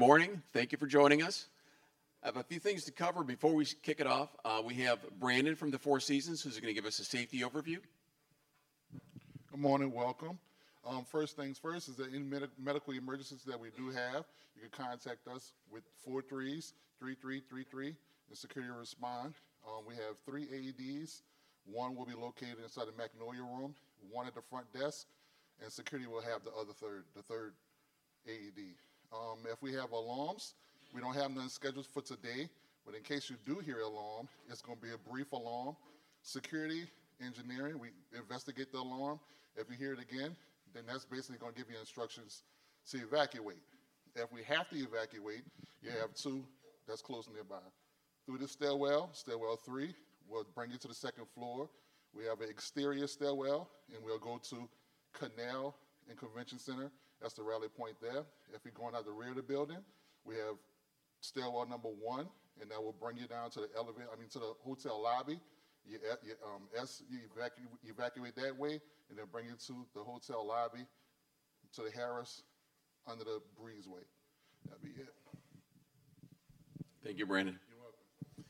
Good morning. Thank you for joining us. I have a few things to cover before we kick it off. We have Brandon from the Four Seasons, who's going to give us a safety overview. Good morning. Welcome. First things first, in case of any medical emergencies that we do have, you can contact us with four 3s, 3333, and Security Response. We have three AEDs. One will be located inside the Magnolia Room, one at the front desk, and Security will have the other third AED. If we have alarms, we don't have none scheduled for today, but in case you do hear an alarm, it's going to be a brief alarm. Security Engineering, we investigate the alarm. If you hear it again, then that's basically going to give you instructions to evacuate. If we have to evacuate, you have two that's close nearby. Through the stairwell, Stairwell 3, we'll bring you to the second floor. We have an exterior stairwell, and we'll go to Canal and Convention Center. That's the rally point there. If you're going out the rear of the building, we have Stairwell 1, and that will bring you down to the elevator, I mean, to the hotel lobby. You evacuate that way, and then bring you to the hotel lobby to the Harrah's under the breezeway. That'll be it. Thank you, Brandon. You're welcome.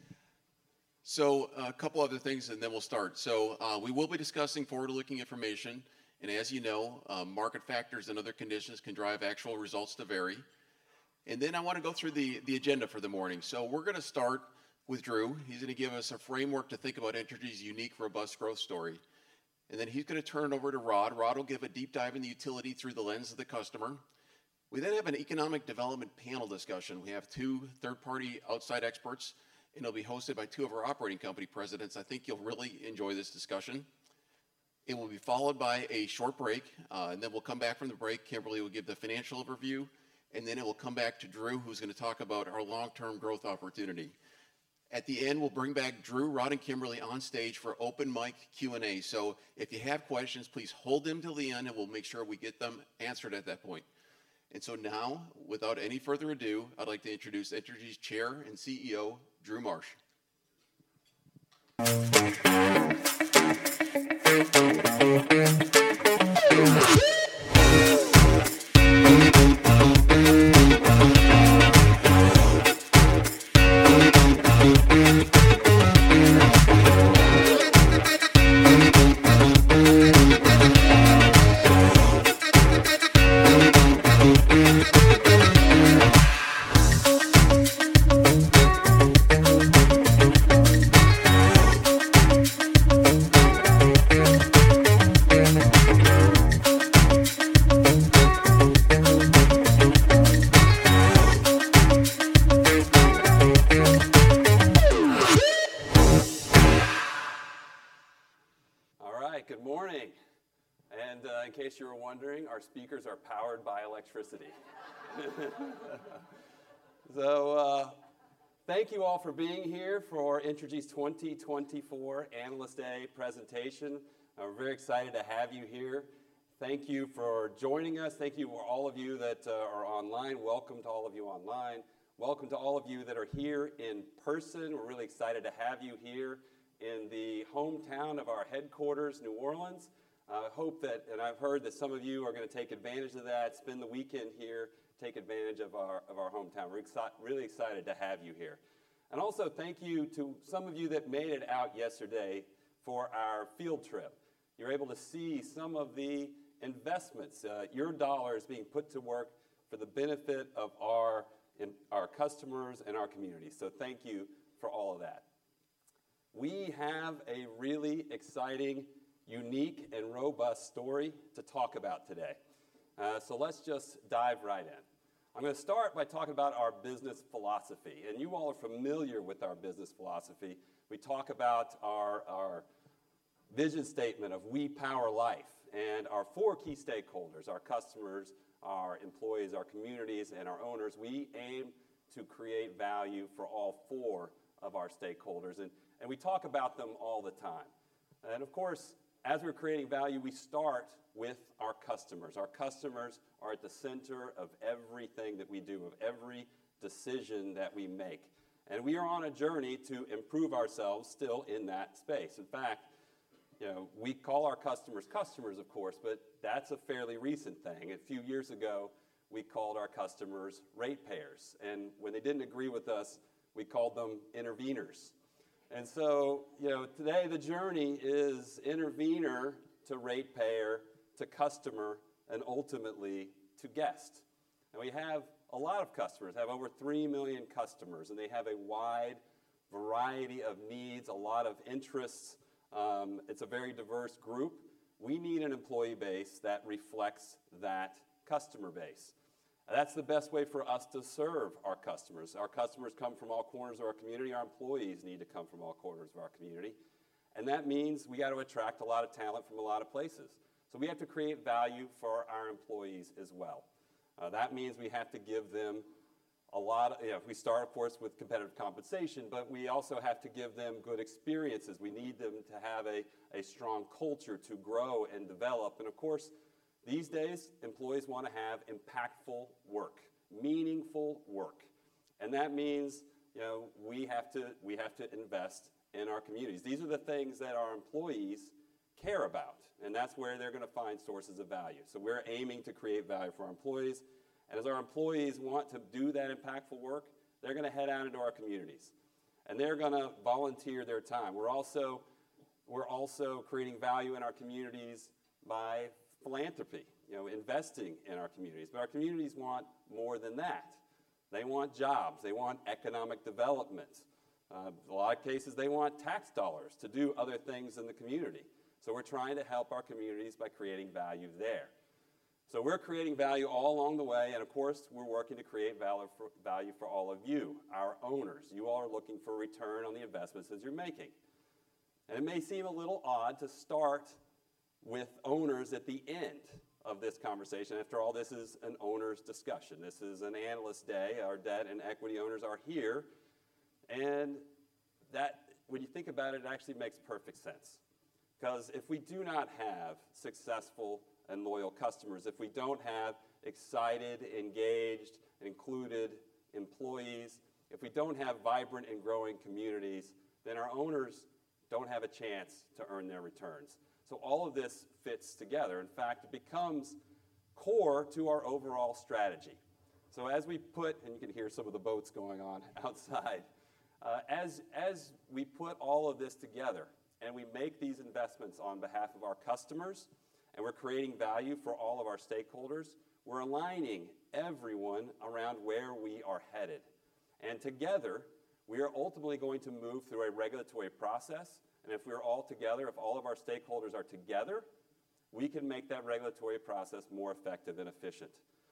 So a couple other things, and then we'll start. So we will be discussing forward-looking information, and as you know, market factors and other conditions can drive actual results to vary. And then I want to go through the agenda for the morning. So we're going to start with Drew. He's going to give us a framework to think about Entergy's unique, robust growth story. And then he's going to turn it over to Rod. Rod will give a deep dive in the utility through the lens of the customer. We then have an economic development panel discussion. We have two third-party outside experts, and it'll be hosted by two of our operating company presidents. I think you'll really enjoy this discussion. It will be followed by a short break, and then we'll come back from the break. Kimberly will give the financial overview, and then it will come back to Drew, who's going to talk about our long-term growth opportunity. At the end, we'll bring back Drew, Rod, and Kimberly on stage for open mic Q&A. So if you have questions, please hold them till the end, and we'll make sure we get them answered at that point. And so now, without any further ado, I'd like to introduce Entergy's Chair and CEO, Drew Marsh. All right. Good morning. In case you were wondering, our speakers are powered by electricity. Thank you all for being here for Entergy's 2024 analyst day presentation. We're very excited to have you here. Thank you for joining us. Thank you to all of you that are online. Welcome to all of you online. Welcome to all of you that are here in person. We're really excited to have you here in the hometown of our headquarters, New Orleans. I hope that, and I've heard that some of you are going to take advantage of that, spend the weekend here, take advantage of our hometown. We're really excited to have you here. Also, thank you to some of you that made it out yesterday for our field trip. You're able to see some of the investments, your dollars being put to work for the benefit of our customers and our community. So thank you for all of that. We have a really exciting, unique, and robust story to talk about today. So let's just dive right in. I'm going to start by talking about our business philosophy. You all are familiar with our business philosophy. We talk about our vision statement of "We Power Life." Our four key stakeholders, our customers, our employees, our communities, and our owners, we aim to create value for all four of our stakeholders. We talk about them all the time. Of course, as we're creating value, we start with our customers. Our customers are at the center of everything that we do, of every decision that we make. We are on a journey to improve ourselves still in that space. In fact, we call our customers customers, of course, but that's a fairly recent thing. A few years ago, we called our customers ratepayers. And when they didn't agree with us, we called them intervenors. And so today, the journey is intervener to ratepayer to customer and ultimately to guest. And we have a lot of customers, have over 3 million customers, and they have a wide variety of needs, a lot of interests. It's a very diverse group. We need an employee base that reflects that customer base. That's the best way for us to serve our customers. Our customers come from all corners of our community. Our employees need to come from all corners of our community. And that means we got to attract a lot of talent from a lot of places. So we have to create value for our employees as well. That means we have to give them a lot of, you know, we start, of course, with competitive compensation, but we also have to give them good experiences. We need them to have a strong culture to grow and develop. And of course, these days, employees want to have impactful work, meaningful work. And that means we have to invest in our communities. These are the things that our employees care about, and that's where they're going to find sources of value. So we're aiming to create value for our employees. And as our employees want to do that impactful work, they're going to head out into our communities, and they're going to volunteer their time. We're also creating value in our communities by philanthropy, investing in our communities. But our communities want more than that. They want jobs. They want economic development. In a lot of cases, they want tax dollars to do other things in the community. So we're trying to help our communities by creating value there. So we're creating value all along the way. And of course, we're working to create value for all of you, our owners. You all are looking for return on the investments that you're making. And it may seem a little odd to start with owners at the end of this conversation. After all, this is an owners' discussion. This is an analyst day. Our debt and equity owners are here. And when you think about it, it actually makes perfect sense. Because if we do not have successful and loyal customers, if we don't have excited, engaged, included employees, if we don't have vibrant and growing communities, then our owners don't have a chance to earn their returns. So all of this fits together. In fact, it becomes core to our overall strategy. So as we put all of this together, and you can hear some of the boats going on outside, and we make these investments on behalf of our customers and we're creating value for all of our stakeholders, we're aligning everyone around where we are headed. And together, we are ultimately going to move through a regulatory process. And if we are all together, if all of our stakeholders are together, we can make that regulatory process more effective and efficient.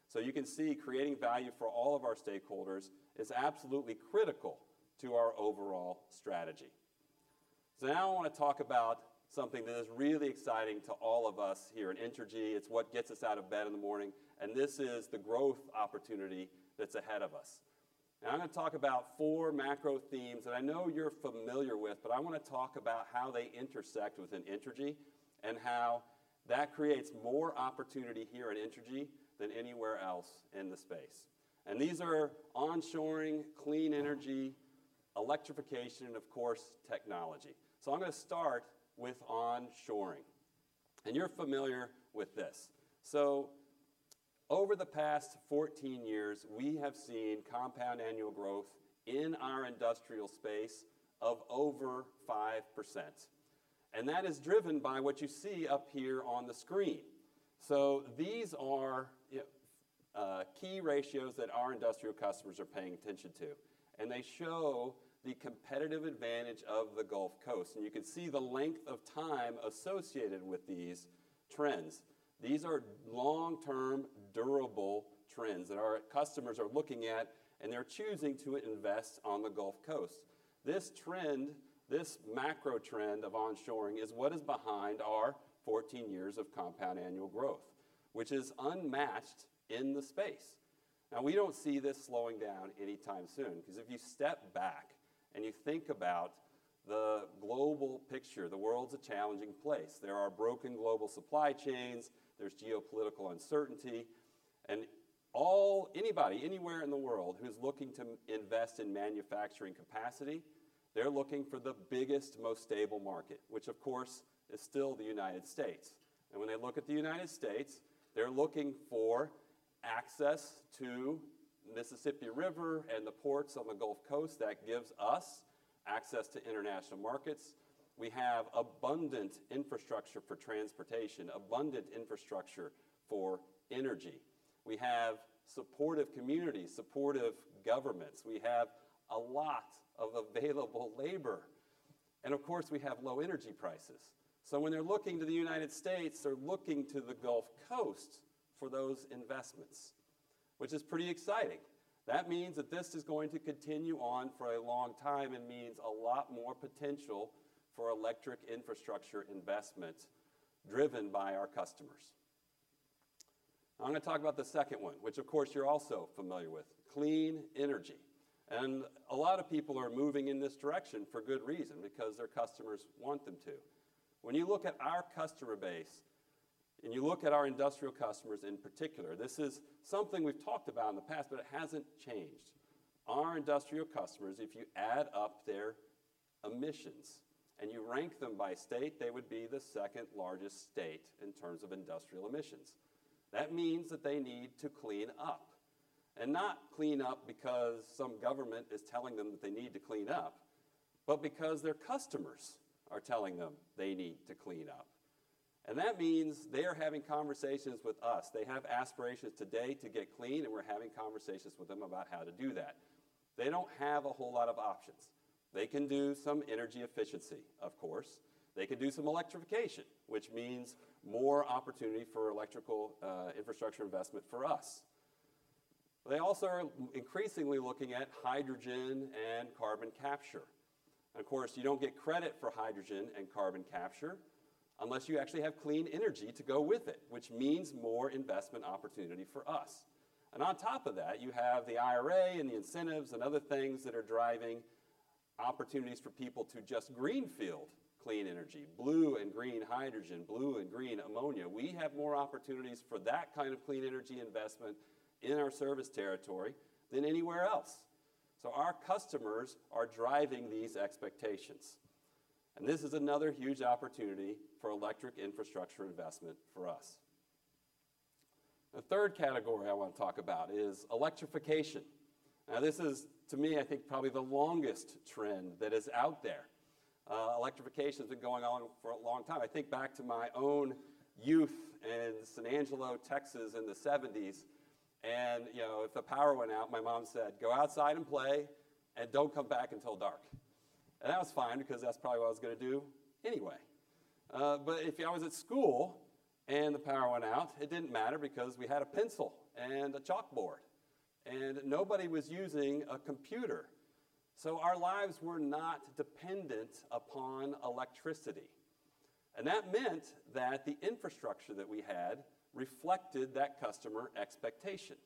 So you can see creating value for all of our stakeholders is absolutely critical to our overall strategy. So now I want to talk about something that is really exciting to all of us here at Entergy. It's what gets us out of bed in the morning. This is the growth opportunity that's ahead of us. I'm going to talk about four macro themes that I know you're familiar with, but I want to talk about how they intersect within Entergy and how that creates more opportunity here at Entergy than anywhere else in the space. These are onshoring, clean energy, electrification, and of course, technology. I'm going to start with onshoring. You're familiar with this. Over the past 14 years, we have seen compound annual growth in our industrial space of over 5%. That is driven by what you see up here on the screen. These are key ratios that our industrial customers are paying attention to. They show the competitive advantage of the Gulf Coast. You can see the length of time associated with these trends. These are long-term, durable trends that our customers are looking at, and they're choosing to invest on the Gulf Coast. This trend, this macro trend of onshoring is what is behind our 14 years of compound annual growth, which is unmatched in the space. Now, we don't see this slowing down anytime soon. Because if you step back and you think about the global picture, the world's a challenging place. There are broken global supply chains. There's geopolitical uncertainty. And anybody anywhere in the world who's looking to invest in manufacturing capacity, they're looking for the biggest, most stable market, which of course is still the United States. And when they look at the United States, they're looking for access to the Mississippi River and the ports on the Gulf Coast that gives us access to international markets. We have abundant infrastructure for transportation, abundant infrastructure for energy. We have supportive communities, supportive governments. We have a lot of available labor. And of course, we have low energy prices. So when they're looking to the United States, they're looking to the Gulf Coast for those investments, which is pretty exciting. That means that this is going to continue on for a long time and means a lot more potential for electric infrastructure investments driven by our customers. I'm going to talk about the second one, which of course you're also familiar with, clean energy. And a lot of people are moving in this direction for good reason because their customers want them to. When you look at our customer base and you look at our industrial customers in particular, this is something we've talked about in the past, but it hasn't changed. Our industrial customers, if you add up their emissions and you rank them by state, they would be the second largest state in terms of industrial emissions. That means that they need to clean up. And not clean up because some government is telling them that they need to clean up, but because their customers are telling them they need to clean up. And that means they are having conversations with us. They have aspirations today to get clean, and we're having conversations with them about how to do that. They don't have a whole lot of options. They can do some energy efficiency, of course. They can do some electrification, which means more opportunity for electrical infrastructure investment for us. They also are increasingly looking at hydrogen and carbon capture. And of course, you don't get credit for hydrogen and carbon capture unless you actually have clean energy to go with it, which means more investment opportunity for us. And on top of that, you have the IRA and the incentives and other things that are driving opportunities for people to just greenfield clean energy, blue and green hydrogen, blue and green ammonia. We have more opportunities for that kind of clean energy investment in our service territory than anywhere else. So our customers are driving these expectations. And this is another huge opportunity for electric infrastructure investment for us. The third category I want to talk about is electrification. Now, this is, to me, I think probably the longest trend that is out there. Electrification has been going on for a long time. I think back to my own youth in San Angelo, Texas, in the 1970s. If the power went out, my mom said, "Go outside and play and don't come back until dark." And that was fine because that's probably what I was going to do anyway. But if I was at school and the power went out, it didn't matter because we had a pencil and a chalkboard. And nobody was using a computer. So our lives were not dependent upon electricity. And that meant that the infrastructure that we had reflected that customer expectation.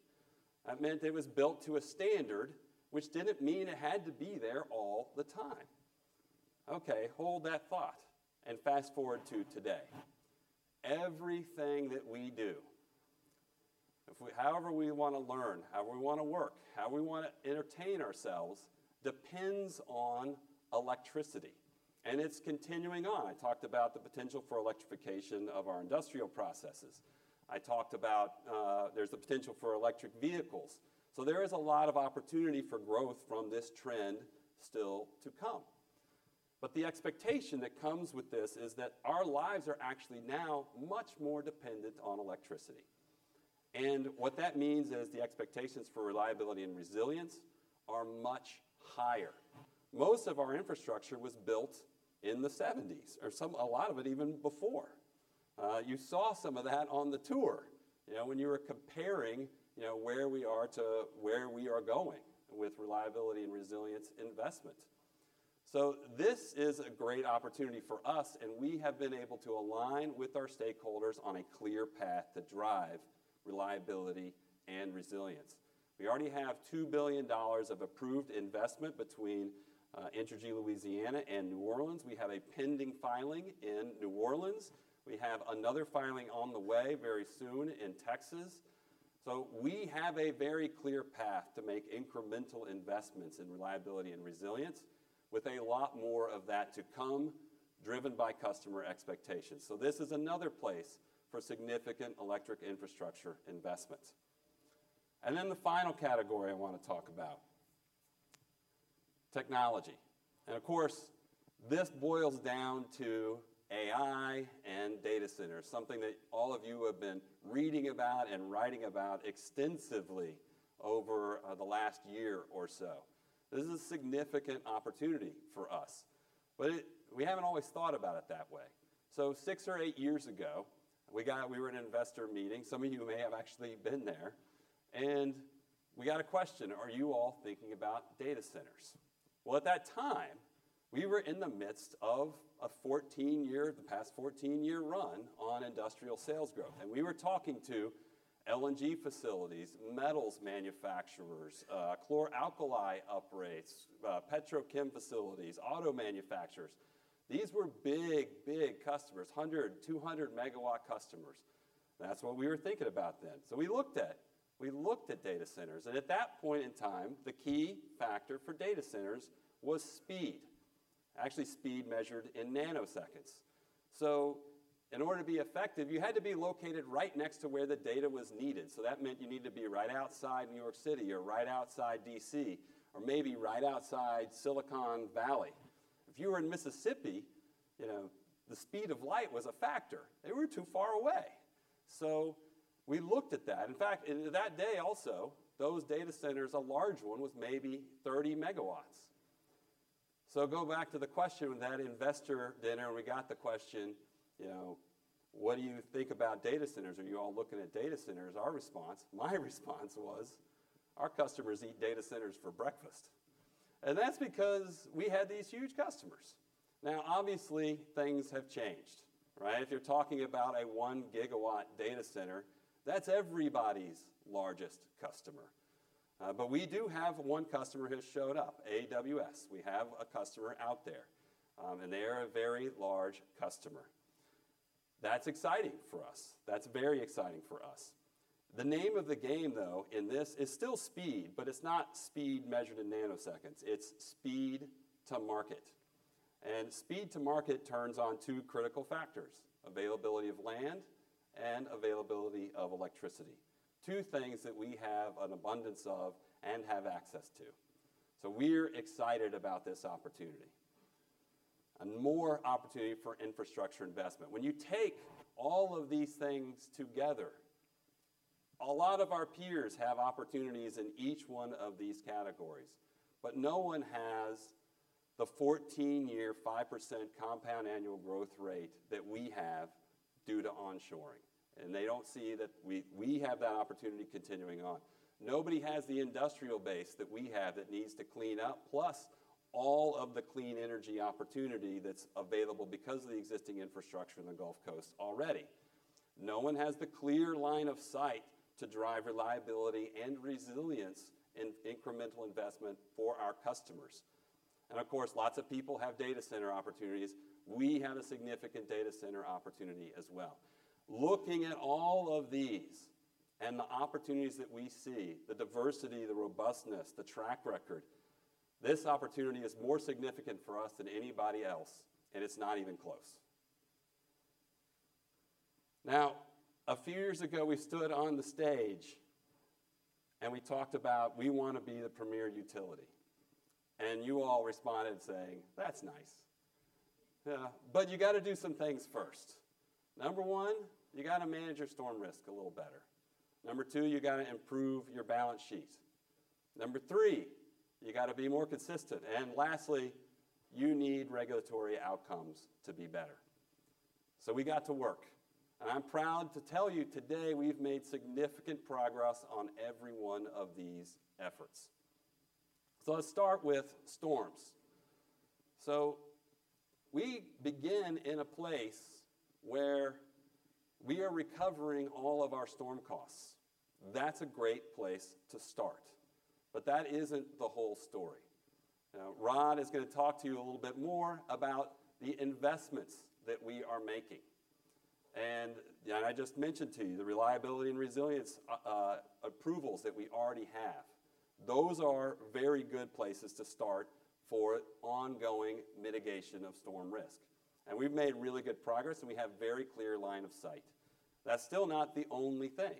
That meant it was built to a standard, which didn't mean it had to be there all the time. Okay, hold that thought and fast forward to today. Everything that we do, however we want to learn, however we want to work, how we want to entertain ourselves depends on electricity. And it's continuing on. I talked about the potential for electrification of our industrial processes. I talked about there's the potential for electric vehicles. So there is a lot of opportunity for growth from this trend still to come. But the expectation that comes with this is that our lives are actually now much more dependent on electricity. And what that means is the expectations for reliability and resilience are much higher. Most of our infrastructure was built in the '70s, or a lot of it even before. You saw some of that on the tour when you were comparing where we are to where we are going with reliability and resilience investment. So this is a great opportunity for us. And we have been able to align with our stakeholders on a clear path to drive reliability and resilience. We already have $2 billion of approved investment between Entergy Louisiana and New Orleans. We have a pending filing in New Orleans. We have another filing on the way very soon in Texas. So we have a very clear path to make incremental investments in reliability and resilience with a lot more of that to come driven by customer expectations. So this is another place for significant electric infrastructure investments. And then the final category I want to talk about, technology. And of course, this boils down to AI and data centers, something that all of you have been reading about and writing about extensively over the last year or so. This is a significant opportunity for us, but we haven't always thought about it that way. So six or eight years ago, we were at an investor meeting. Some of you may have actually been there. We got a question, "Are you all thinking about data centers?" Well, at that time, we were in the midst of a 14-year, the past 14-year run on industrial sales growth. We were talking to LNG facilities, metals manufacturers, chlor-alkali uprates, petrochem facilities, auto manufacturers. These were big, big customers, 100 and 200 MW customers. That's what we were thinking about then. We looked at data centers. At that point in time, the key factor for data centers was speed. Actually, speed measured in nanoseconds. In order to be effective, you had to be located right next to where the data was needed. That meant you needed to be right outside New York City or right outside D.C. or maybe right outside Silicon Valley. If you were in Mississippi, the speed of light was a factor. They were too far away. So we looked at that. In fact, that day also, those data centers, a large one was maybe 30 MW. So go back to the question with that investor dinner. And we got the question, "What do you think about data centers? Are you all looking at data centers?" Our response, my response was, "Our customers eat data centers for breakfast." And that's because we had these huge customers. Now, obviously, things have changed. If you're talking about a 1 GW data center, that's everybody's largest customer. But we do have one customer who has showed up, AWS. We have a customer out there. And they are a very large customer. That's exciting for us. That's very exciting for us. The name of the game, though, in this is still speed, but it's not speed measured in nanoseconds. It's speed to market. Speed to market turns on two critical factors: availability of land and availability of electricity. Two things that we have an abundance of and have access to. So we're excited about this opportunity. And more opportunity for infrastructure investment. When you take all of these things together, a lot of our peers have opportunities in each one of these categories. But no one has the 14-year 5% compound annual growth rate that we have due to onshoring. And they don't see that we have that opportunity continuing on. Nobody has the industrial base that we have that needs to clean up, plus all of the clean energy opportunity that's available because of the existing infrastructure in the Gulf Coast already. No one has the clear line of sight to drive reliability and resilience and incremental investment for our customers. And of course, lots of people have data center opportunities. We have a significant data center opportunity as well. Looking at all of these and the opportunities that we see, the diversity, the robustness, the track record, this opportunity is more significant for us than anybody else. And it's not even close. Now, a few years ago, we stood on the stage and we talked about, "We want to be the premier utility." And you all responded saying, "That's nice." But you got to do some things first. Number one, you got to manage your storm risk a little better. Number two, you got to improve your balance sheet. Number three, you got to be more consistent. And lastly, you need regulatory outcomes to be better. So we got to work. And I'm proud to tell you today we've made significant progress on every one of these efforts. So let's start with storms. So we begin in a place where we are recovering all of our storm costs. That's a great place to start. But that isn't the whole story. Rod is going to talk to you a little bit more about the investments that we are making. And I just mentioned to you the reliability and resilience approvals that we already have. Those are very good places to start for ongoing mitigation of storm risk. And we've made really good progress. And we have a very clear line of sight. That's still not the only thing.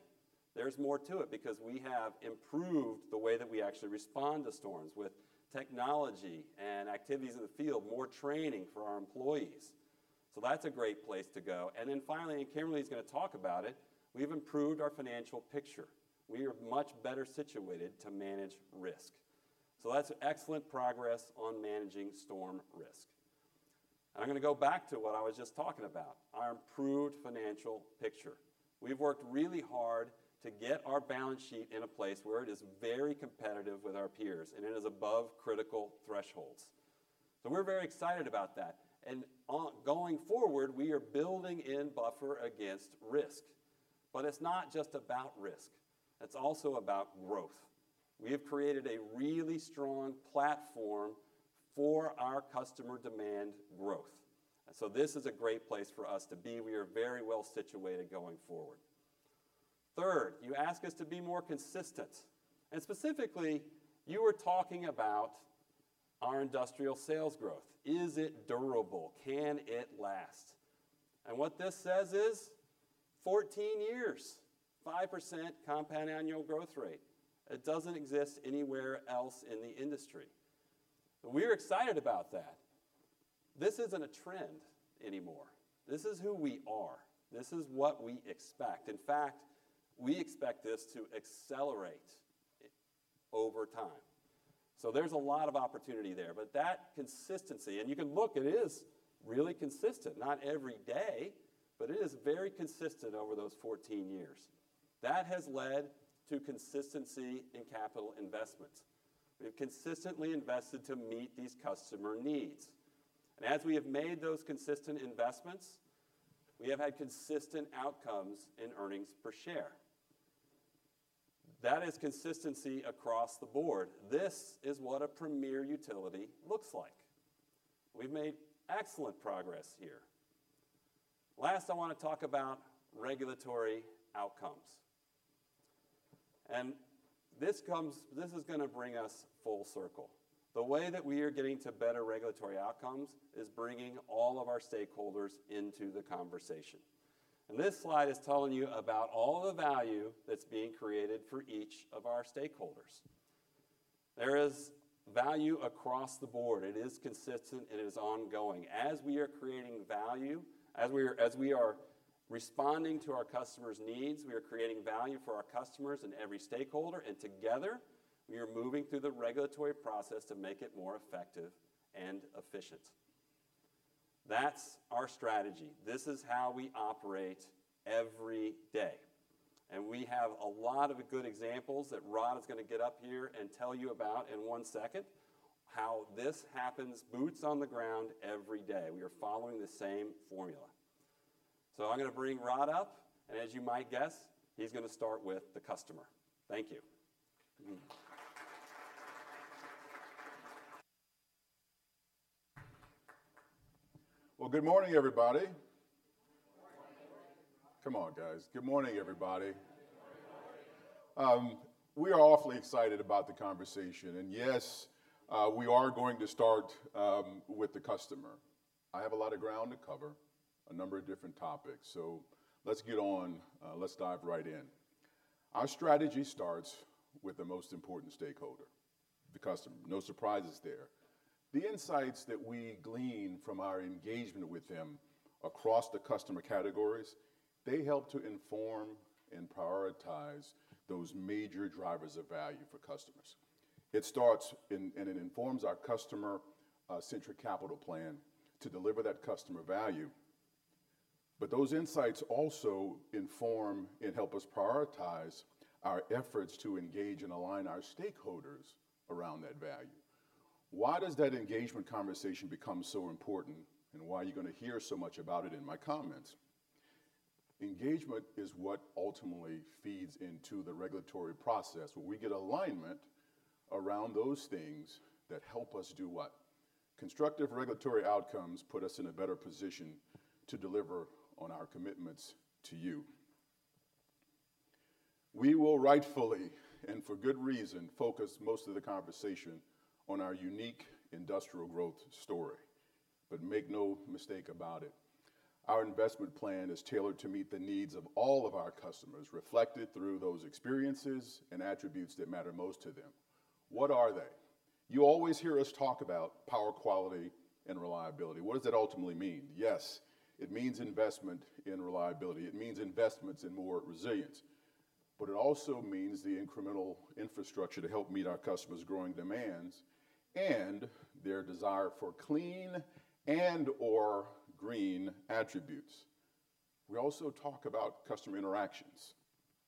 There's more to it because we have improved the way that we actually respond to storms with technology and activities in the field, more training for our employees. So that's a great place to go. And then finally, and Kimberly is going to talk about it, we've improved our financial picture. We are much better situated to manage risk. So that's excellent progress on managing storm risk. And I'm going to go back to what I was just talking about, our improved financial picture. We've worked really hard to get our balance sheet in a place where it is very competitive with our peers and it is above critical thresholds. So we're very excited about that. And going forward, we are building in buffer against risk. But it's not just about risk. It's also about growth. We have created a really strong platform for our customer demand growth. And so this is a great place for us to be. We are very well situated going forward. Third, you asked us to be more consistent. And specifically, you were talking about our industrial sales growth. Is it durable? Can it last? What this says is 14 years, 5% compound annual growth rate. It doesn't exist anywhere else in the industry. We're excited about that. This isn't a trend anymore. This is who we are. This is what we expect. In fact, we expect this to accelerate over time. So there's a lot of opportunity there. But that consistency, and you can look, it is really consistent. Not every day, but it is very consistent over those 14 years. That has led to consistency in capital investments. We have consistently invested to meet these customer needs. And as we have made those consistent investments, we have had consistent outcomes in earnings per share. That is consistency across the board. This is what a premier utility looks like. We've made excellent progress here. Last, I want to talk about regulatory outcomes. This is going to bring us full circle. The way that we are getting to better regulatory outcomes is bringing all of our stakeholders into the conversation. This slide is telling you about all of the value that's being created for each of our stakeholders. There is value across the board. It is consistent. It is ongoing. As we are creating value, as we are responding to our customers' needs, we are creating value for our customers and every stakeholder. Together, we are moving through the regulatory process to make it more effective and efficient. That's our strategy. This is how we operate every day. We have a lot of good examples that Rod is going to get up here and tell you about in one second, how this happens boots on the ground every day. We are following the same formula. I'm going to bring Rod up. As you might guess, he's going to start with the customer. Thank you. Well, good morning, everybody. Come on, guys. Good morning, everybody. We are awfully excited about the conversation. Yes, we are going to start with the customer. I have a lot of ground to cover, a number of different topics. Let's get on. Let's dive right in. Our strategy starts with the most important stakeholder, the customer. No surprises there. The insights that we glean from our engagement with them across the customer categories, they help to inform and prioritize those major drivers of value for customers. It starts and it informs our customer-centric capital plan to deliver that customer value. Those insights also inform and help us prioritize our efforts to engage and align our stakeholders around that value. Why does that engagement conversation become so important? Why are you going to hear so much about it in my comments? Engagement is what ultimately feeds into the regulatory process. When we get alignment around those things, that helps us do what? Constructive regulatory outcomes put us in a better position to deliver on our commitments to you. We will rightfully, and for good reason, focus most of the conversation on our unique industrial growth story. But make no mistake about it. Our investment plan is tailored to meet the needs of all of our customers, reflected through those experiences and attributes that matter most to them. What are they? You always hear us talk about power quality and reliability. What does that ultimately mean? Yes, it means investment in reliability. It means investments in more resilience. But it also means the incremental infrastructure to help meet our customers' growing demands and their desire for clean and/or green attributes. We also talk about customer interactions.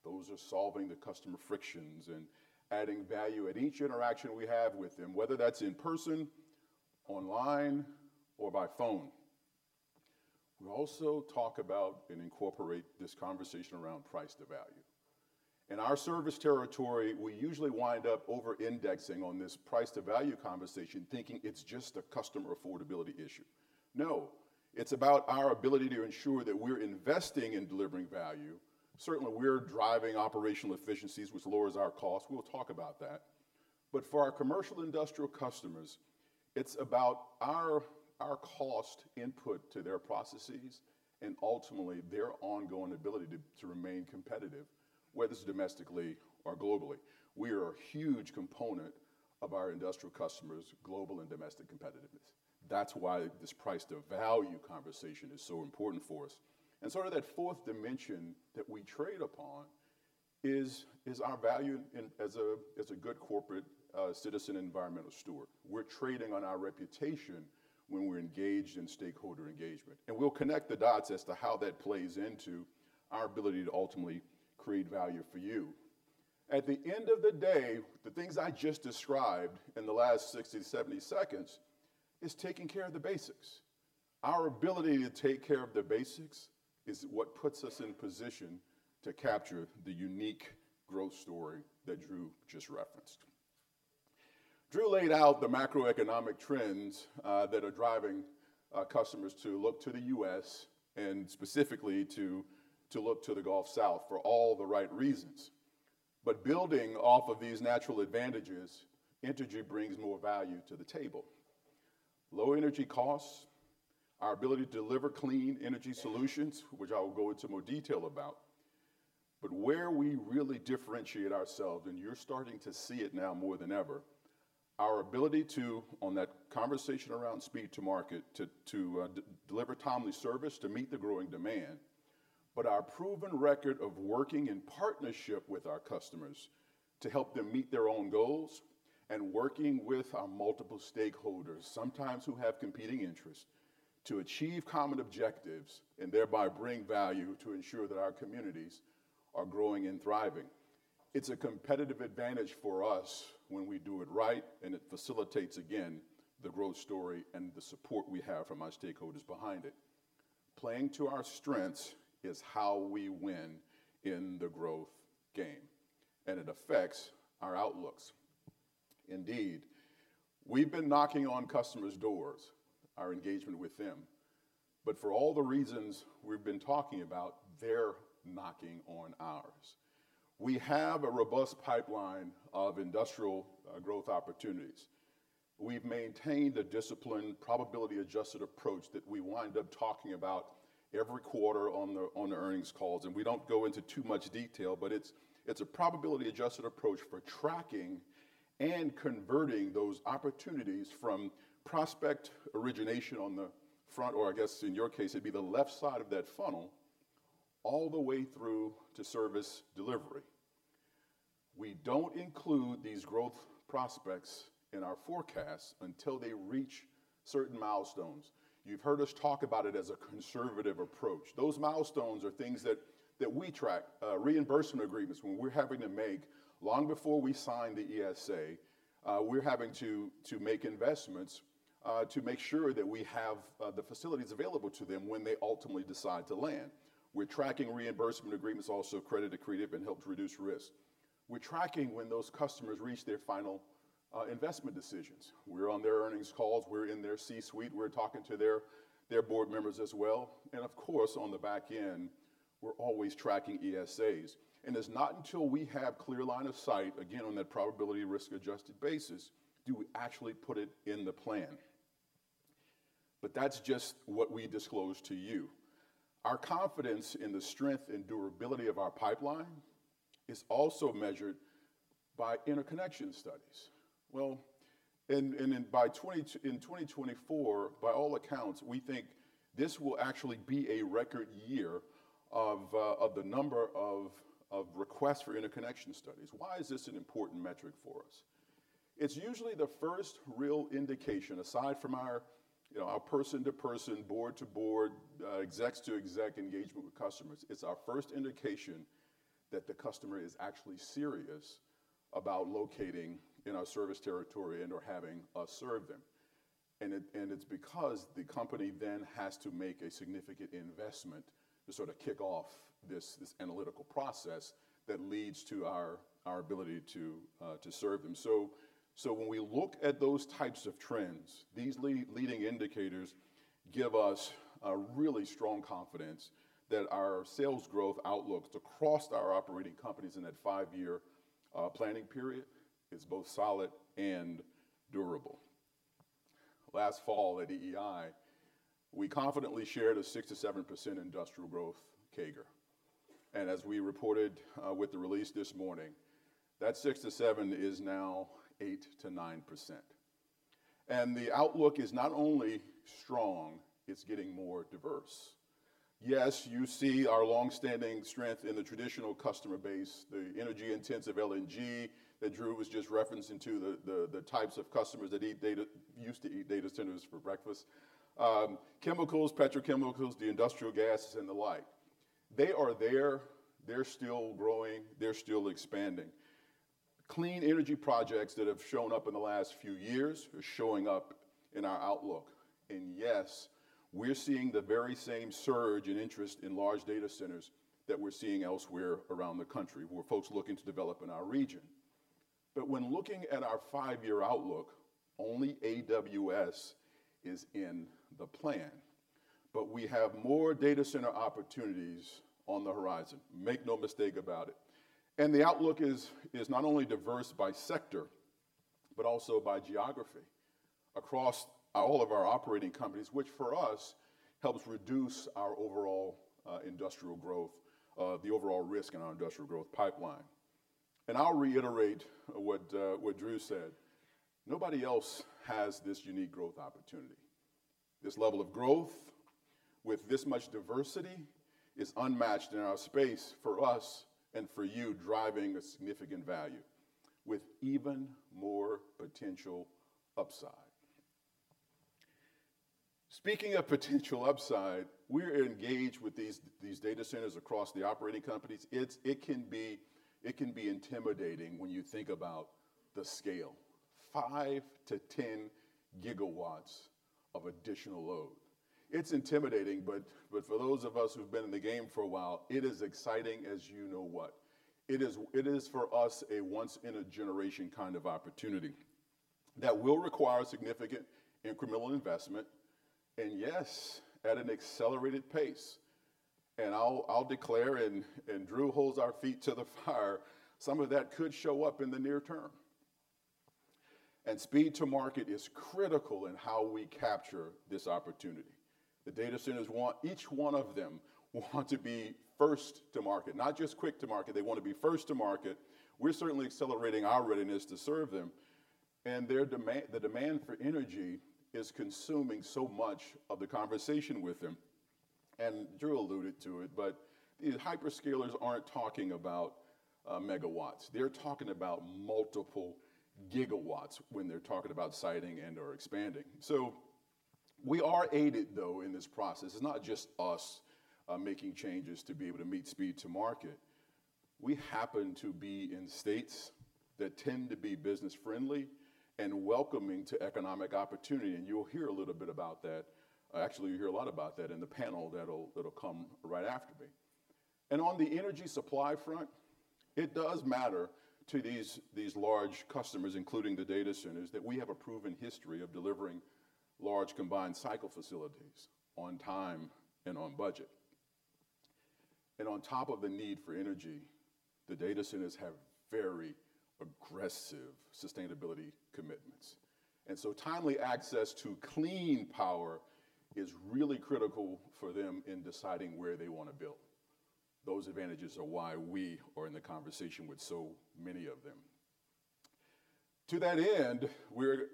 Those are solving the customer frictions and adding value at each interaction we have with them, whether that's in person, online, or by phone. We also talk about and incorporate this conversation around price to value. In our service territory, we usually wind up over-indexing on this price to value conversation, thinking it's just a customer affordability issue. No, it's about our ability to ensure that we're investing in delivering value. Certainly, we're driving operational efficiencies, which lowers our costs. We'll talk about that. But for our commercial industrial customers, it's about our cost input to their processes and ultimately their ongoing ability to remain competitive, whether it's domestically or globally. We are a huge component of our industrial customers' global and domestic competitiveness. That's why this price to value conversation is so important for us. Sort of that fourth dimension that we trade upon is our value as a good corporate citizen and environmental steward. We're trading on our reputation when we're engaged in stakeholder engagement. We'll connect the dots as to how that plays into our ability to ultimately create value for you. At the end of the day, the things I just described in the last 60-70 seconds is taking care of the basics. Our ability to take care of the basics is what puts us in position to capture the unique growth story that Drew just referenced. Drew laid out the macroeconomic trends that are driving customers to look to the U.S. and specifically to look to the Gulf South for all the right reasons. But building off of these natural advantages, energy brings more value to the table. Low energy costs, our ability to deliver clean energy solutions, which I will go into more detail about. But where we really differentiate ourselves, and you're starting to see it now more than ever, our ability to, on that conversation around speed to market, to deliver timely service to meet the growing demand, but our proven record of working in partnership with our customers to help them meet their own goals and working with our multiple stakeholders, sometimes who have competing interests, to achieve common objectives and thereby bring value to ensure that our communities are growing and thriving. It's a competitive advantage for us when we do it right. It facilitates, again, the growth story and the support we have from our stakeholders behind it. Playing to our strengths is how we win in the growth game. It affects our outlooks. Indeed, we've been knocking on customers' doors. Our engagement with them. But for all the reasons we've been talking about, they're knocking on ours. We have a robust pipeline of industrial growth opportunities. We've maintained a disciplined probability-adjusted approach that we wind up talking about every quarter on the earnings calls. We don't go into too much detail, but it's a probability-adjusted approach for tracking and converting those opportunities from prospect origination on the front, or I guess in your case, it'd be the left side of that funnel, all the way through to service delivery. We don't include these growth prospects in our forecasts until they reach certain milestones. You've heard us talk about it as a conservative approach. Those milestones are things that we track: reimbursement agreements when we're having to make long before we sign the ESA. We're having to make investments to make sure that we have the facilities available to them when they ultimately decide to land. We're tracking reimbursement agreements also credit accretive and helps reduce risk. We're tracking when those customers reach their final investment decisions. We're on their earnings calls. We're in their C-suite. We're talking to their board members as well. And of course, on the back end, we're always tracking ESAs. And it's not until we have a clear line of sight, again, on that probability risk-adjusted basis, do we actually put it in the plan. But that's just what we disclose to you. Our confidence in the strength and durability of our pipeline is also measured by interconnection studies. Well, and by 2024, by all accounts, we think this will actually be a record year of the number of requests for interconnection studies. Why is this an important metric for us? It's usually the first real indication, aside from our person-to-person, board-to-board, exec-to-exec engagement with customers. It's our first indication that the customer is actually serious about locating in our service territory and/or having us serve them. And it's because the company then has to make a significant investment to sort of kick off this analytical process that leads to our ability to serve them. So when we look at those types of trends, these leading indicators give us a really strong confidence that our sales growth outlook across our operating companies in that five-year planning period is both solid and durable. Last fall at EEI, we confidently shared a 6%-7% industrial growth CAGR. As we reported with the release this morning, that 6%-7% is now 8%-9%. The outlook is not only strong, it's getting more diverse. Yes, you see our long-standing strength in the traditional customer base, the energy-intensive LNG that Drew was just referencing to, the types of customers that used to eat data centers for breakfast, chemicals, petrochemicals, the industrial gas, and the like. They are there. They're still growing. They're still expanding. Clean energy projects that have shown up in the last few years are showing up in our outlook. Yes, we're seeing the very same surge in interest in large data centers that we're seeing elsewhere around the country where folks looking to develop in our region. But when looking at our five-year outlook, only AWS is in the plan. But we have more data center opportunities on the horizon. Make no mistake about it. The outlook is not only diverse by sector, but also by geography across all of our operating companies, which for us helps reduce our overall industrial growth, the overall risk in our industrial growth pipeline. I'll reiterate what Drew said. Nobody else has this unique growth opportunity. This level of growth with this much diversity is unmatched in our space for us and for you, driving a significant value with even more potential upside. Speaking of potential upside, we're engaged with these data centers across the operating companies. It can be intimidating when you think about the scale, 5-10 GW of additional load. It's intimidating, but for those of us who've been in the game for a while, it is exciting as you know what. It is for us a once-in-a-generation kind of opportunity that will require significant incremental investment. Yes, at an accelerated pace. I'll declare, and Drew holds our feet to the fire, some of that could show up in the near-term. Speed to market is critical in how we capture this opportunity. The data centers want each one of them want to be first to market, not just quick to market. They want to be first to market. We're certainly accelerating our readiness to serve them. The demand for energy is consuming so much of the conversation with them. Drew alluded to it, but the hyperscalers aren't talking about megawatts. They're talking about multiple gigawatts when they're talking about siting and/or expanding. So we are aided, though, in this process. It's not just us making changes to be able to meet speed to market. We happen to be in states that tend to be business-friendly and welcoming to economic opportunity. And you'll hear a little bit about that. Actually, you'll hear a lot about that in the panel that'll come right after me. And on the energy supply front, it does matter to these large customers, including the data centers, that we have a proven history of delivering large combined cycle facilities on time and on budget. And on top of the need for energy, the data centers have very aggressive sustainability commitments. And so timely access to clean power is really critical for them in deciding where they want to build. Those advantages are why we are in the conversation with so many of them. To that end, we're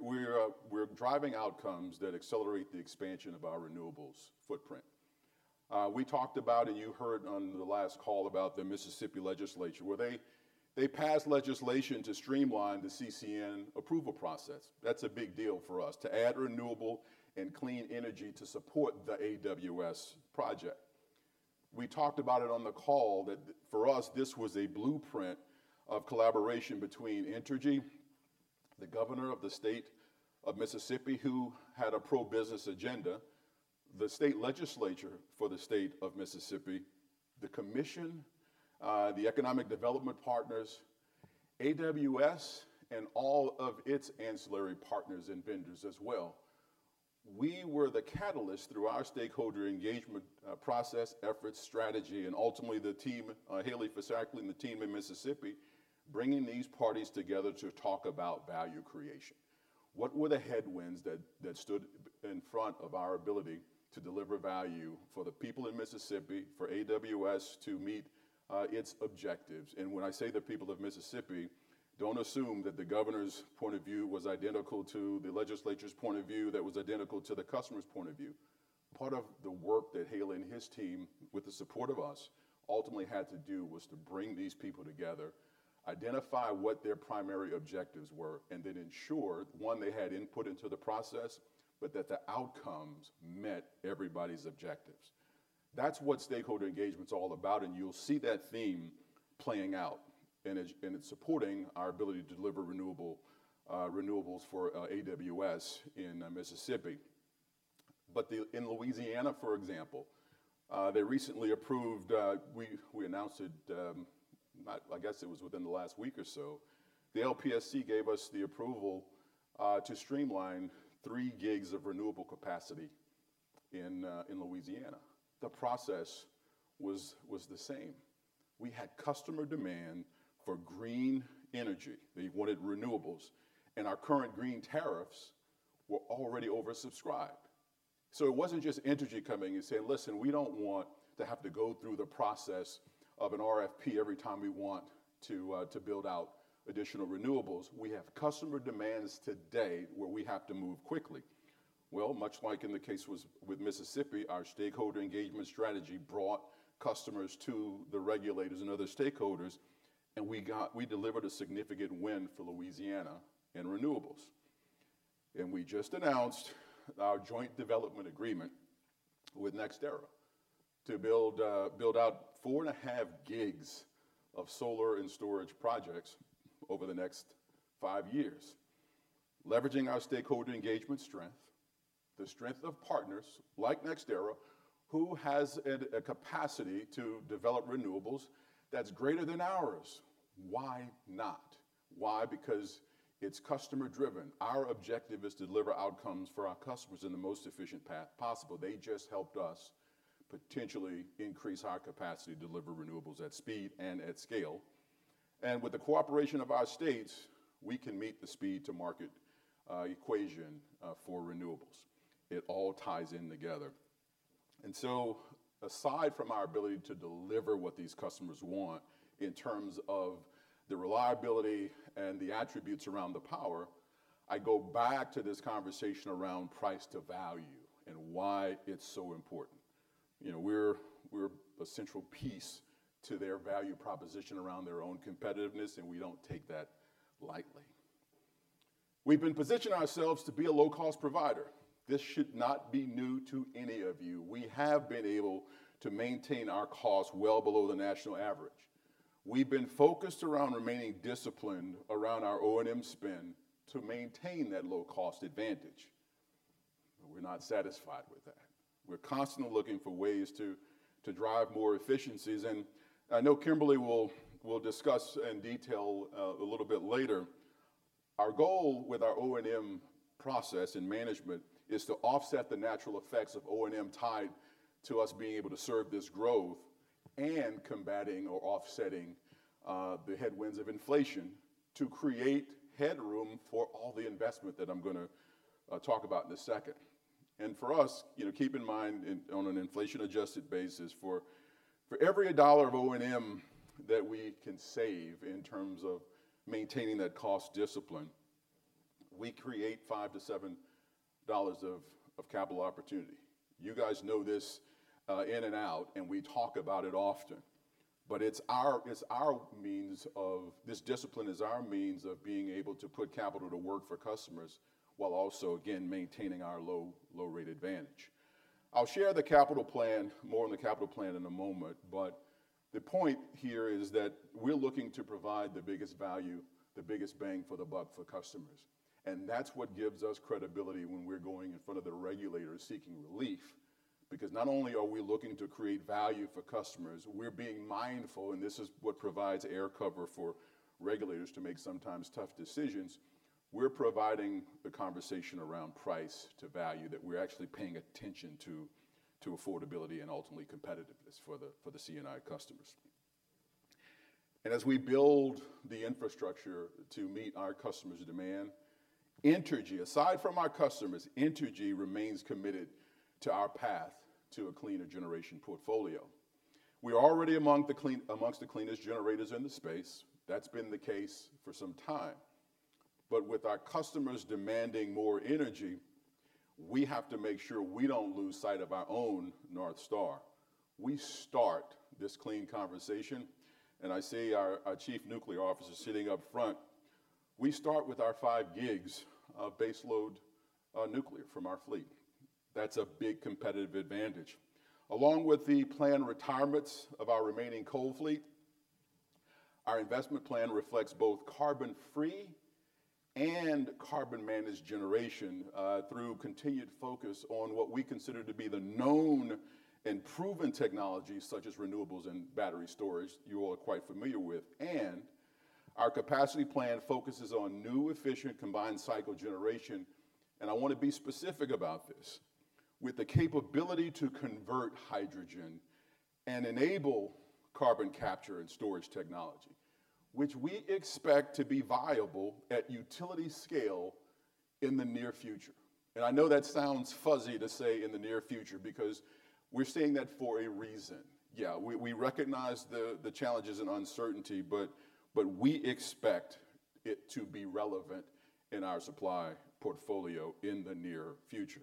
driving outcomes that accelerate the expansion of our renewables footprint. We talked about, and you heard on the last call about the Mississippi Legislature, where they passed legislation to streamline the CCN approval process. That's a big deal for us to add renewable and clean energy to support the AWS project. We talked about it on the call that for us, this was a blueprint of collaboration between Entergy, the governor of the state of Mississippi, who had a pro-business agenda, the state legislature for the state of Mississippi, the commission, the economic development partners, AWS, and all of its ancillary partners and vendors as well. We were the catalyst through our stakeholder engagement process, efforts, strategy, and ultimately the team, Haley Fisackerly and the team in Mississippi, bringing these parties together to talk about value creation. What were the headwinds that stood in front of our ability to deliver value for the people in Mississippi, for AWS to meet its objectives? And when I say the people of Mississippi, don't assume that the governor's point of view was identical to the legislature's point of view that was identical to the customer's point of view. Part of the work that Haley and his team, with the support of us, ultimately had to do was to bring these people together, identify what their primary objectives were, and then ensure, one, they had input into the process, but that the outcomes met everybody's objectives. That's what stakeholder engagement's all about. And you'll see that theme playing out. And it's supporting our ability to deliver renewables for AWS in Mississippi. But in Louisiana, for example, they recently approved—we announced it, I guess it was within the last week or so. The LPSC gave us the approval to streamline 3 gigs of renewable capacity in Louisiana. The process was the same. We had customer demand for green energy. They wanted renewables. And our current green tariffs were already oversubscribed. So it wasn't just Entergy coming and saying, "Listen, we don't want to have to go through the process of an RFP every time we want to build out additional renewables. We have customer demands today where we have to move quickly." Well, much like in the case with Mississippi, our stakeholder engagement strategy brought customers to the regulators and other stakeholders. And we delivered a significant win for Louisiana in renewables. We just announced our joint development agreement with NextEra to build out 4.5 gigs of solar and storage projects over the next 5 years, leveraging our stakeholder engagement strength, the strength of partners like NextEra, who has a capacity to develop renewables that's greater than ours. Why not? Why? Because it's customer-driven. Our objective is to deliver outcomes for our customers in the most efficient path possible. They just helped us potentially increase our capacity to deliver renewables at speed and at scale. And with the cooperation of our states, we can meet the speed-to-market equation for renewables. It all ties in together. And so aside from our ability to deliver what these customers want in terms of the reliability and the attributes around the power, I go back to this conversation around price to value and why it's so important. We're a central piece to their value proposition around their own competitiveness, and we don't take that lightly. We've been positioning ourselves to be a low-cost provider. This should not be new to any of you. We have been able to maintain our cost well below the national average. We've been focused around remaining disciplined around our O&M spend to maintain that low-cost advantage. We're not satisfied with that. We're constantly looking for ways to drive more efficiencies. I know Kimberly will discuss in detail a little bit later. Our goal with our O&M process and management is to offset the natural effects of O&M tied to us being able to serve this growth and combating or offsetting the headwinds of inflation to create headroom for all the investment that I'm going to talk about in a second. For us, keep in mind on an inflation-adjusted basis, for every $1 of O&M that we can save in terms of maintaining that cost discipline, we create $5-$7 of capital opportunity. You guys know this in and out, and we talk about it often. But it's our means of this discipline is our means of being able to put capital to work for customers while also, again, maintaining our low-rate advantage. I'll share the capital plan, more on the capital plan in a moment. But the point here is that we're looking to provide the biggest value, the biggest bang for the buck for customers. And that's what gives us credibility when we're going in front of the regulators seeking relief. Because not only are we looking to create value for customers, we're being mindful, and this is what provides air cover for regulators to make sometimes tough decisions. We're providing the conversation around price to value that we're actually paying attention to affordability and ultimately competitiveness for the C&I customers. And as we build the infrastructure to meet our customers' demand, Entergy, aside from our customers, Entergy remains committed to our path to a cleaner generation portfolio. We're already amongst the cleanest generators in the space. That's been the case for some time. But with our customers demanding more energy, we have to make sure we don't lose sight of our own North Star. We start this clean conversation, and I see our Chief Nuclear Officer sitting up front. We start with our 5 gigs of baseload nuclear from our fleet. That's a big competitive advantage. Along with the planned retirements of our remaining coal fleet, our investment plan reflects both carbon-free and carbon-managed generation through continued focus on what we consider to be the known and proven technologies such as renewables and battery storage you all are quite familiar with. Our capacity plan focuses on new efficient combined cycle generation. I want to be specific about this with the capability to convert hydrogen and enable carbon capture and storage technology, which we expect to be viable at utility scale in the near future. I know that sounds fuzzy to say in the near future because we're seeing that for a reason. Yeah, we recognize the challenges and uncertainty, but we expect it to be relevant in our supply portfolio in the near future.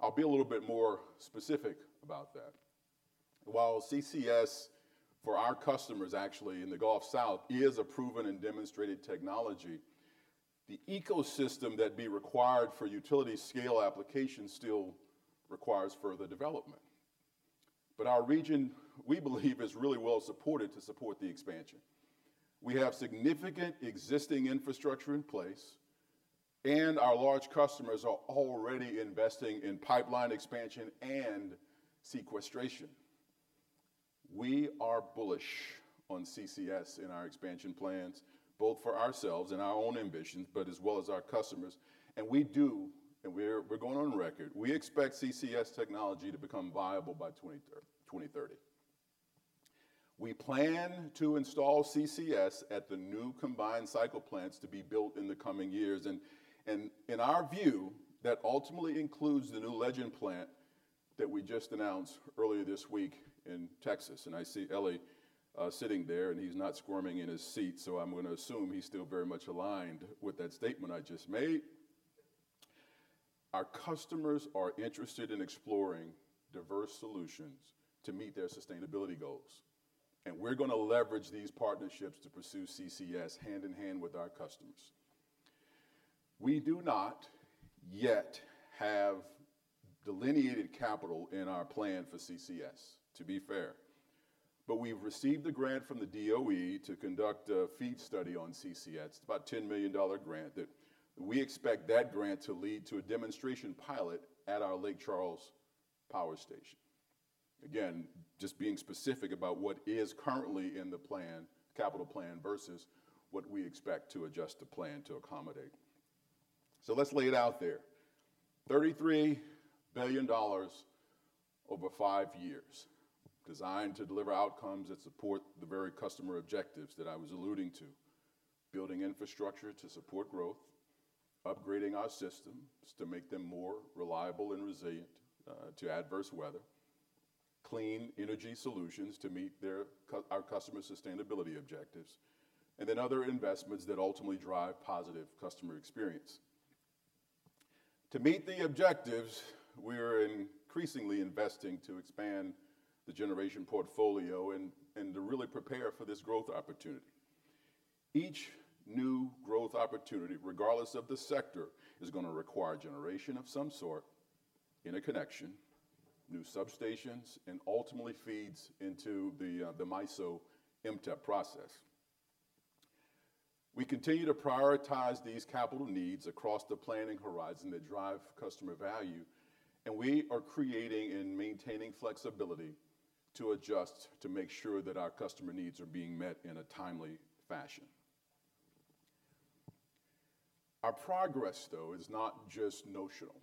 I'll be a little bit more specific about that. While CCS, for our customers actually in the Gulf South, is a proven and demonstrated technology, the ecosystem that be required for utility scale application still requires further development. But our region, we believe, is really well supported to support the expansion. We have significant existing infrastructure in place, and our large customers are already investing in pipeline expansion and sequestration. We are bullish on CCS in our expansion plans, both for ourselves and our own ambitions, but as well as our customers. And we do, and we're going on record, we expect CCS technology to become viable by 2030. We plan to install CCS at the new combined cycle plants to be built in the coming years. And in our view, that ultimately includes the new Legend plant that we just announced earlier this week in Texas. I see Elie sitting there, and he's not squirming in his seat, so I'm going to assume he's still very much aligned with that statement I just made. Our customers are interested in exploring diverse solutions to meet their sustainability goals. And we're going to leverage these partnerships to pursue CCS hand in hand with our customers. We do not yet have delineated capital in our plan for CCS, to be fair. But we've received the grant from the DOE to conduct a FEED study on CCS. It's about a $10 million grant that we expect that grant to lead to a demonstration pilot at our Lake Charles Power Station. Again, just being specific about what is currently in the plan, capital plan versus what we expect to adjust the plan to accommodate. So let's lay it out there. $33 billion over five years designed to deliver outcomes that support the very customer objectives that I was alluding to, building infrastructure to support growth, upgrading our systems to make them more reliable and resilient to adverse weather, clean energy solutions to meet our customer sustainability objectives, and then other investments that ultimately drive positive customer experience. To meet the objectives, we are increasingly investing to expand the generation portfolio and to really prepare for this growth opportunity. Each new growth opportunity, regardless of the sector, is going to require generation of some sort, interconnection, new substations, and ultimately feeds into the MISO MTEP process. We continue to prioritize these capital needs across the planning horizon that drive customer value, and we are creating and maintaining flexibility to adjust to make sure that our customer needs are being met in a timely fashion. Our progress, though, is not just notional.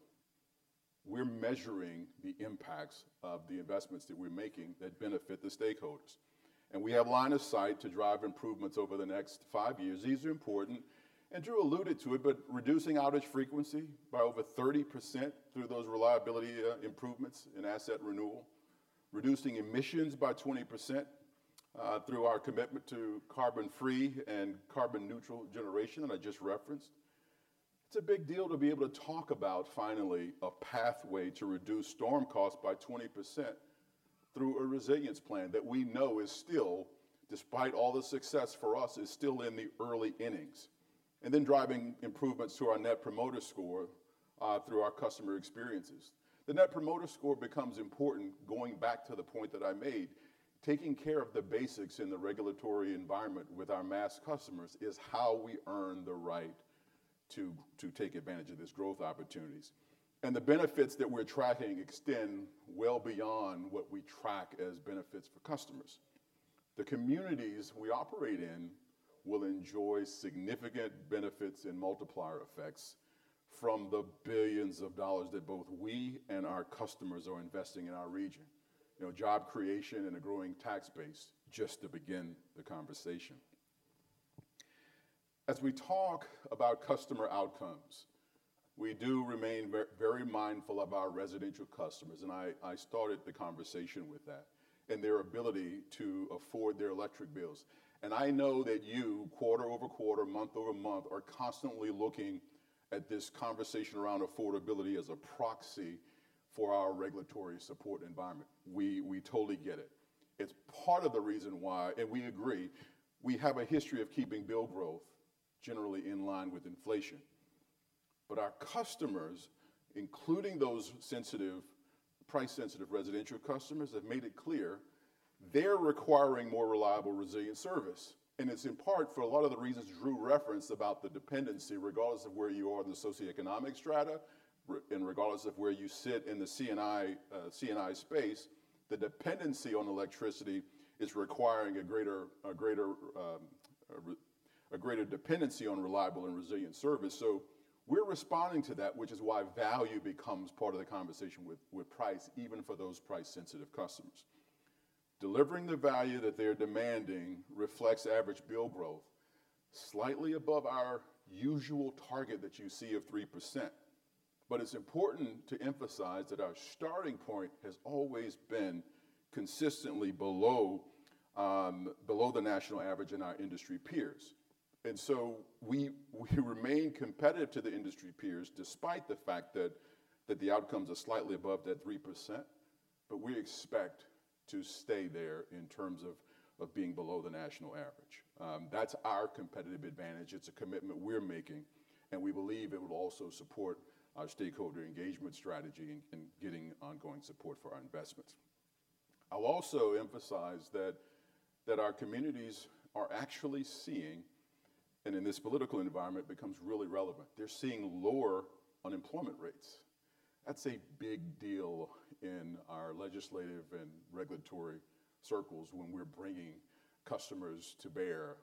We're measuring the impacts of the investments that we're making that benefit the stakeholders. We have a line of sight to drive improvements over the next 5 years. These are important, and Drew alluded to it, but reducing outage frequency by over 30% through those reliability improvements in asset renewal, reducing emissions by 20% through our commitment to carbon-free and carbon-neutral generation that I just referenced. It's a big deal to be able to talk about finally a pathway to reduce storm costs by 20% through a resilience plan that we know is still, despite all the success for us, is still in the early innings. And then driving improvements to our Net Promoter Score through our customer experiences. The Net Promoter Score becomes important, going back to the point that I made. Taking care of the basics in the regulatory environment with our mass customers is how we earn the right to take advantage of these growth opportunities. The benefits that we're tracking extend well beyond what we track as benefits for customers. The communities we operate in will enjoy significant benefits and multiplier effects from the billions of dollars that both we and our customers are investing in our region. Job creation and a growing tax base just to begin the conversation. As we talk about customer outcomes, we do remain very mindful of our residential customers, and I started the conversation with that, and their ability to afford their electric bills. I know that you, quarter-over-quarter, month-over-month, are constantly looking at this conversation around affordability as a proxy for our regulatory support environment. We totally get it. It's part of the reason why, and we agree, we have a history of keeping bill growth generally in line with inflation. But our customers, including those price-sensitive residential customers, have made it clear they're requiring more reliable, resilient service. And it's in part for a lot of the reasons Drew referenced about the dependency, regardless of where you are in the socioeconomic strata, and regardless of where you sit in the C&I space, the dependency on electricity is requiring a greater dependency on reliable and resilient service. So we're responding to that, which is why value becomes part of the conversation with price, even for those price-sensitive customers. Delivering the value that they're demanding reflects average bill growth slightly above our usual target that you see of 3%. But it's important to emphasize that our starting point has always been consistently below the national average and our industry peers. And so we remain competitive to the industry peers despite the fact that the outcomes are slightly above that 3%, but we expect to stay there in terms of being below the national average. That's our competitive advantage. It's a commitment we're making, and we believe it will also support our stakeholder engagement strategy in getting ongoing support for our investments. I'll also emphasize that our communities are actually seeing, and in this political environment, it becomes really relevant. They're seeing lower unemployment rates. That's a big deal in our legislative and regulatory circles when we're bringing customers to bear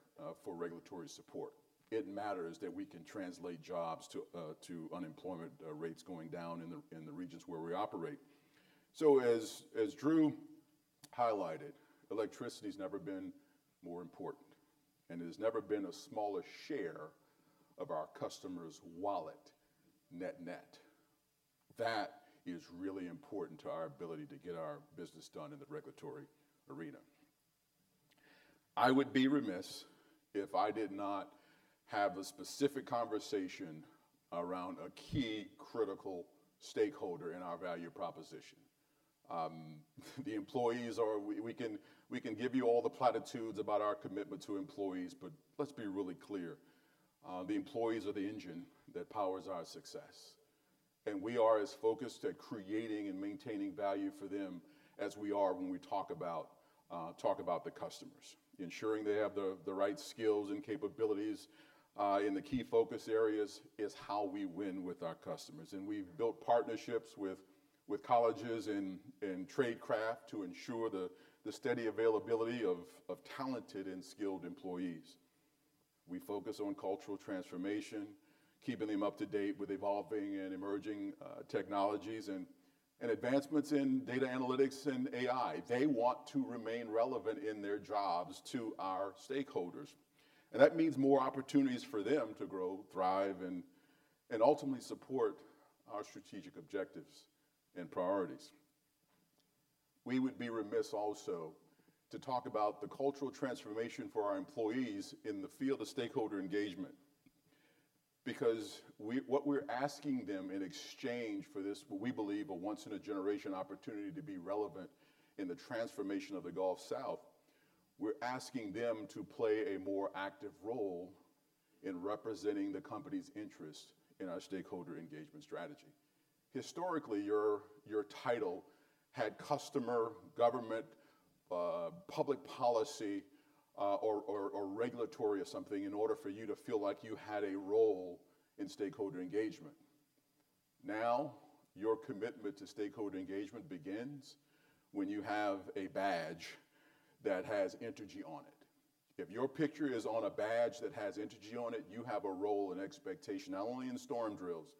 for regulatory support. It matters that we can translate jobs to unemployment rates going down in the regions where we operate. So as Drew highlighted, electricity has never been more important, and it has never been a smaller share of our customer's wallet net-net. That is really important to our ability to get our business done in the regulatory arena. I would be remiss if I did not have a specific conversation around a key critical stakeholder in our value proposition. The employees are. We can give you all the platitudes about our commitment to employees, but let's be really clear. The employees are the engine that powers our success. And we are as focused at creating and maintaining value for them as we are when we talk about the customers. Ensuring they have the right skills and capabilities in the key focus areas is how we win with our customers. And we've built partnerships with colleges and tradecraft to ensure the steady availability of talented and skilled employees. We focus on cultural transformation, keeping them up to date with evolving and emerging technologies and advancements in data analytics and AI. They want to remain relevant in their jobs to our stakeholders. That means more opportunities for them to grow, thrive, and ultimately support our strategic objectives and priorities. We would be remiss also to talk about the cultural transformation for our employees in the field of stakeholder engagement. Because what we're asking them in exchange for this, we believe, a once-in-a-generation opportunity to be relevant in the transformation of the Gulf South, we're asking them to play a more active role in representing the company's interests in our stakeholder engagement strategy. Historically, your title had customer, government, public policy, or regulatory or something in order for you to feel like you had a role in stakeholder engagement. Now, your commitment to stakeholder engagement begins when you have a badge that has Entergy on it. If your picture is on a badge that has Entergy on it, you have a role and expectation, not only in storm drills,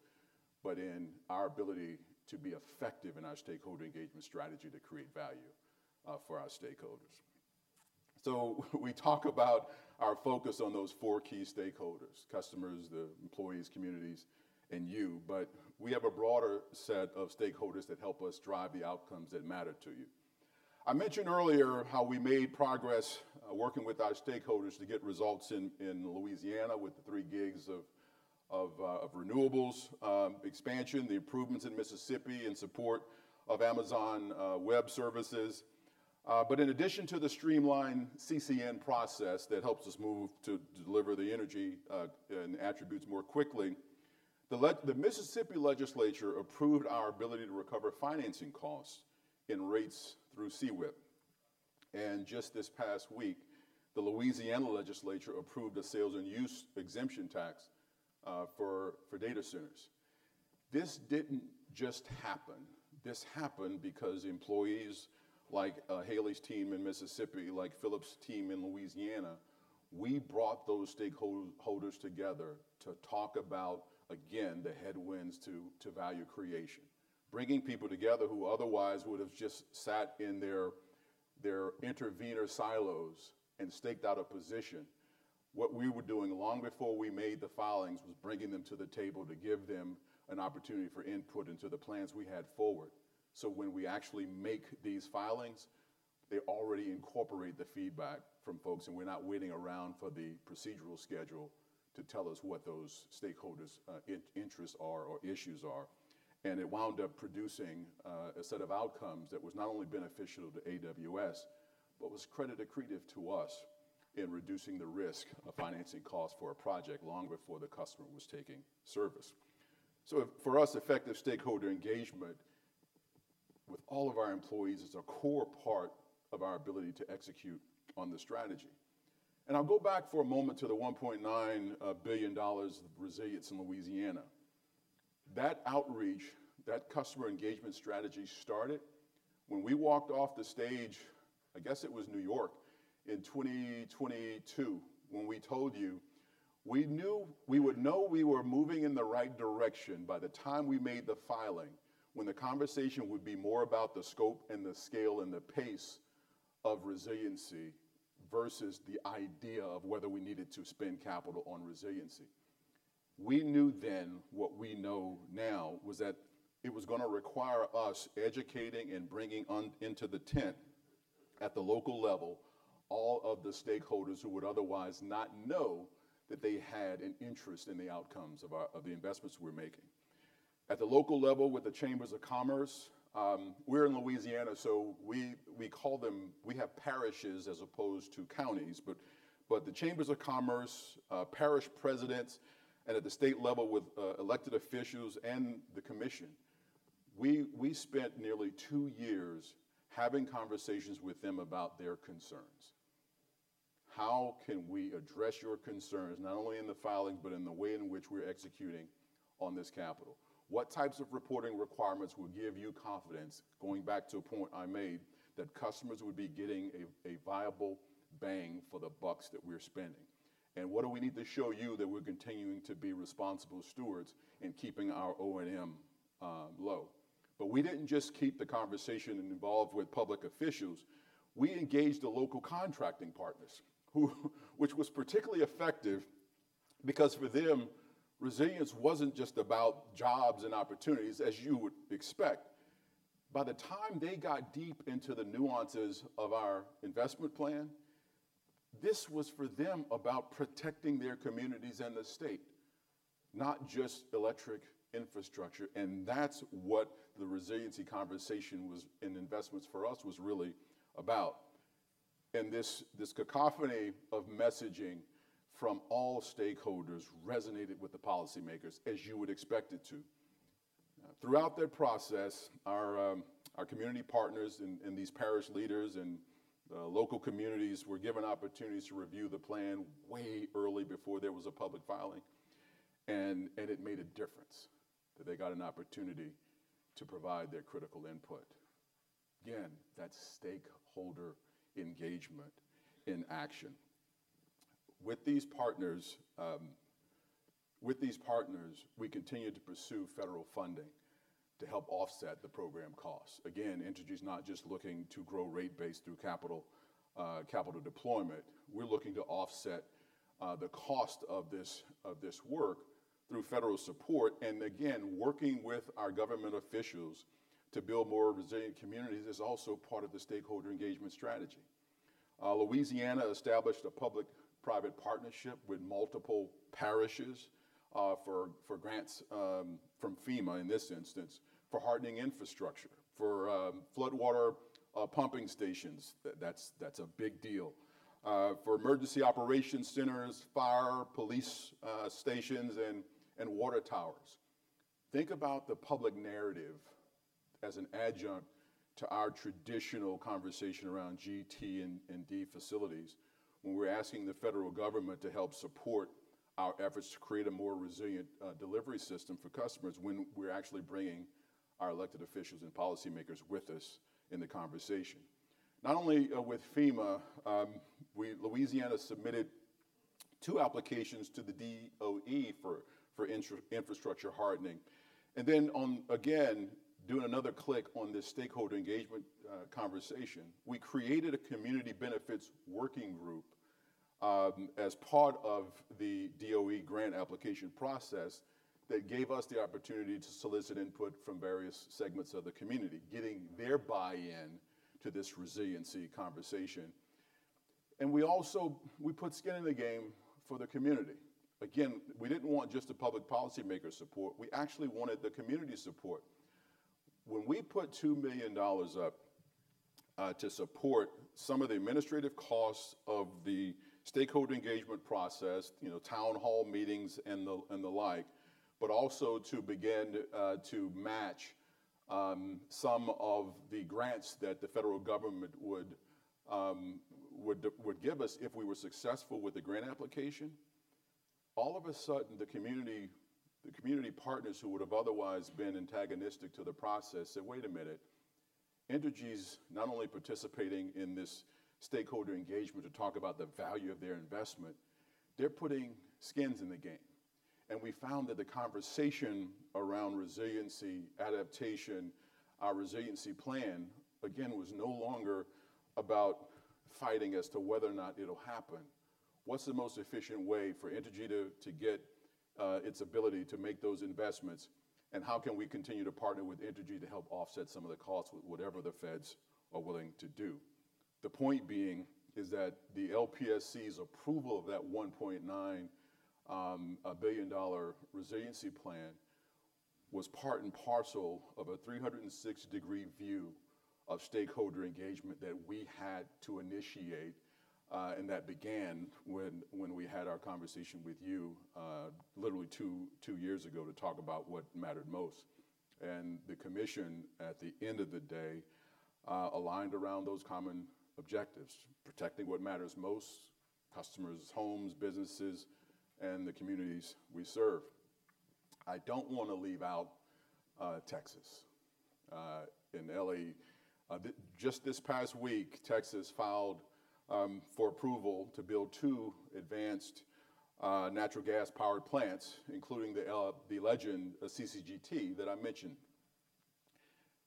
but in our ability to be effective in our stakeholder engagement strategy to create value for our stakeholders. So we talk about our focus on those four key stakeholders: customers, the employees, communities, and you. But we have a broader set of stakeholders that help us drive the outcomes that matter to you. I mentioned earlier how we made progress working with our stakeholders to get results in Louisiana with the 3 gigs of renewables expansion, the improvements in Mississippi and support of Amazon Web Services. But in addition to the streamlined CCN process that helps us move to deliver the energy and attributes more quickly, the Mississippi Legislature approved our ability to recover financing costs and rates through CWIP. And just this past week, the Louisiana legislature approved a sales and use exemption tax for data centers. This didn't just happen. This happened because employees like Haley's team in Mississippi, like Phillip's team in Louisiana, we brought those stakeholders together to talk about, again, the headwinds to value creation. Bringing people together who otherwise would have just sat in their intervenor silos and staked out a position. What we were doing long before we made the filings was bringing them to the table to give them an opportunity for input into the plans we had forward. So when we actually make these filings, they already incorporate the feedback from folks, and we're not waiting around for the procedural schedule to tell us what those stakeholders' interests are or issues are. It wound up producing a set of outcomes that was not only beneficial to AWS, but was credit accretive to us in reducing the risk of financing costs for a project long before the customer was taking service. For us, effective stakeholder engagement with all of our employees is a core part of our ability to execute on the strategy. I'll go back for a moment to the $1.9 billion resilience in Louisiana. That outreach, that customer engagement strategy started when we walked off the stage, I guess it was New York, in 2022, when we told you we would know we were moving in the right direction by the time we made the filing, when the conversation would be more about the scope and the scale and the pace of resiliency versus the idea of whether we needed to spend capital on resiliency. We knew then what we know now was that it was going to require us educating and bringing into the tent at the local level all of the stakeholders who would otherwise not know that they had an interest in the outcomes of the investments we're making. At the local level with the chambers of commerce, we're in Louisiana, so we call them, we have parishes as opposed to counties, but the chambers of commerce, parish presidents, and at the state level with elected officials and the commission, we spent nearly two years having conversations with them about their concerns. How can we address your concerns, not only in the filings, but in the way in which we're executing on this capital? What types of reporting requirements will give you confidence, going back to a point I made, that customers would be getting a viable bang for the bucks that we're spending? And what do we need to show you that we're continuing to be responsible stewards in keeping our O&M low? But we didn't just keep the conversation involved with public officials. We engaged the local contracting partners, which was particularly effective because for them, resilience wasn't just about jobs and opportunities, as you would expect. By the time they got deep into the nuances of our investment plan, this was for them about protecting their communities and the state, not just electric infrastructure. And that's what the resiliency conversation in investments for us was really about. And this cacophony of messaging from all stakeholders resonated with the policymakers, as you would expect it to. Throughout their process, our community partners and these parish leaders and local communities were given opportunities to review the plan way early before there was a public filing. It made a difference that they got an opportunity to provide their critical input. Again, that's stakeholder engagement in action. With these partners, we continue to pursue federal funding to help offset the program costs. Again, energy is not just looking to grow rate-basedthrough capital deployment. We're looking to offset the cost of this work through federal support. Again, working with our government officials to build more resilient communities is also part of the stakeholder engagement strategy. Louisiana established a public-private partnership with multiple parishes for grants from FEMA, in this instance, for hardening infrastructure, for floodwater pumping stations. That's a big deal. For emergency operations centers, fire, police stations, and water towers. Think about the public narrative as an adjunct to our traditional conversation around GT&D facilities when we're asking the federal government to help support our efforts to create a more resilient delivery system for customers when we're actually bringing our elected officials and policymakers with us in the conversation. Not only with FEMA, Louisiana submitted two applications to the DOE for infrastructure hardening. Then on, again, doing another click on this stakeholder engagement conversation, we created a community benefits working group as part of the DOE grant application process that gave us the opportunity to solicit input from various segments of the community, getting their buy-in to this resiliency conversation. We also put skin in the game for the community. Again, we didn't want just the public policymaker support. We actually wanted the community support. When we put $2 million up to support some of the administrative costs of the stakeholder engagement process, town hall meetings and the like, but also to begin to match some of the grants that the federal government would give us if we were successful with the grant application, all of a sudden, the community partners who would have otherwise been antagonistic to the process said, "Wait a minute. Entergy's not only participating in this stakeholder engagement to talk about the value of their investment, they're putting skins in the game." And we found that the conversation around resiliency adaptation, our resiliency plan, again, was no longer about fighting as to whether or not it'll happen. What's the most efficient way for Entergy to get its ability to make those investments, and how can we continue to partner with Entergy to help offset some of the costs with whatever the feds are willing to do? The point being is that the LPSC's approval of that $1.9 billion resiliency plan was part and parcel of a 360-degree view of stakeholder engagement that we had to initiate and that began when we had our conversation with you literally two years ago to talk about what mattered most. And the commission, at the end of the day, aligned around those common objectives: protecting what matters most, customers, homes, businesses, and the communities we serve. I don't want to leave out Texas. In L.A., just this past week, Texas filed for approval to build two advanced natural gas-powered plants, including the Legend CCGT that I mentioned.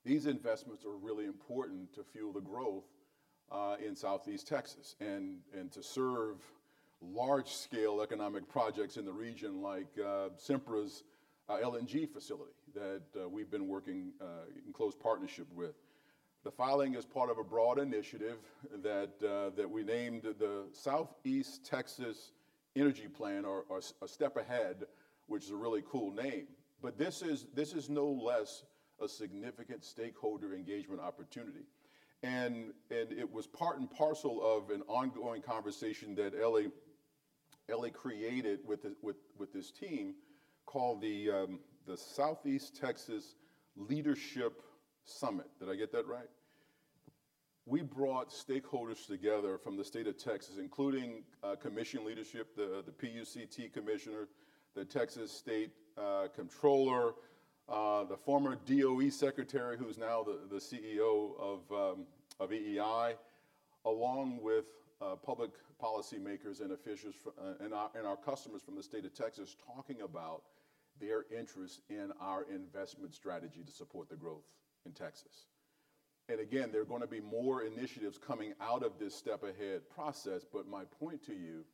These investments are really important to fuel the growth in Southeast Texas and to serve large-scale economic projects in the region like Sempra's LNG facility that we've been working in close partnership with. The filing is part of a broad initiative that we named the Southeast Texas Energy Plan or STEP Ahead, which is a really cool name. This is no less a significant stakeholder engagement opportunity. It was part and parcel of an ongoing conversation that Elie created with this team called the Southeast Texas Leadership Summit. Did I get that right? We brought stakeholders together from the state of Texas, including commission leadership, the PUCT commissioner, the Texas State Comptroller, the former DOE secretary, who's now the CEO of EEI, along with public policymakers and officials and our customers from the state of Texas talking about their interest in our investment strategy to support the growth in Texas. And again, there are going to be more initiatives coming out of this STEP Ahead process. But my point to you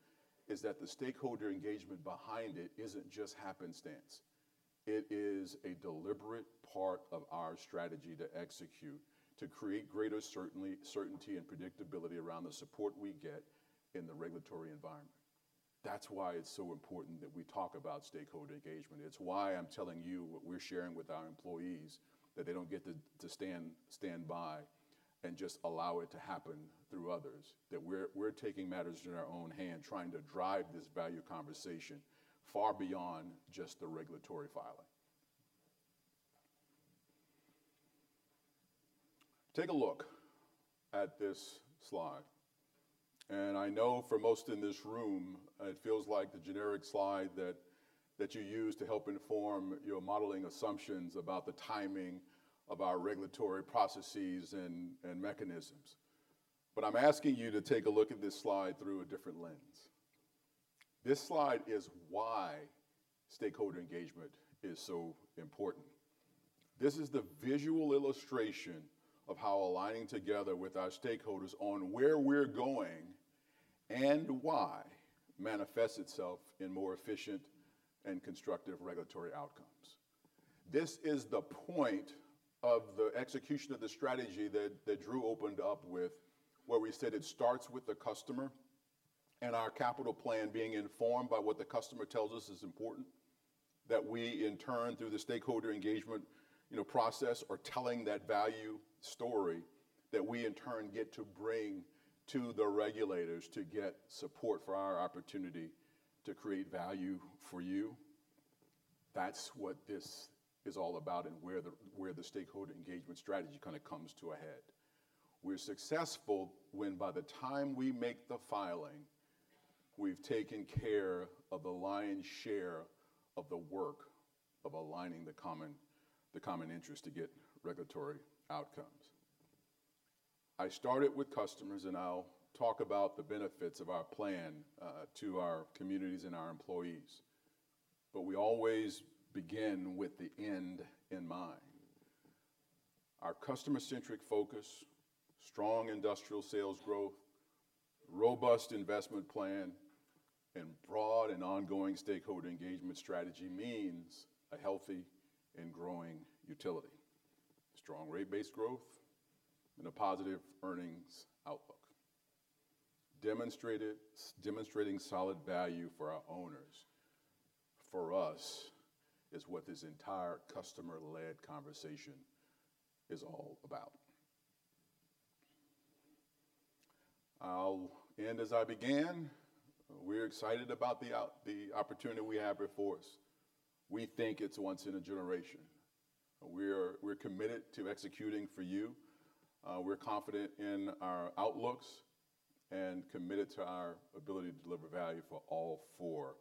is that the stakeholder engagement behind it isn't just happenstance. It is a deliberate part of our strategy to execute, to create greater certainty and predictability around the support we get in the regulatory environment. That's why it's so important that we talk about stakeholder engagement. It's why I'm telling you what we're sharing with our employees, that they don't get to stand by and just allow it to happen through others, that we're taking matters in our own hands, trying to drive this value conversation far beyond just the regulatory filing. Take a look at this slide. And I know for most in this room, it feels like the generic slide that you use to help inform your modeling assumptions about the timing of our regulatory processes and mechanisms. But I'm asking you to take a look at this slide through a different lens. This slide is why stakeholder engagement is so important. This is the visual illustration of how aligning together with our stakeholders on where we're going and why manifests itself in more efficient and constructive regulatory outcomes. This is the point of the execution of the strategy that Drew opened up with, where we said it starts with the customer and our capital plan being informed by what the customer tells us is important, that we, in turn, through the stakeholder engagement process, are telling that value story that we, in turn, get to bring to the regulators to get support for our opportunity to create value for you. That's what this is all about and where the stakeholder engagement strategy kind of comes to a head. We're successful when by the time we make the filing, we've taken care of the lion's share of the work of aligning the common interest to get regulatory outcomes. I started with customers, and I'll talk about the benefits of our plan to our communities and our employees. But we always begin with the end in mind. Our customer-centric focus, strong industrial sales growth, robust investment plan, and broad and ongoing stakeholder engagement strategy means a healthy and growing utility, strong rate-based growth, and a positive earnings outlook. Demonstrating solid value for our owners, for us, is what this entire customer-led conversation is all about. I'll end as I began. We're excited about the opportunity we have before us. We think it's once in a generation. We're committed to executing for you. We're confident in our outlooks and committed to our ability to deliver value for all four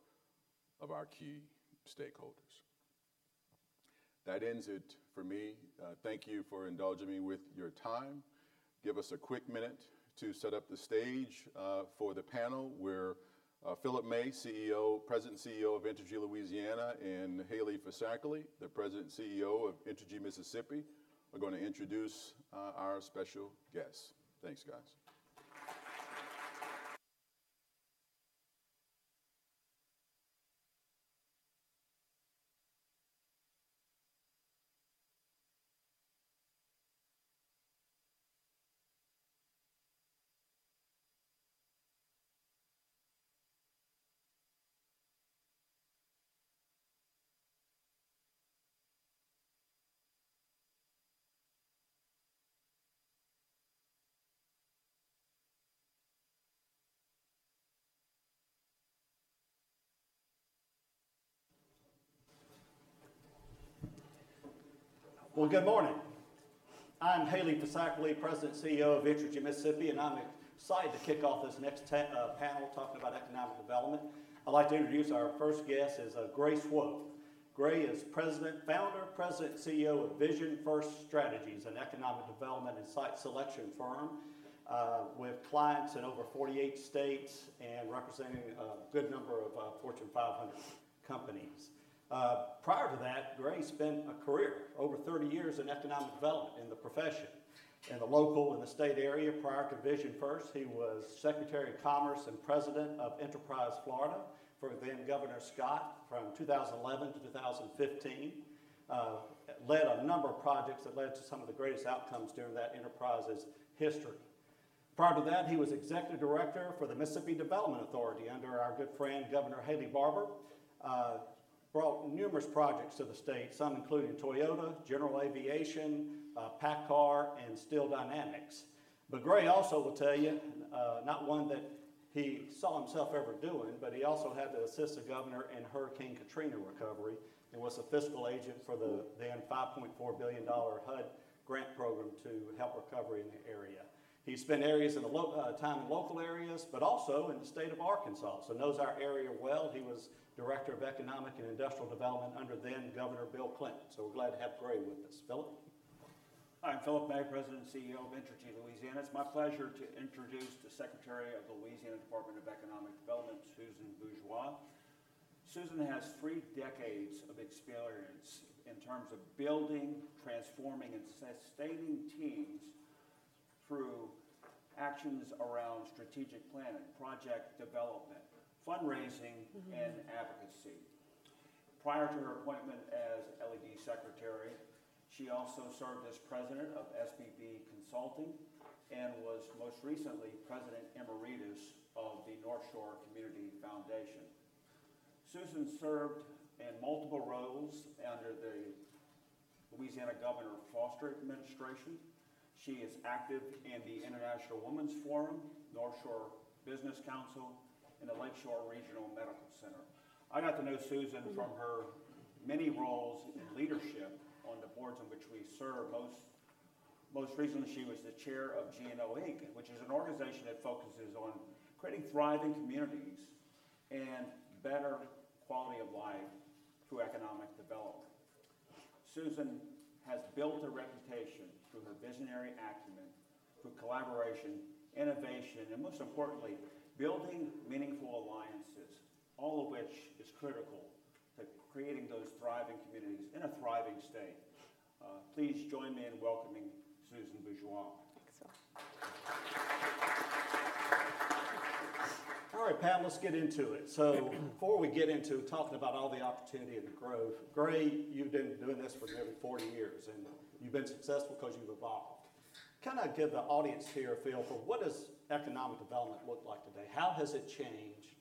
of our key stakeholders. That ends it for me. Thank you for indulging me with your time. Give us a quick minute to set up the stage for the panel where Phillip May, President and CEO of Entergy Louisiana, and Haley Fisackerly, the President and CEO of Entergy Mississippi, are going to introduce our special guests. Thanks, guys. Well, good morning. I'm Haley Fisackerly, President CEO of Entergy Mississippi, and I'm excited to kick off this next panel talking about economic development. I'd like to introduce our first guest as Gray Swoope. Gray is President Founder, President CEO of VisionFirst Strategies, an economic development and site selection firm with clients in over 48 states and representing a good number of Fortune 500 companies. Prior to that, Gray spent a career, over 30 years in economic development in the profession in the local and the state area. Prior to VisionFirst, he was Secretary of Commerce and President of Enterprise Florida for then Governor Scott from 2011 to 2015, led a number of projects that led to some of the greatest outcomes during that enterprise's history. Prior to that, he was Executive Director for the Mississippi Development Authority under our good friend, Governor Haley Barbour, brought numerous projects to the state, some including Toyota, General Aviation, PACCAR, and Steel Dynamics. But Gray also will tell you, not one that he saw himself ever doing, but he also had to assist the governor in Hurricane Katrina recovery and was a fiscal agent for the then $5.4 billion HUD grant program to help recovery in the area. He spent time in local areas, but also in the state of Arkansas. So he knows our area well. He was Director of Economic and Industrial Development under then Governor Bill Clinton. So we're glad to have Gray with us. Philip? Hi, I'm Phillip May, President CEO of Entergy Louisiana. It's my pleasure to introduce the Secretary of the Louisiana Department of Economic Development, Susan Bourgeois. Susan has three decades of experience in terms of building, transforming, and sustaining teams through actions around strategic planning, project development, fundraising, and advocacy. Prior to her appointment as LED Secretary, she also served as President of SBB Consulting and was most recently President Emeritus of the Northshore Community Foundation. Susan served in multiple roles under the Louisiana Governor Foster Administration. She is active in the International Women's Forum, Northshore Business Council, and the Lakeshore Regional Medical Center. I got to know Susan from her many roles in leadership on the boards on which we serve. Most recently, she was the chair of GNO Inc., which is an organization that focuses on creating thriving communities and better quality of life through economic development. Susan has built a reputation through her visionary acumen, through collaboration, innovation, and most importantly, building meaningful alliances, all of which is critical to creating those thriving communities in a thriving state. Please join me in welcoming Susan Bourgeois. All right, Phil, let's get into it. So before we get into talking about all the opportunity and growth, Gray, you've been doing this for nearly 40 years, and you've been successful because you've evolved. Kind of give the audience here a feel for what does economic development look like today? How has it changed?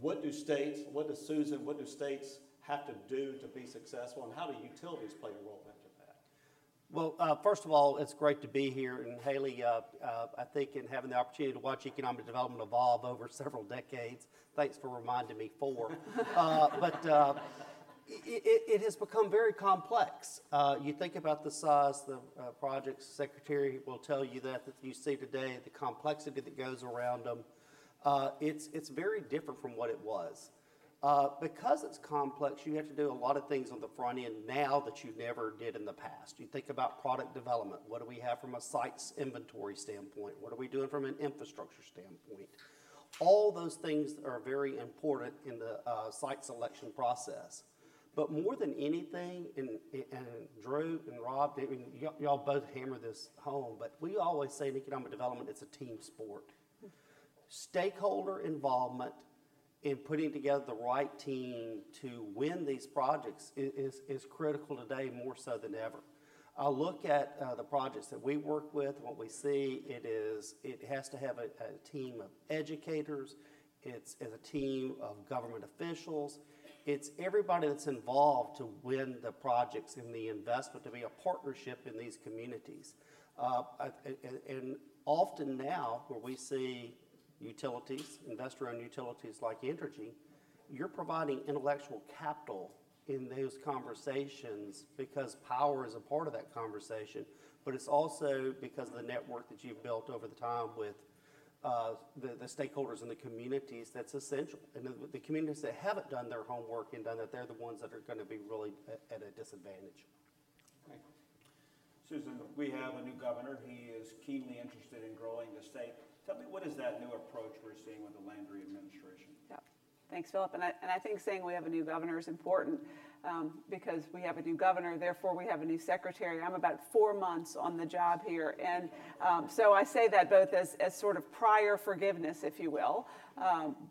What do states—what does Susan—what do states have to do to be successful? And how do utilities play a role in that? Well, first of all, it's great to be here. And Haley, I think in having the opportunity to watch economic development evolve over several decades, thanks for reminding me for. But it has become very complex. You think about the size of the projects. The Secretary will tell you that you see today, the complexity that goes around them. It's very different from what it was. Because it's complex, you have to do a lot of things on the front end now that you never did in the past. You think about product development. What do we have from a sites inventory standpoint? What are we doing from an infrastructure standpoint? All those things are very important in the site selection process. But more than anything, and Drew and Rod, y'all both hammer this home, but we always say in economic development, it's a team sport. Stakeholder involvement and putting together the right team to win these projects is critical today more so than ever. I'll look at the projects that we work with. What we see, it has to have a team of educators. It's a team of government officials. It's everybody that's involved to win the projects and the investment to be a partnership in these communities. And often now, where we see utilities, investor-owned utilities like Entergy, you're providing intellectual capital in those conversations because power is a part of that conversation. But it's also because of the network that you've built over the time with the stakeholders and the communities that's essential. And the communities that haven't done their homework and done that, they're the ones that are going to be really at a disadvantage. Susan, we have a new governor. He is keenly interested in growing the state. Tell me, what is that new approach we're seeing with the Landry administration? Yeah. Thanks, Phillip. I think saying we have a new governor is important because we have a new governor. Therefore, we have a new secretary. I'm about four months on the job here. So I say that both as sort of prior forgiveness, if you will,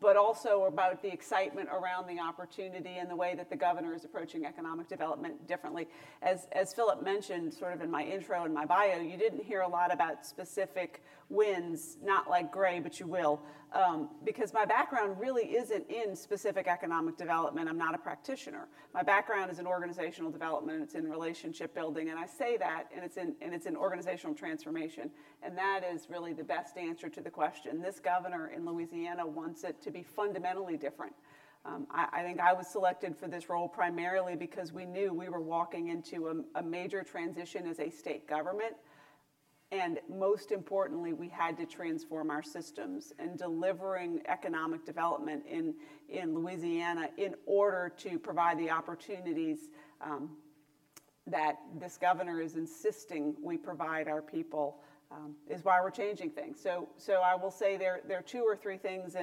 but also about the excitement around the opportunity and the way that the governor is approaching economic development differently. As Phillip mentioned sort of in my intro and my bio, you didn't hear a lot about specific wins, not like Gray, but you will, because my background really isn't in specific economic development. I'm not a practitioner. My background is in organizational development. It's in relationship building. And I say that, and it's in organizational transformation. And that is really the best answer to the question. This governor in Louisiana wants it to be fundamentally different. I think I was selected for this role primarily because we knew we were walking into a major transition as a state government. Most importantly, we had to transform our systems and delivering economic development in Louisiana in order to provide the opportunities that this governor is insisting we provide our people, is why we're changing things. So I will say there are two or three things.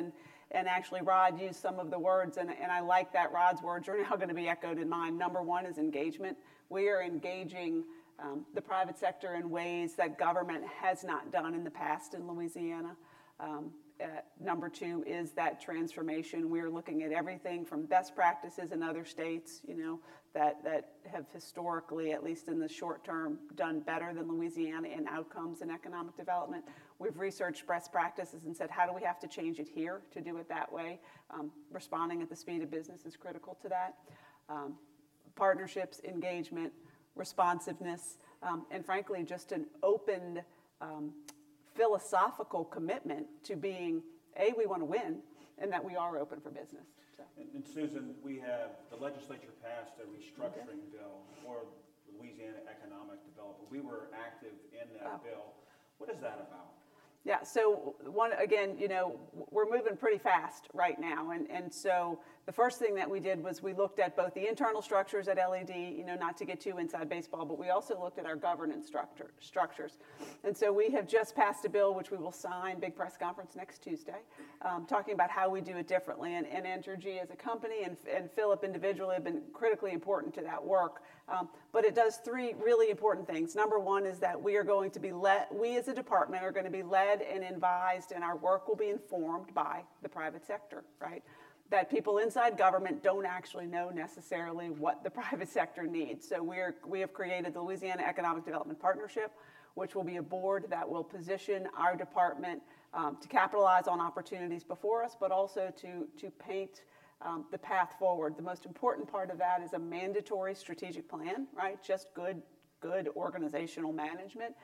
Actually, Rod used some of the words, and I like that Rod's words are now going to be echoed in mine. Number one is engagement. We are engaging the private sector in ways that government has not done in the past in Louisiana. Number two is that transformation. We are looking at everything from best practices in other states that have historically, at least in the short-term, done better than Louisiana in outcomes and economic development. We've researched best practices and said, how do we have to change it here to do it that way? Responding at the speed of business is critical to that. Partnerships, engagement, responsiveness, and frankly, just an open philosophical commitment to being A, we want to win and that we are open for business. And Susan, we have the legislature passed a restructuring bill for Louisiana Economic Development. We were active in that bill. What is that about? Yeah. So again, we're moving pretty fast right now. And so the first thing that we did was we looked at both the internal structures at LED, not to get too inside baseball, but we also looked at our governance structures. And so we have just passed a bill which we will sign, big press conference next Tuesday, talking about how we do it differently. Entergy as a company and Phillip individually have been critically important to that work. But it does three really important things. Number one is that we are going to be led, we as a department are going to be led and advised, and our work will be informed by the private sector, right? That people inside government don't actually know necessarily what the private sector needs. So we have created the Louisiana Economic Development Partnership, which will be a board that will position our department to capitalize on opportunities before us, but also to paint the path forward. The most important part of that is a mandatory strategic plan, right? Just good organizational management.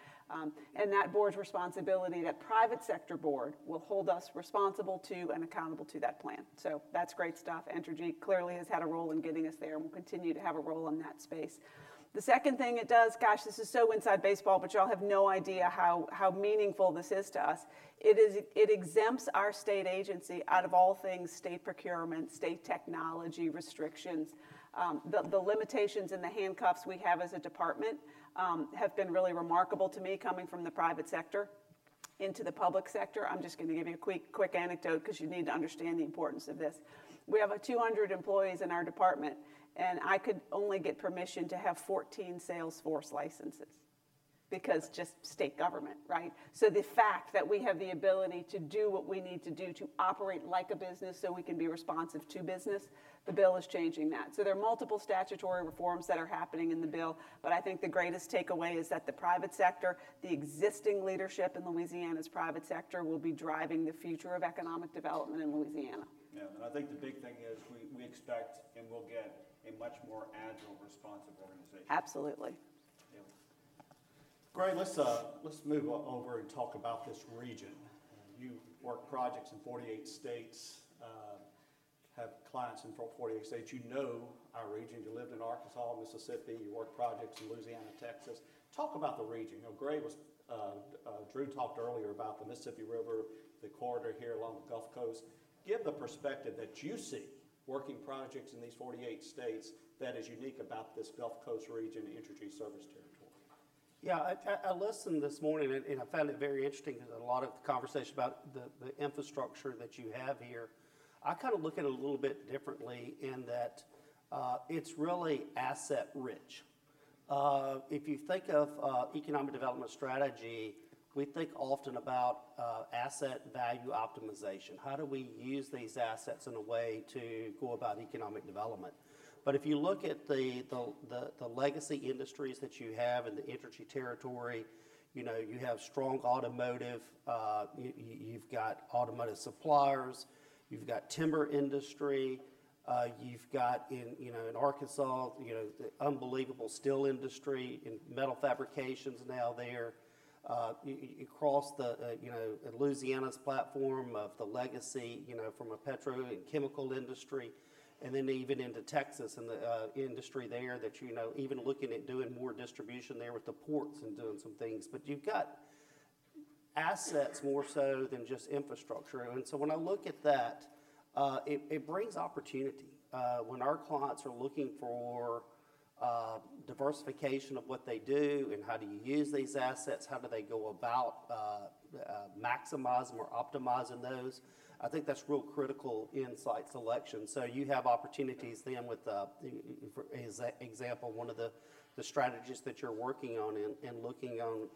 And that board's responsibility, that private sector board will hold us responsible to and accountable to that plan. So that's great stuff. Energy clearly has had a role in getting us there and will continue to have a role in that space. The second thing it does, gosh, this is so inside baseball, but y'all have no idea how meaningful this is to us. It exempts our state agency out of all things state procurement, state technology restrictions. The limitations and the handcuffs we have as a department have been really remarkable to me coming from the private sector into the public sector. I'm just going to give you a quick anecdote because you need to understand the importance of this. We have 200 employees in our department, and I could only get permission to have 14 Salesforce licenses because just state government, right? The fact that we have the ability to do what we need to do to operate like a business so we can be responsive to business, the bill is changing that. There are multiple statutory reforms that are happening in the bill, but I think the greatest takeaway is that the private sector, the existing leadership in Louisiana's private sector will be driving the future of economic development in Louisiana. Yeah. I think the big thing is we expect and we'll get a much more agile, responsive organization. Absolutely. Gray, let's move over and talk about this region. You work projects in 48 states, have clients in 48 states. You know our region. You lived in Arkansas, Mississippi. You worked projects in Louisiana, Texas. Talk about the region. Drew talked earlier about the Mississippi River, the corridor here along the Gulf Coast. Give the perspective that you see working projects in these 48 states that is unique about this Gulf Coast region, Entergy Service Territory. Yeah. I listened this morning, and I found it very interesting because a lot of the conversation about the infrastructure that you have here. I kind of look at it a little bit differently in that it's really asset-rich. If you think of economic development strategy, we think often about asset value optimization. How do we use these assets in a way to go about economic development? But if you look at the legacy industries that you have in the Entergy Territory, you have strong automotive. You've got automotive suppliers. You've got timber industry. You've got in Arkansas, the unbelievable steel industry and metal fabrications now there. You cross Louisiana's platform of the legacy from a petro and chemical industry, and then even into Texas and the industry there that you know even looking at doing more distribution there with the ports and doing some things. But you've got assets more so than just infrastructure. And so when I look at that, it brings opportunity. When our clients are looking for diversification of what they do and how do you use these assets, how do they go about maximizing or optimizing those? I think that's real critical in site selection. So you have opportunities then with, for example, one of the strategies that you're working on and looking on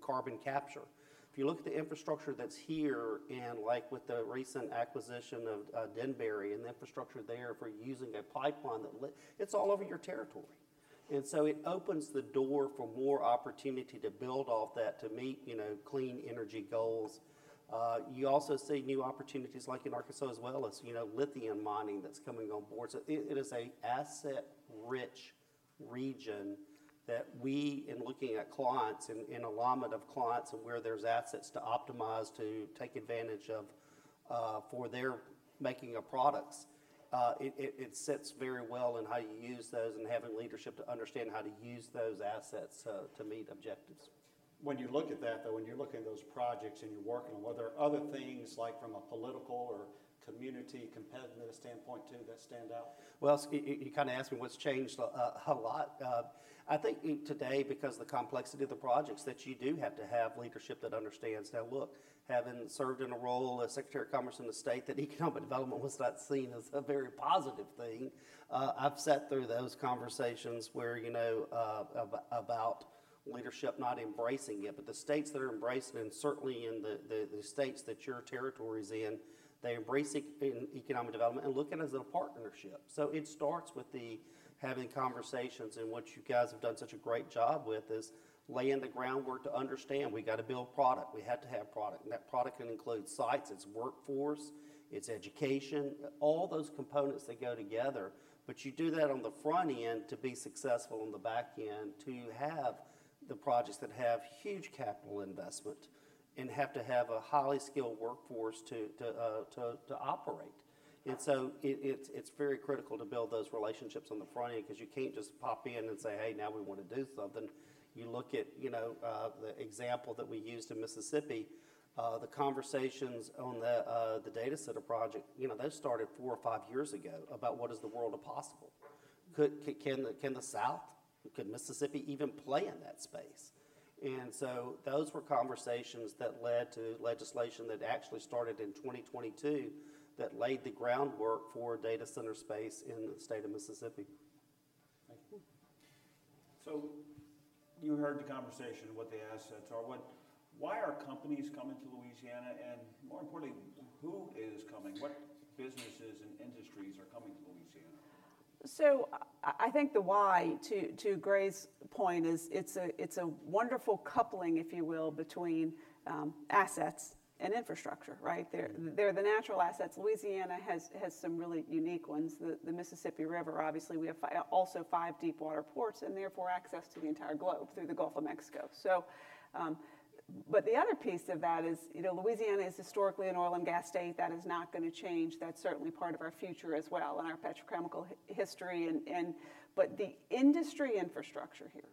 carbon capture. If you look at the infrastructure that's here and like with the recent acquisition of Denbury and the infrastructure there for using a pipeline, it's all over your territory. And so it opens the door for more opportunity to build off that to meet clean energy goals. You also see new opportunities like in Arkansas as well as lithium mining that's coming on board. So it is an asset-rich region that we, in looking at clients and alignment of clients and where there's assets to optimize to take advantage of for their making of products. It sits very well in how you use those and having leadership to understand how to use those assets to meet objectives. When you look at that, though, when you're looking at those projects and you're working on them, are there other things like from a political or community competitive standpoint too that stand out? Well, you kind of asked me what's changed a lot. I think today, because of the complexity of the projects, that you do have to have leadership that understands that look, having served in a role as Secretary of Commerce in the state that economic development was not seen as a very positive thing. I've sat through those conversations about leadership not embracing it, but the states that are embracing and certainly in the states that your territory is in, they embrace economic development and look at it as a partnership. So it starts with having conversations and what you guys have done such a great job with is laying the groundwork to understand we got to build product. We have to have product. And that product can include sites, its workforce, its education, all those components that go together. But you do that on the front end to be successful on the back end to have the projects that have huge capital investment and have to have a highly skilled workforce to operate. And so it's very critical to build those relationships on the front end because you can't just pop in and say, "Hey, now we want to do something." You look at the example that we used in Mississippi, the conversations on the data center project, those started four or five years ago about what is the world of possible. Can the South, could Mississippi even play in that space? And so those were conversations that led to legislation that actually started in 2022 that laid the groundwork for data center space in the state of Mississippi. Thank you. So you heard the conversation of what the assets are. Why are companies coming to Louisiana? And more importantly, who is coming? What businesses and industries are coming to Louisiana? So I think the why, to Gray's point, is it's a wonderful coupling, if you will, between assets and infrastructure, right? They're the natural assets. Louisiana has some really unique ones. The Mississippi River, obviously, we have also 5 deep water ports and therefore access to the entire globe through the Gulf of Mexico. But the other piece of that is Louisiana is historically an oil and gas state. That is not going to change. That's certainly part of our future as well and our petrochemical history. But the industry infrastructure here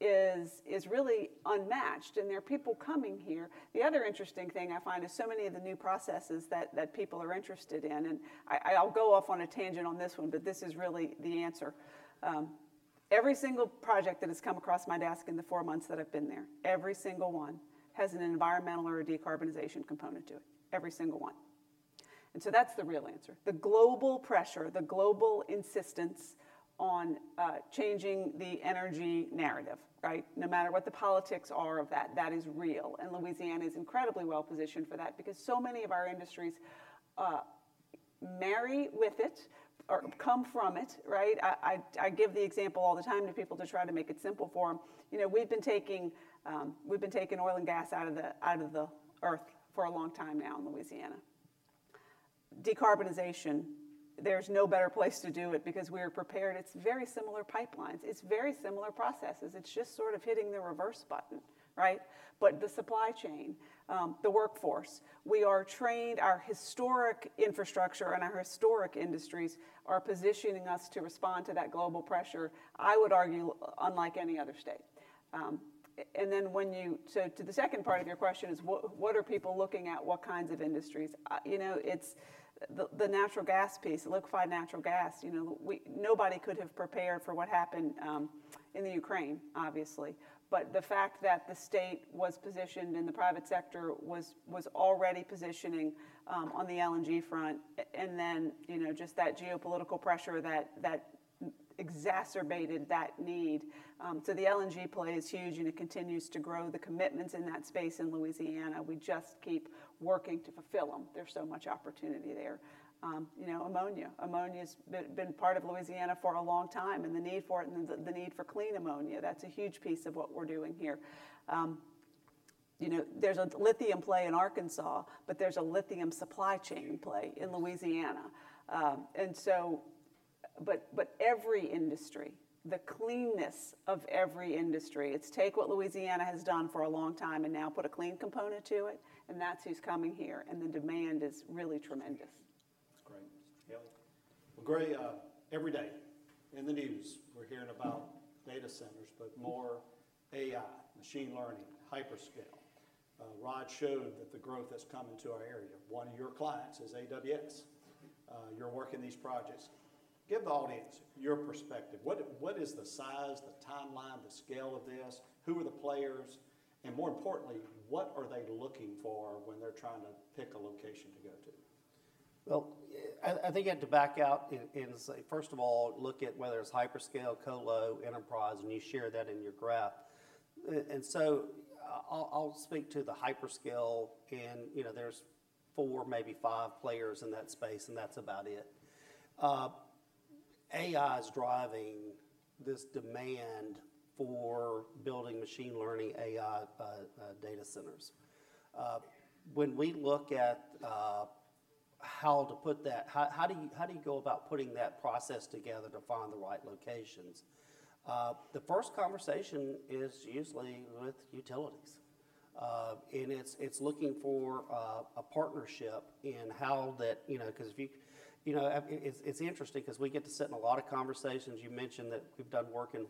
is really unmatched. And there are people coming here. The other interesting thing I find is so many of the new processes that people are interested in. And I'll go off on a tangent on this one, but this is really the answer. Every single project that has come across my desk in the four months that I've been there, every single one has an environmental or a decarbonization component to it. Every single one. And so that's the real answer. The global pressure, the global insistence on changing the energy narrative, right? No matter what the politics are of that, that is real. And Louisiana is incredibly well positioned for that because so many of our industries marry with it or come from it, right? I give the example all the time to people to try to make it simple for them. We've been taking oil and gas out of the earth for a long time now in Louisiana. Decarbonization, there's no better place to do it because we are prepared. It's very similar pipelines. It's very similar processes. It's just sort of hitting the reverse button, right? But the supply chain, the workforce, we are trained. Our historic infrastructure and our historic industries are positioning us to respond to that global pressure, I would argue, unlike any other state. And then when you—so to the second part of your question is, what are people looking at? What kinds of industries? It's the natural gas piece. Liquefied natural gas. Nobody could have prepared for what happened in the Ukraine, obviously. But the fact that the state was positioned and the private sector was already positioning on the LNG front, and then just that geopolitical pressure that exacerbated that need. So the LNG play is huge, and it continues to grow. The commitments in that space in Louisiana, we just keep working to fulfill them. There's so much opportunity there. Ammonia. Ammonia has been part of Louisiana for a long time, and the need for it, and the need for clean ammonia, that's a huge piece of what we're doing here. There's a lithium play in Arkansas, but there's a lithium supply chain play in Louisiana. And so—but every industry, the cleanness of every industry, it's take what Louisiana has done for a long time and now put a clean component to it, and that's who's coming here. And the demand is really tremendous. That's great. Well, Gray, every day in the news, we're hearing about data centers, but more AI, machine learning, hyperscale. Rod showed that the growth that's coming to our area. One of your clients is AWS. You're working these projects. Give the audience your perspective. What is the size, the timeline, the scale of this? Who are the players? More importantly, what are they looking for when they're trying to pick a location to go to? Well, I think you have to back out and say, first of all, look at whether it's hyperscale, colo, enterprise, and you share that in your graph. So I'll speak to the hyperscale, and there's four, maybe five players in that space, and that's about it. AI is driving this demand for building machine learning AI data centers. When we look at how to put that, how do you go about putting that process together to find the right locations? The first conversation is usually with utilities. And it's looking for a partnership in how that because if you it's interesting because we get to sit in a lot of conversations. You mentioned that we've done work in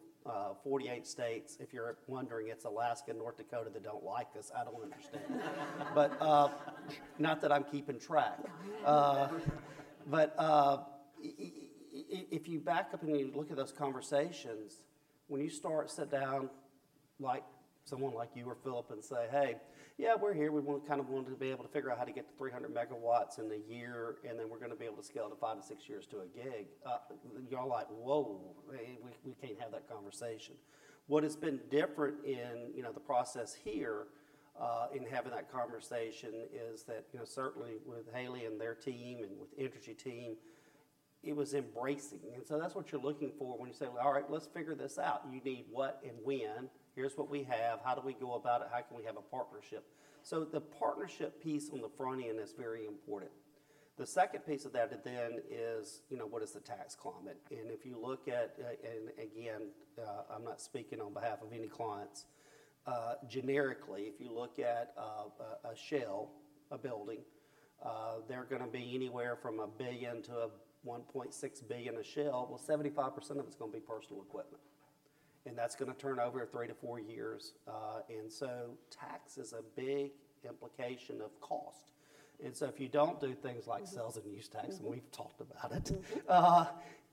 48 states. If you're wondering, it's Alaska and North Dakota that don't like this. I don't understand. But not that I'm keeping track. But if you back up and you look at those conversations, when you start to sit down like someone like you or Phillip and say, "Hey, yeah, we're here. We kind of want to be able to figure out how to get to 300 MW in a year, and then we're going to be able to scale it to 5-6 years to a gig," y'all like, "Whoa, we can't have that conversation." What has been different in the process here in having that conversation is that certainly with Haley and their team and with Entergy team, it was embracing. And so that's what you're looking for when you say, "All right, let's figure this out. You need what and when. Here's what we have. How do we go about it? How can we have a partnership?" So the partnership piece on the front end is very important. The second piece of that then is, what is the tax climate? And if you look at, and again, I'm not speaking on behalf of any clients, generically, if you look at a shell, a building, they're going to be anywhere from $1 billion to $1.6 billion a shell. Well, 75% of it's going to be personal equipment. And that's going to turn over in three to four years. And so tax is a big implication of cost. And so if you don't do things like sales and use tax, and we've talked about it,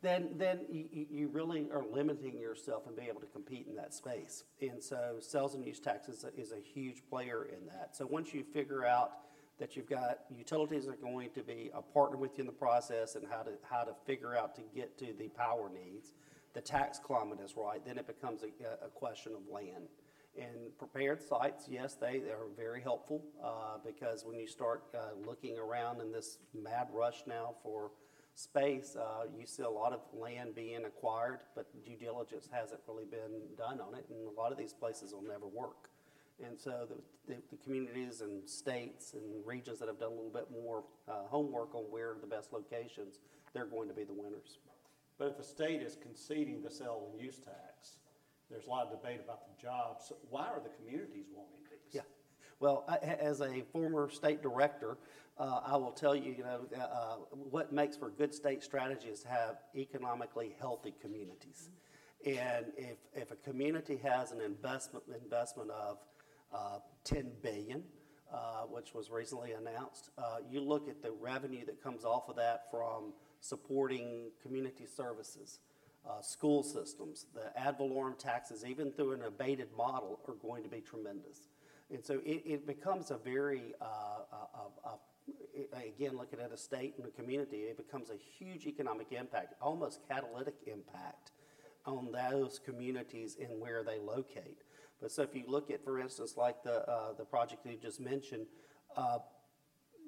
then you really are limiting yourself and being able to compete in that space. And so sales and use tax is a huge player in that. So once you figure out that you've got utilities that are going to be a partner with you in the process and how to figure out to get to the power needs, the tax climate is right, then it becomes a question of land. And prepared sites, yes, they are very helpful because when you start looking around in this mad rush now for space, you see a lot of land being acquired, but due diligence hasn't really been done on it. And a lot of these places will never work. And so the communities and states and regions that have done a little bit more homework on where are the best locations, they're going to be the winners. But if a state is conceding the sale and use tax, there's a lot of debate about the jobs. Why are the communities wanting these? Yeah. Well, as a former State Director, I will tell you what makes for good state strategy is to have economically healthy communities. And if a community has an investment of $10 billion, which was recently announced, you look at the revenue that comes off of that from supporting community services, school systems, the ad valorem taxes, even through an abated model are going to be tremendous. And so it becomes a very—again, looking at a state and a community, it becomes a huge economic impact, almost catalytic impact on those communities and where they locate. But so if you look at, for instance, like the project you just mentioned,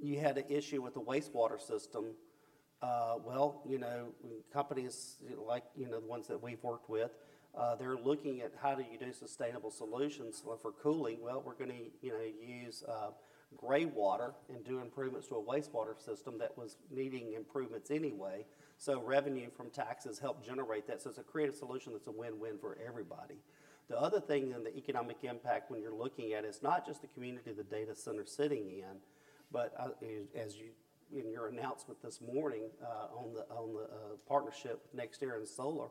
you had an issue with the wastewater system. Well, companies like the ones that we've worked with, they're looking at how do you do sustainable solutions for cooling. Well, we're going to use gray water and do improvements to a wastewater system that was needing improvements anyway. So revenue from taxes helped generate that. So it's a creative solution that's a win-win for everybody. The other thing in the economic impact when you're looking at is not just the community of the data center sitting in, but as in your announcement this morning on the partnership with NextEra and Solar,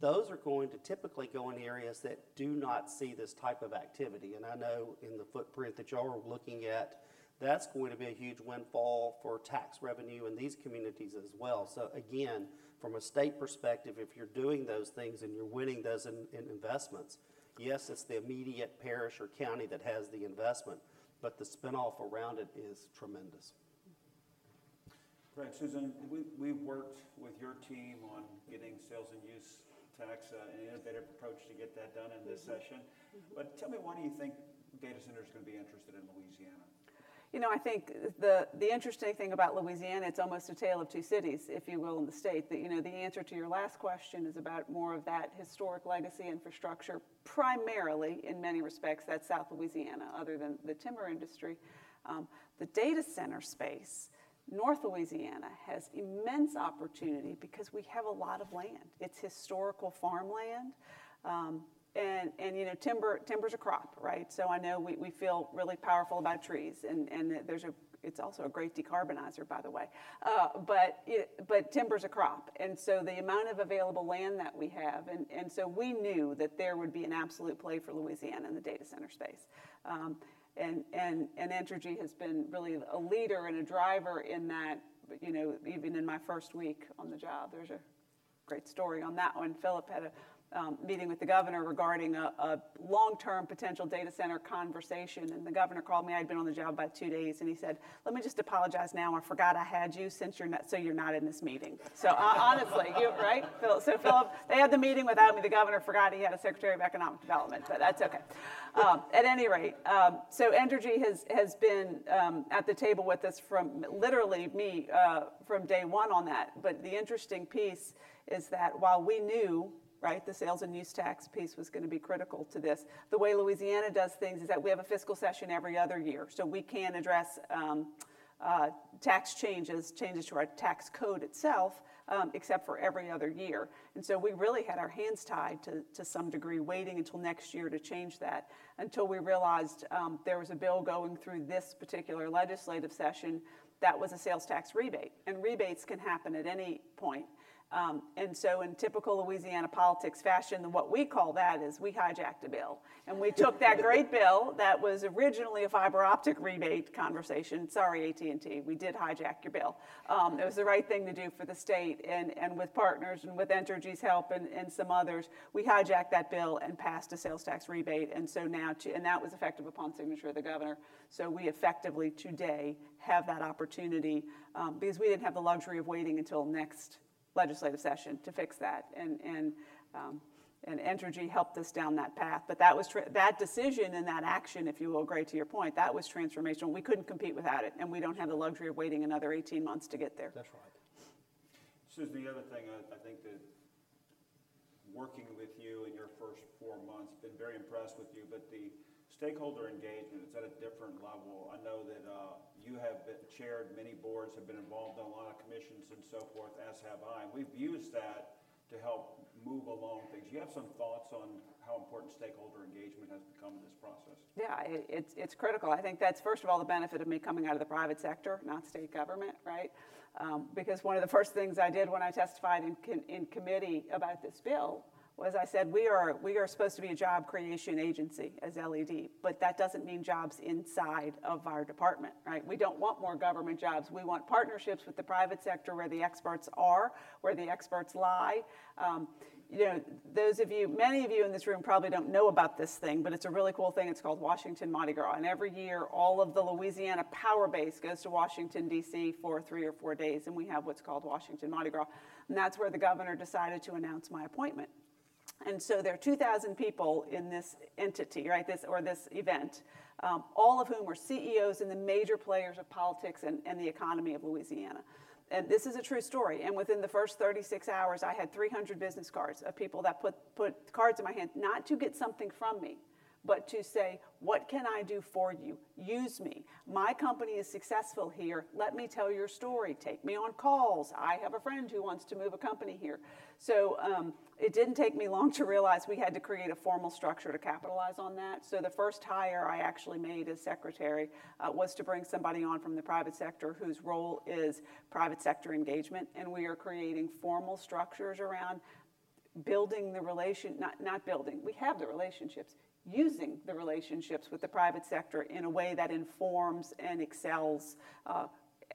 those are going to typically go in areas that do not see this type of activity. And I know in the footprint that y'all are looking at, that's going to be a huge windfall for tax revenue in these communities as well. So again, from a state perspective, if you're doing those things and you're winning those investments, yes, it's the immediate parish or county that has the investment, but the spinoff around it is tremendous. Great. Susan, we've worked with your team on getting sales and use tax, an innovative approach to get that done in this session. But tell me, why do you think data centers are going to be interested in Louisiana? You know, I think the interesting thing about Louisiana, it's almost a tale of two cities, if you will, in the state. The answer to your last question is about more of that historic legacy infrastructure, primarily in many respects, that's South Louisiana, other than the timber industry. The data center space, North Louisiana has immense opportunity because we have a lot of land. It's historical farmland. And timber's a crop, right? So I know we feel really powerful about trees. And it's also a great decarbonizer, by the way. But timber's a crop. And so the amount of available land that we have, and so we knew that there would be an absolute play for Louisiana in the data center space. And Entergy has been really a leader and a driver in that. Even in my first week on the job, there's a great story on that one. Phillip had a meeting with the governor regarding a long-term potential data center conversation. And the governor called me. I'd been on the job about two days. And he said, "Let me just apologize now. I forgot I had you. So you're not in this meeting." So honestly, right? So Phillip, they had the meeting without me. The governor forgot he had a secretary of economic development, but that's okay. At any rate, so Entergy has been at the table with us from literally me from day one on that. But the interesting piece is that while we knew, right, the sales and use tax piece was going to be critical to this, the way Louisiana does things is that we have a fiscal session every other year. So we can address tax changes, changes to our tax code itself, except for every other year. And so we really had our hands tied to some degree, waiting until next year to change that until we realized there was a bill going through this particular legislative session that was a sales tax rebate. And rebates can happen at any point. And so in typical Louisiana politics fashion, what we call that is we hijacked a bill. And we took that great bill that was originally a fiber optic rebate conversation. Sorry, AT&T, we did hijack your bill. It was the right thing to do for the state. And with partners and with Entergy's help and some others, we hijacked that bill and passed a sales tax rebate. And so now, and that was effective upon signature of the governor. So we effectively today have that opportunity because we didn't have the luxury of waiting until next legislative session to fix that. And Entergy helped us down that path. But that decision and that action, if you will, Gray, to your point, that was transformational. We couldn't compete without it. And we don't have the luxury of waiting another 18 months to get there. That's right. Susan, the other thing I think that working with you in your first four months, been very impressed with you, but the stakeholder engagement, it's at a different level. I know that you have chaired many boards, have been involved on a lot of commissions and so forth, as have I. We've used that to help move along things. Do you have some thoughts on how important stakeholder engagement has become in this process? Yeah, it's critical. I think that's, first of all, the benefit of me coming out of the private sector, not state government, right? Because one of the first things I did when I testified in committee about this bill was I said, "We are supposed to be a job creation agency as LED, but that doesn't mean jobs inside of our department, right? We don't want more government jobs. We want partnerships with the private sector where the experts are, where the expertise lies." Those of you, many of you in this room probably don't know about this thing, but it's a really cool thing. It's called Washington Mardi Gras. And every year, all of the Louisiana power base goes to Washington, D.C. for 3 or 4 days. And we have what's called Washington Mardi Gras. And that's where the governor decided to announce my appointment. And so there are 2,000 people in this entity, right, or this event, all of whom are CEOs and the major players of politics and the economy of Louisiana. And this is a true story. And within the first 36 hours, I had 300 business cards of people that put cards in my hand, not to get something from me, but to say, "What can I do for you? Use me. My company is successful here. Let me tell your story. Take me on calls. I have a friend who wants to move a company here." So it didn't take me long to realize we had to create a formal structure to capitalize on that. So the first hire I actually made as secretary was to bring somebody on from the private sector whose role is private sector engagement. And we are creating formal structures around building the relation, not building, we have the relationships, using the relationships with the private sector in a way that informs and excels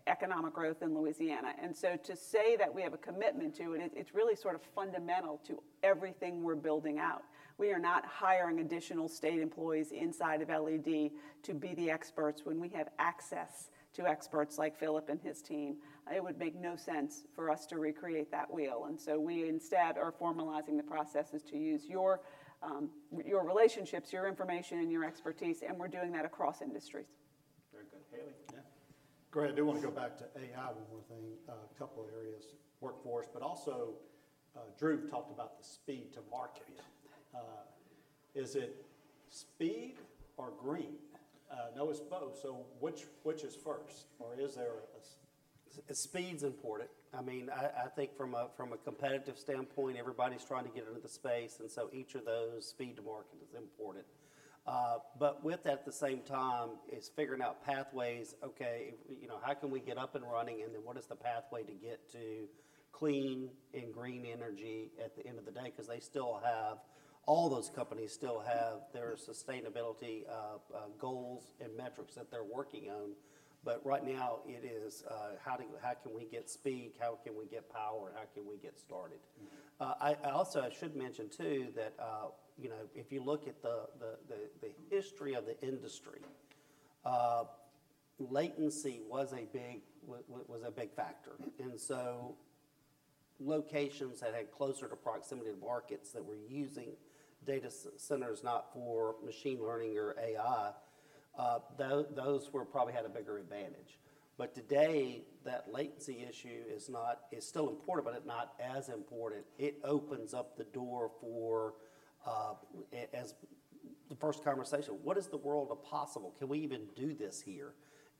economic growth in Louisiana. And so to say that we have a commitment to it, it's really sort of fundamental to everything we're building out. We are not hiring additional state employees inside of LED to be the experts. When we have access to experts like Phillip and his team, it would make no sense for us to recreate that wheel. And so we instead are formalizing the processes to use your relationships, your information, and your expertise. And we're doing that across industries. Very good. Haley? Yeah. Great. I do want to go back to AI, one more thing. A couple of areas, workforce, but also Drew talked about the speed to market. Is it speed or green? I know it's both. So which is first? Or is there a? Speed's important. I mean, I think from a competitive standpoint, everybody's trying to get into the space. And so each of those speed to market is important. But with that, at the same time, it's figuring out pathways, okay, how can we get up and running? And then what is the pathway to get to clean and green energy at the end of the day? Because they still have, all those companies still have their sustainability goals and metrics that they're working on. But right now, it is how can we get speed? How can we get power? How can we get started? I also should mention too that if you look at the history of the industry, latency was a big factor. And so locations that had closer to proximity to markets that were using data centers, not for machine learning or AI, those probably had a bigger advantage. But today, that latency issue is still important, but it's not as important. It opens up the door for, as the first conversation, what's the world possible? Can we even do this here?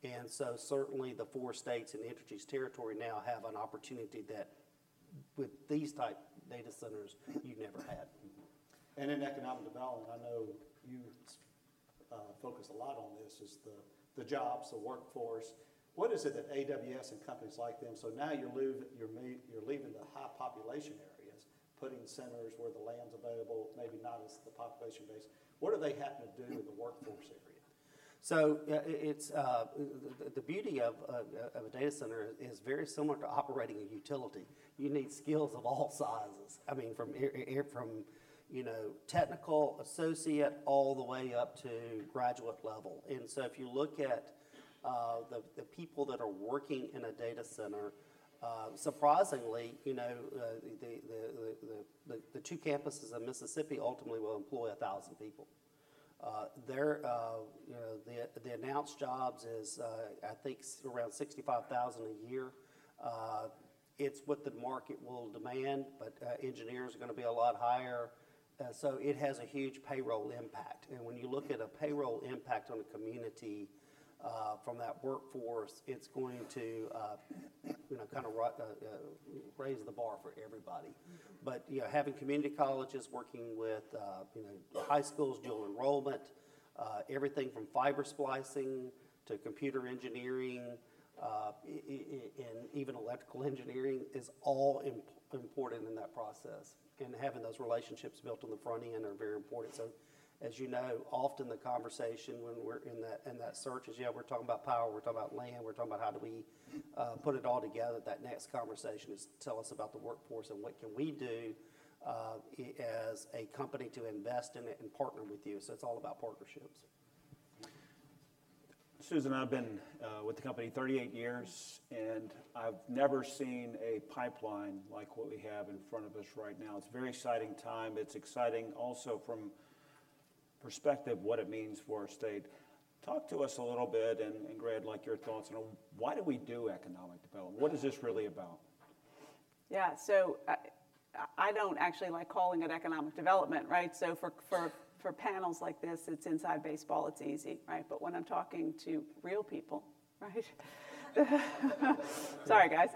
And so certainly the four states and Entergy's territory now have an opportunity that with these type data centers, you never had. In economic development, I know you focus a lot on this is the jobs, the workforce. What is it that AWS and companies like them? So now you're leaving the high population areas, putting centers where the land's available, maybe not as the population base. What are they having to do with the workforce area? So the beauty of a data center is very similar to operating a utility. You need skills of all sizes. I mean, from technical associate all the way up to graduate level. And so if you look at the people that are working in a data center, surprisingly, the two campuses of Mississippi ultimately will employ 1,000 people. The announced jobs is, I think, around $65,000 a year. It's what the market will demand, but engineers are going to be a lot higher. So it has a huge payroll impact. When you look at a payroll impact on a community from that workforce, it's going to kind of raise the bar for everybody. But having community colleges working with high schools, dual enrollment, everything from fiber splicing to computer engineering and even electrical engineering is all important in that process. And having those relationships built on the front end are very important. So as you know, often the conversation when we're in that search is, yeah, we're talking about power, we're talking about land, we're talking about how do we put it all together. That next conversation is, tell us about the workforce and what can we do as a company to invest in it and partner with you. So it's all about partnerships. Susan, I've been with the company 38 years, and I've never seen a pipeline like what we have in front of us right now. It's a very exciting time. It's exciting also from perspective of what it means for our state. Talk to us a little bit and, Gray, I'd like your thoughts on why do we do economic development? What is this really about? Yeah. So I don't actually like calling it economic development, right? So for panels like this, it's inside baseball, it's easy, right? But when I'm talking to real people, right? Sorry, guys.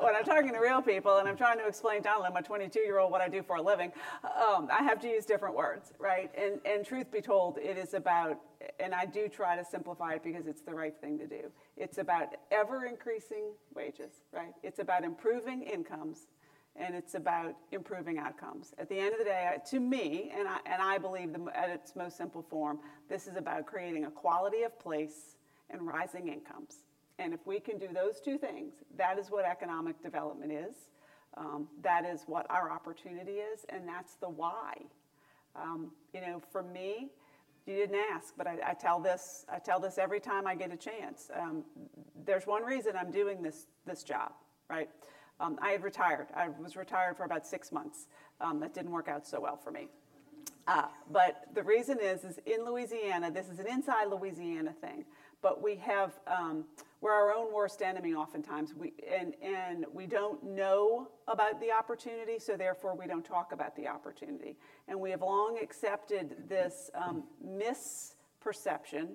When I'm talking to real people and I'm trying to explain to my 22-year-old what I do for a living, I have to use different words, right? And truth be told, it is about, and I do try to simplify it because it's the right thing to do. It's about ever-increasing wages, right? It's about improving incomes, and it's about improving outcomes. At the end of the day, to me, and I believe at its most simple form, this is about creating a quality of place and rising incomes. If we can do those two things, that is what economic development is. That is what our opportunity is, and that's the why. For me, you didn't ask, but I tell this every time I get a chance. There's one reason I'm doing this job, right? I had retired. I was retired for about 6 months. That didn't work out so well for me. But the reason is, in Louisiana, this is an inside Louisiana thing, but we're our own worst enemy oftentimes. And we don't know about the opportunity, so therefore we don't talk about the opportunity. We have long accepted this misperception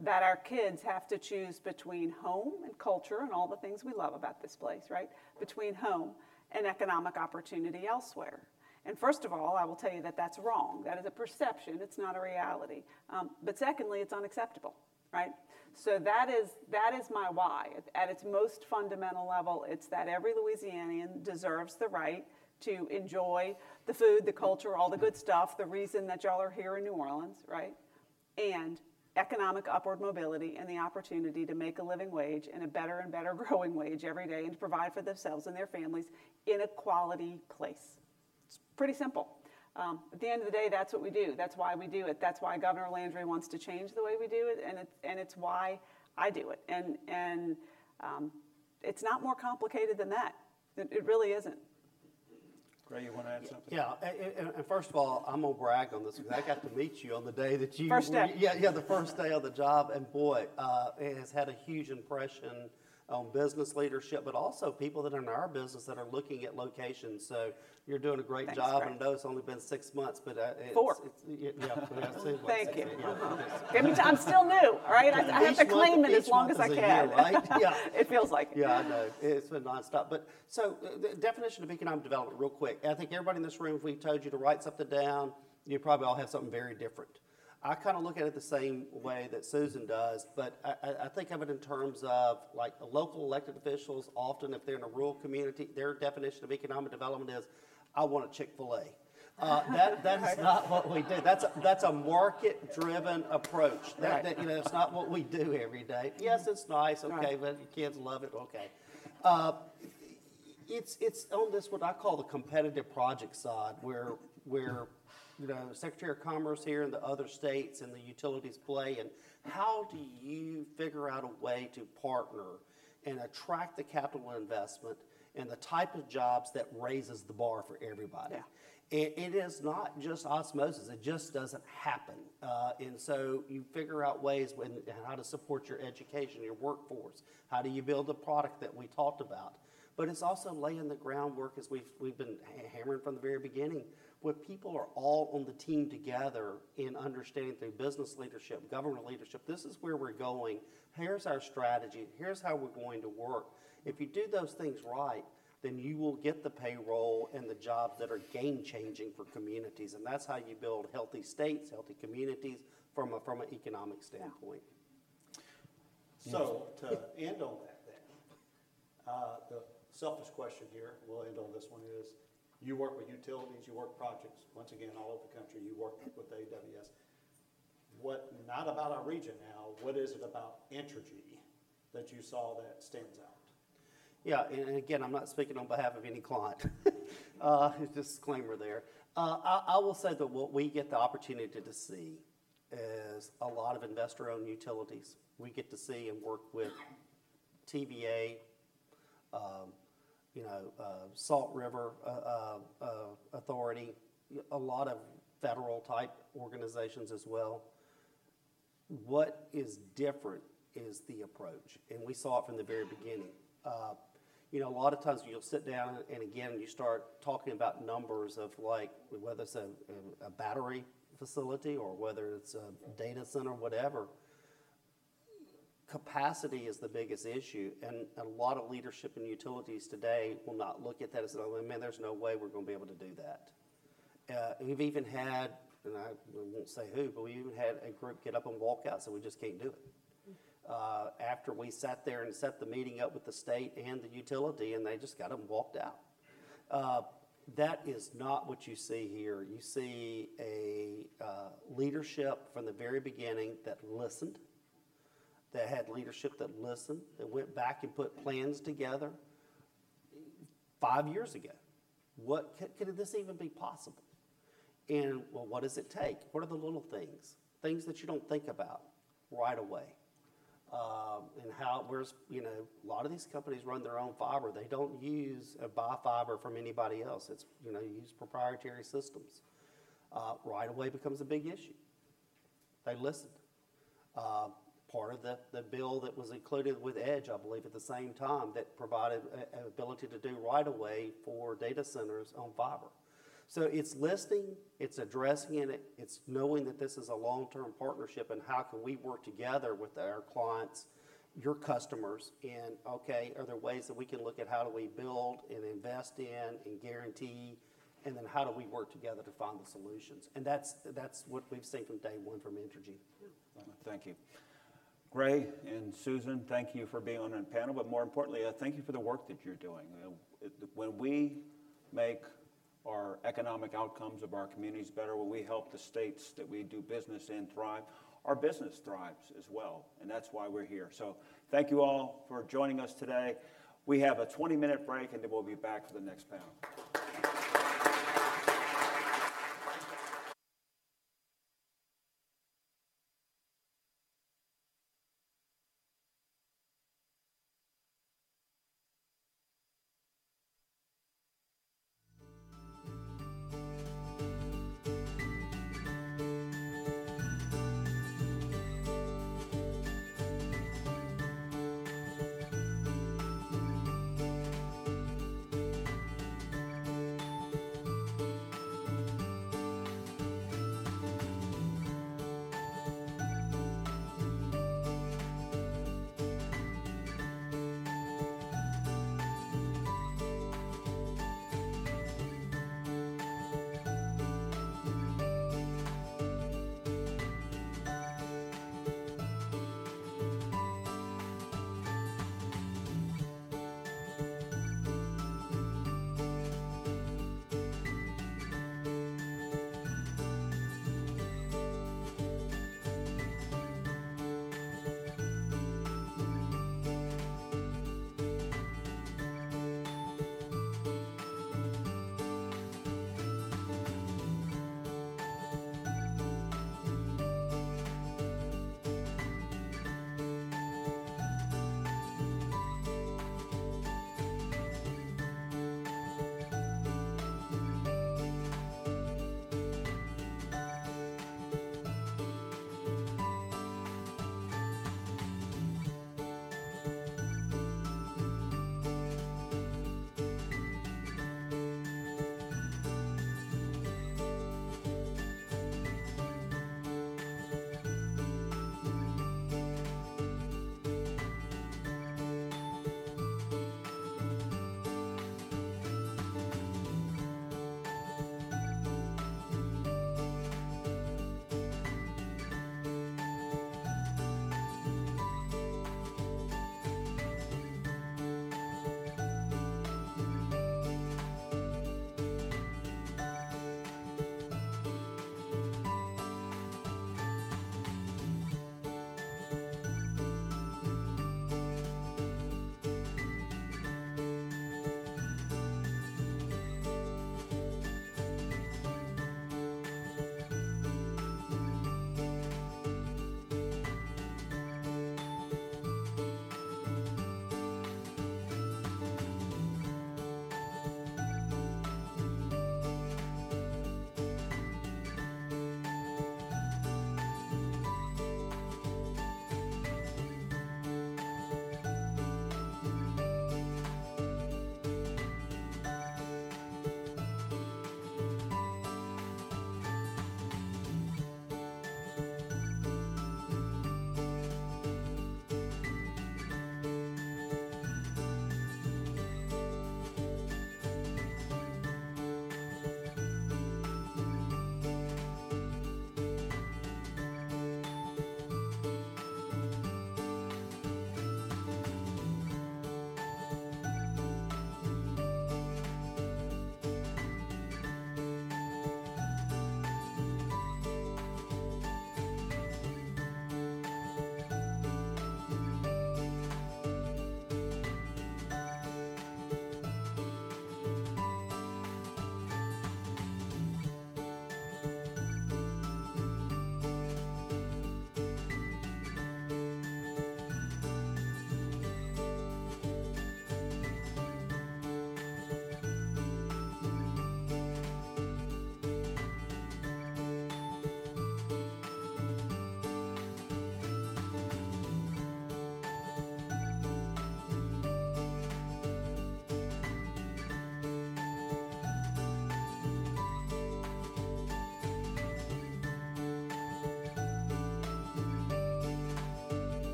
that our kids have to choose between home and culture and all the things we love about this place, right? Between home and economic opportunity elsewhere. First of all, I will tell you that that's wrong. That is a perception. It's not a reality. Secondly, it's unacceptable, right? That is my why. At its most fundamental level, it's that every Louisianian deserves the right to enjoy the food, the culture, all the good stuff, the reason that y'all are here in New Orleans, right? And economic upward mobility and the opportunity to make a living wage and a better and better growing wage every day and to provide for themselves and their families in a quality place. It's pretty simple. At the end of the day, that's what we do. That's why we do it. That's why Governor Landry wants to change the way we do it, and it's why I do it. It's not more complicated than that. It really isn't. Gray, you want to add something? Yeah. First of all, I'm going to brag on this because I got to meet you on the day that you. First day. Yeah, yeah, the first day of the job. Boy, it has had a huge impression on business leadership, but also people that are in our business that are looking at locations. So you're doing a great job. I know it's only been six months, but it's. Four. Yeah, seven months. Thank you. I'm still new, right? I have to claim it as long as I can. It feels like it. Yeah, I know. It's been nonstop. But so the definition of economic development, real quick. I think everybody in this room, if we told you to write something down, you'd probably all have something very different. I kind of look at it the same way that Susan does, but I think of it in terms of local elected officials, often if they're in a rural community, their definition of economic development is, "I want a Chick-fil-A." That is not what we do. That's a market-driven approach. That's not what we do every day. Yes, it's nice. Okay, but your kids love it. Okay. It's on this, what I call the competitive project side, where the Secretary of Commerce here and the other states and the utilities play. And how do you figure out a way to partner and attract the capital investment and the type of jobs that raises the bar for everybody? It is not just osmosis. It just doesn't happen. So you figure out ways how to support your education, your workforce. How do you build the product that we talked about? But it's also laying the groundwork, as we've been hammering from the very beginning, where people are all on the team together in understanding through business leadership, government leadership. This is where we're going. Here's our strategy. Here's how we're going to work. If you do those things right, then you will get the payroll and the jobs that are game-changing for communities. And that's how you build healthy states, healthy communities from an economic standpoint. So to end on that, then, the selfish question here, we'll end on this one, is you work with utilities, you work projects, once again, all over the country, you work with AWS. Not about our region now. What is it about Entergy that you saw that stands out? Yeah. And again, I'm not speaking on behalf of any client. Just a disclaimer there. I will say that what we get the opportunity to see is a lot of investor-owned utilities. We get to see and work with TVA, Salt River Authority, a lot of federal-type organizations as well. What is different is the approach. And we saw it from the very beginning. A lot of times you'll sit down and again, you start talking about numbers of whether it's a battery facility or whether it's a data center, whatever. Capacity is the biggest issue. A lot of leadership in utilities today will not look at that as, "Oh, man, there's no way we're going to be able to do that." We've even had, and I won't say who, but we even had a group get up and walk out, said, "We just can't do it." After we sat there and set the meeting up with the state and the utility, and they just got up and walked out. That is not what you see here. You see a leadership from the very beginning that listened, that had leadership that listened, that went back and put plans together five years ago. What could this even be possible? And what does it take? What are the little things? Things that you don't think about right away. And whereas a lot of these companies run their own fiber, they don't use a bifiber from anybody else. They use proprietary systems. Right away becomes a big issue. They listened. Part of the bill that was included with Entergy, I believe, at the same time, that provided an ability to do right away for data centers on fiber. So it's listening, it's addressing it, it's knowing that this is a long-term partnership, and how can we work together with our clients, your customers, and, okay, are there ways that we can look at how do we build and invest in and guarantee, and then how do we work together to find the solutions? And that's what we've seen from day one from Entergy. Thank you. Gray and Susan, thank you for being on the panel, but more importantly, thank you for the work that you're doing. When we make our economic outcomes of our communities better, when we help the states that we do business in thrive, our business thrives as well. And that's why we're here. So thank you all for joining us today. We have a 20-minute break, and then we'll be back for the next panel.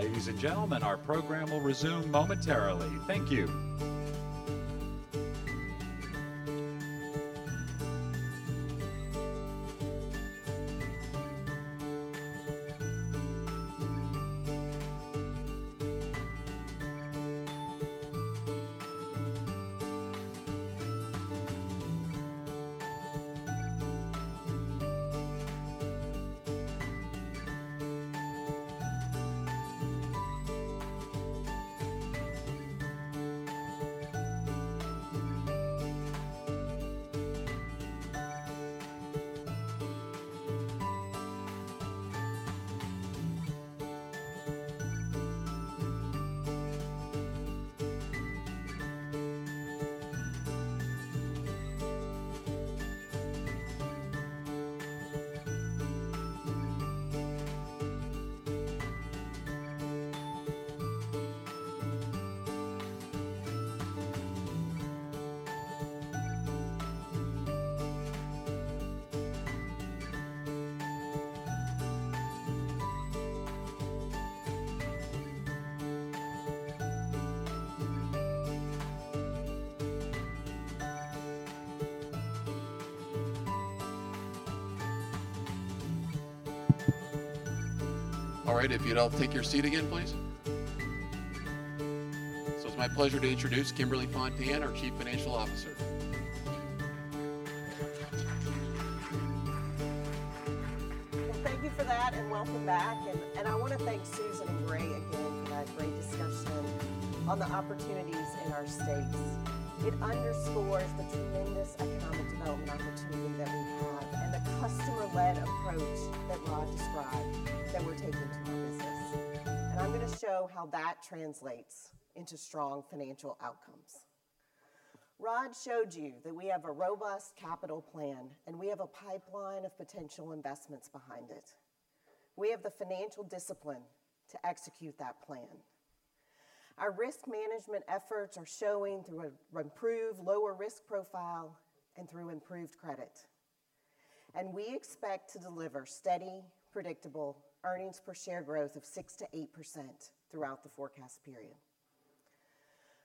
Ladies and gentlemen, our program will resume momentarily. Thank you. All right, if you'd all take your seat again, please. So it's my pleasure to introduce Kimberly Fontan, our Chief Financial Officer. Well, thank you for that, and welcome back. And I want to thank Susan and Gray again for that great discussion on the opportunities in our states. It underscores the tremendous economic development opportunity that we have and the customer-led approach that Rod described that we're taking to our business. And I'm going to show how that translates into strong financial outcomes. Rod showed you that we have a robust capital plan, and we have a pipeline of potential investments behind it. We have the financial discipline to execute that plan. Our risk management efforts are showing through an improved lower risk profile and through improved credit. And we expect to deliver steady, predictable earnings per share growth of 6%-8% throughout the forecast period.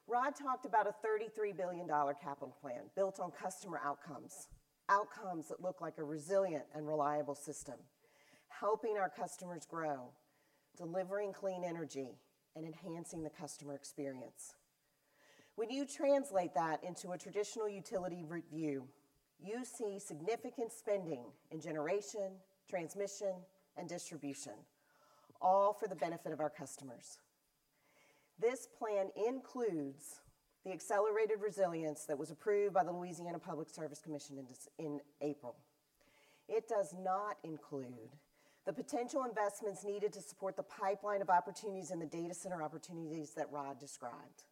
Rod talked about a $33 billion capital plan built on customer outcomes, outcomes that look like a resilient and reliable system, helping our customers grow, delivering clean energy, and enhancing the customer experience. When you translate that into a traditional utility review, you see significant spending in generation, transmission, and distribution, all for the benefit of our customers. This plan includes the accelerated resilience that was approved by the Louisiana Public Service Commission in April. It does not include the potential investments needed to support the pipeline of opportunities in the data center opportunities that Rod described.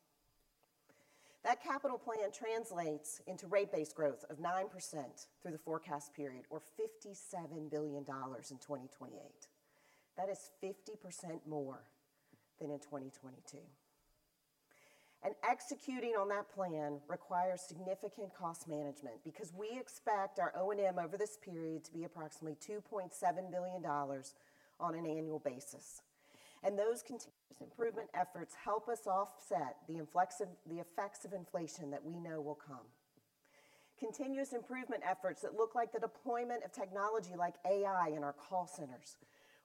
That capital plan translates into rate-based growth of 9% through the forecast period, or $57 billion in 2028. That is 50% more than in 2022. Executing on that plan requires significant cost management because we expect our O&M over this period to be approximately $2.7 billion on an annual basis. Those continuous improvement efforts help us offset the effects of inflation that we know will come. Continuous improvement efforts that look like the deployment of technology like AI in our call centers,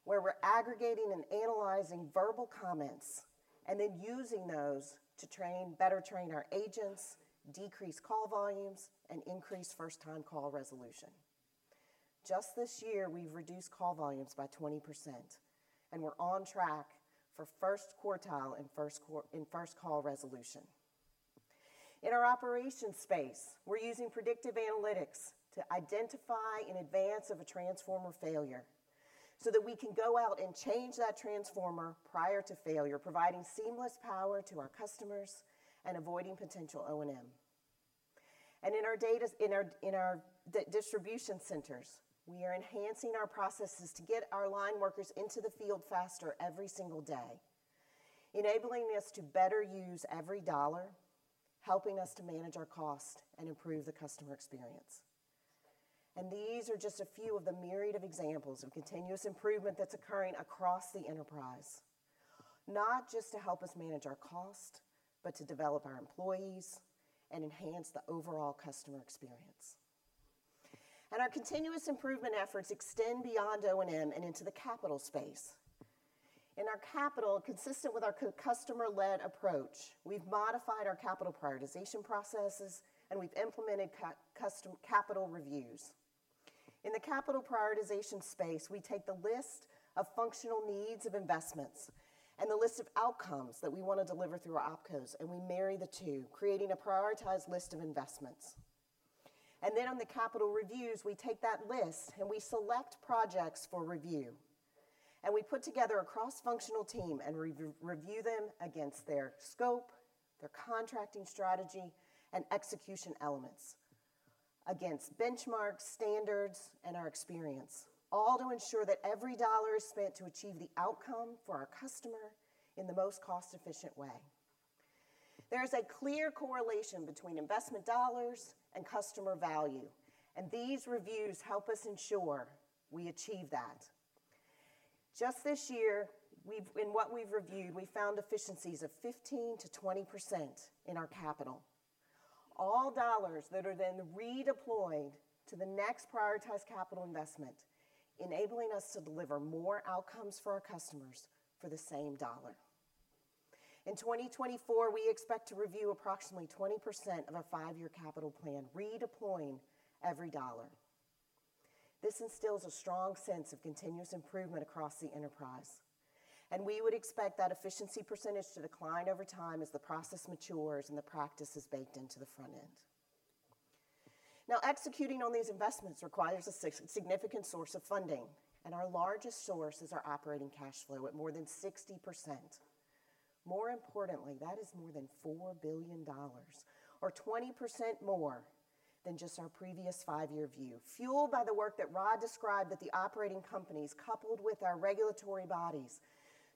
where we're aggregating and analyzing verbal comments and then using those to better train our agents, decrease call volumes, and increase first-time call resolution. Just this year, we've reduced call volumes by 20%, and we're on track for first quartile in first-call resolution. In our operations space, we're using predictive analytics to identify in advance of a transformer failure so that we can go out and change that transformer prior to failure, providing seamless power to our customers and avoiding potential O&M. In our distribution centers, we are enhancing our processes to get our line workers into the field faster every single day, enabling us to better use every dollar, helping us to manage our cost and improve the customer experience. These are just a few of the myriad of examples of continuous improvement that's occurring across the enterprise, not just to help us manage our cost, but to develop our employees and enhance the overall customer experience. Our continuous improvement efforts extend beyond O&M and into the capital space. In our capital, consistent with our customer-led approach, we've modified our capital prioritization processes, and we've implemented capital reviews. In the capital prioritization space, we take the list of functional needs of investments and the list of outcomes that we want to deliver through our opcos, and we marry the two, creating a prioritized list of investments. Then on the capital reviews, we take that list and we select projects for review. We put together a cross-functional team and review them against their scope, their contracting strategy, and execution elements, against benchmarks, standards, and our experience, all to ensure that every dollar is spent to achieve the outcome for our customer in the most cost-efficient way. There is a clear correlation between investment dollars and customer value, and these reviews help us ensure we achieve that. Just this year, in what we've reviewed, we found efficiencies of 15%-20% in our capital, all dollars that are then redeployed to the next prioritized capital investment, enabling us to deliver more outcomes for our customers for the same dollar. In 2024, we expect to review approximately 20% of our 5-year capital plan, redeploying every dollar. This instills a strong sense of continuous improvement across the enterprise. We would expect that efficiency percentage to decline over time as the process matures and the practice is baked into the front end. Now, executing on these investments requires a significant source of funding, and our largest source is our operating cash flow at more than 60%. More importantly, that is more than $4 billion, or 20% more than just our previous five-year view, fueled by the work that Rod described at the operating companies, coupled with our regulatory bodies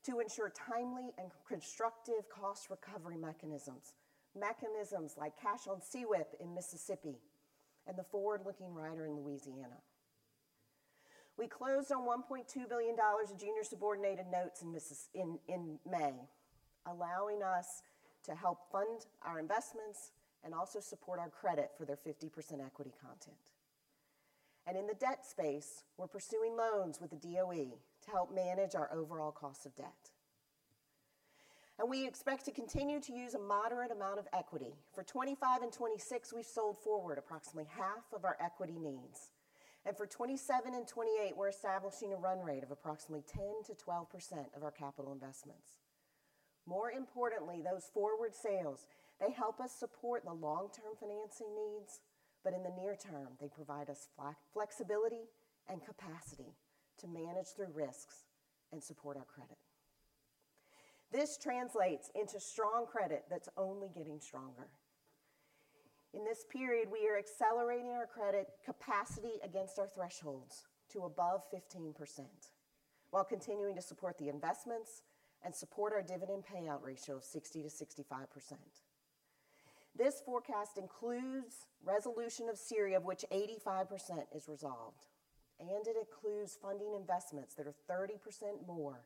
to ensure timely and constructive cost recovery mechanisms, mechanisms like cash on CWIP in Mississippi and the forward-looking rider in Louisiana. We closed on $1.2 billion in junior subordinated notes in May, allowing us to help fund our investments and also support our credit for their 50% equity content. And in the debt space, we're pursuing loans with the DOE to help manage our overall cost of debt. And we expect to continue to use a moderate amount of equity. For 2025 and 2026, we've sold forward approximately half of our equity needs. And for 2027 and 2028, we're establishing a run rate of approximately 10%-12% of our capital investments. More importantly, those forward sales, they help us support the long-term financing needs, but in the near-term, they provide us flexibility and capacity to manage through risks and support our credit. This translates into strong credit that's only getting stronger. In this period, we are accelerating our credit capacity against our thresholds to above 15% while continuing to support the investments and support our dividend payout ratio of 60%-65%. This forecast includes resolution of SERI, of which 85% is resolved. It includes funding investments that are 30% more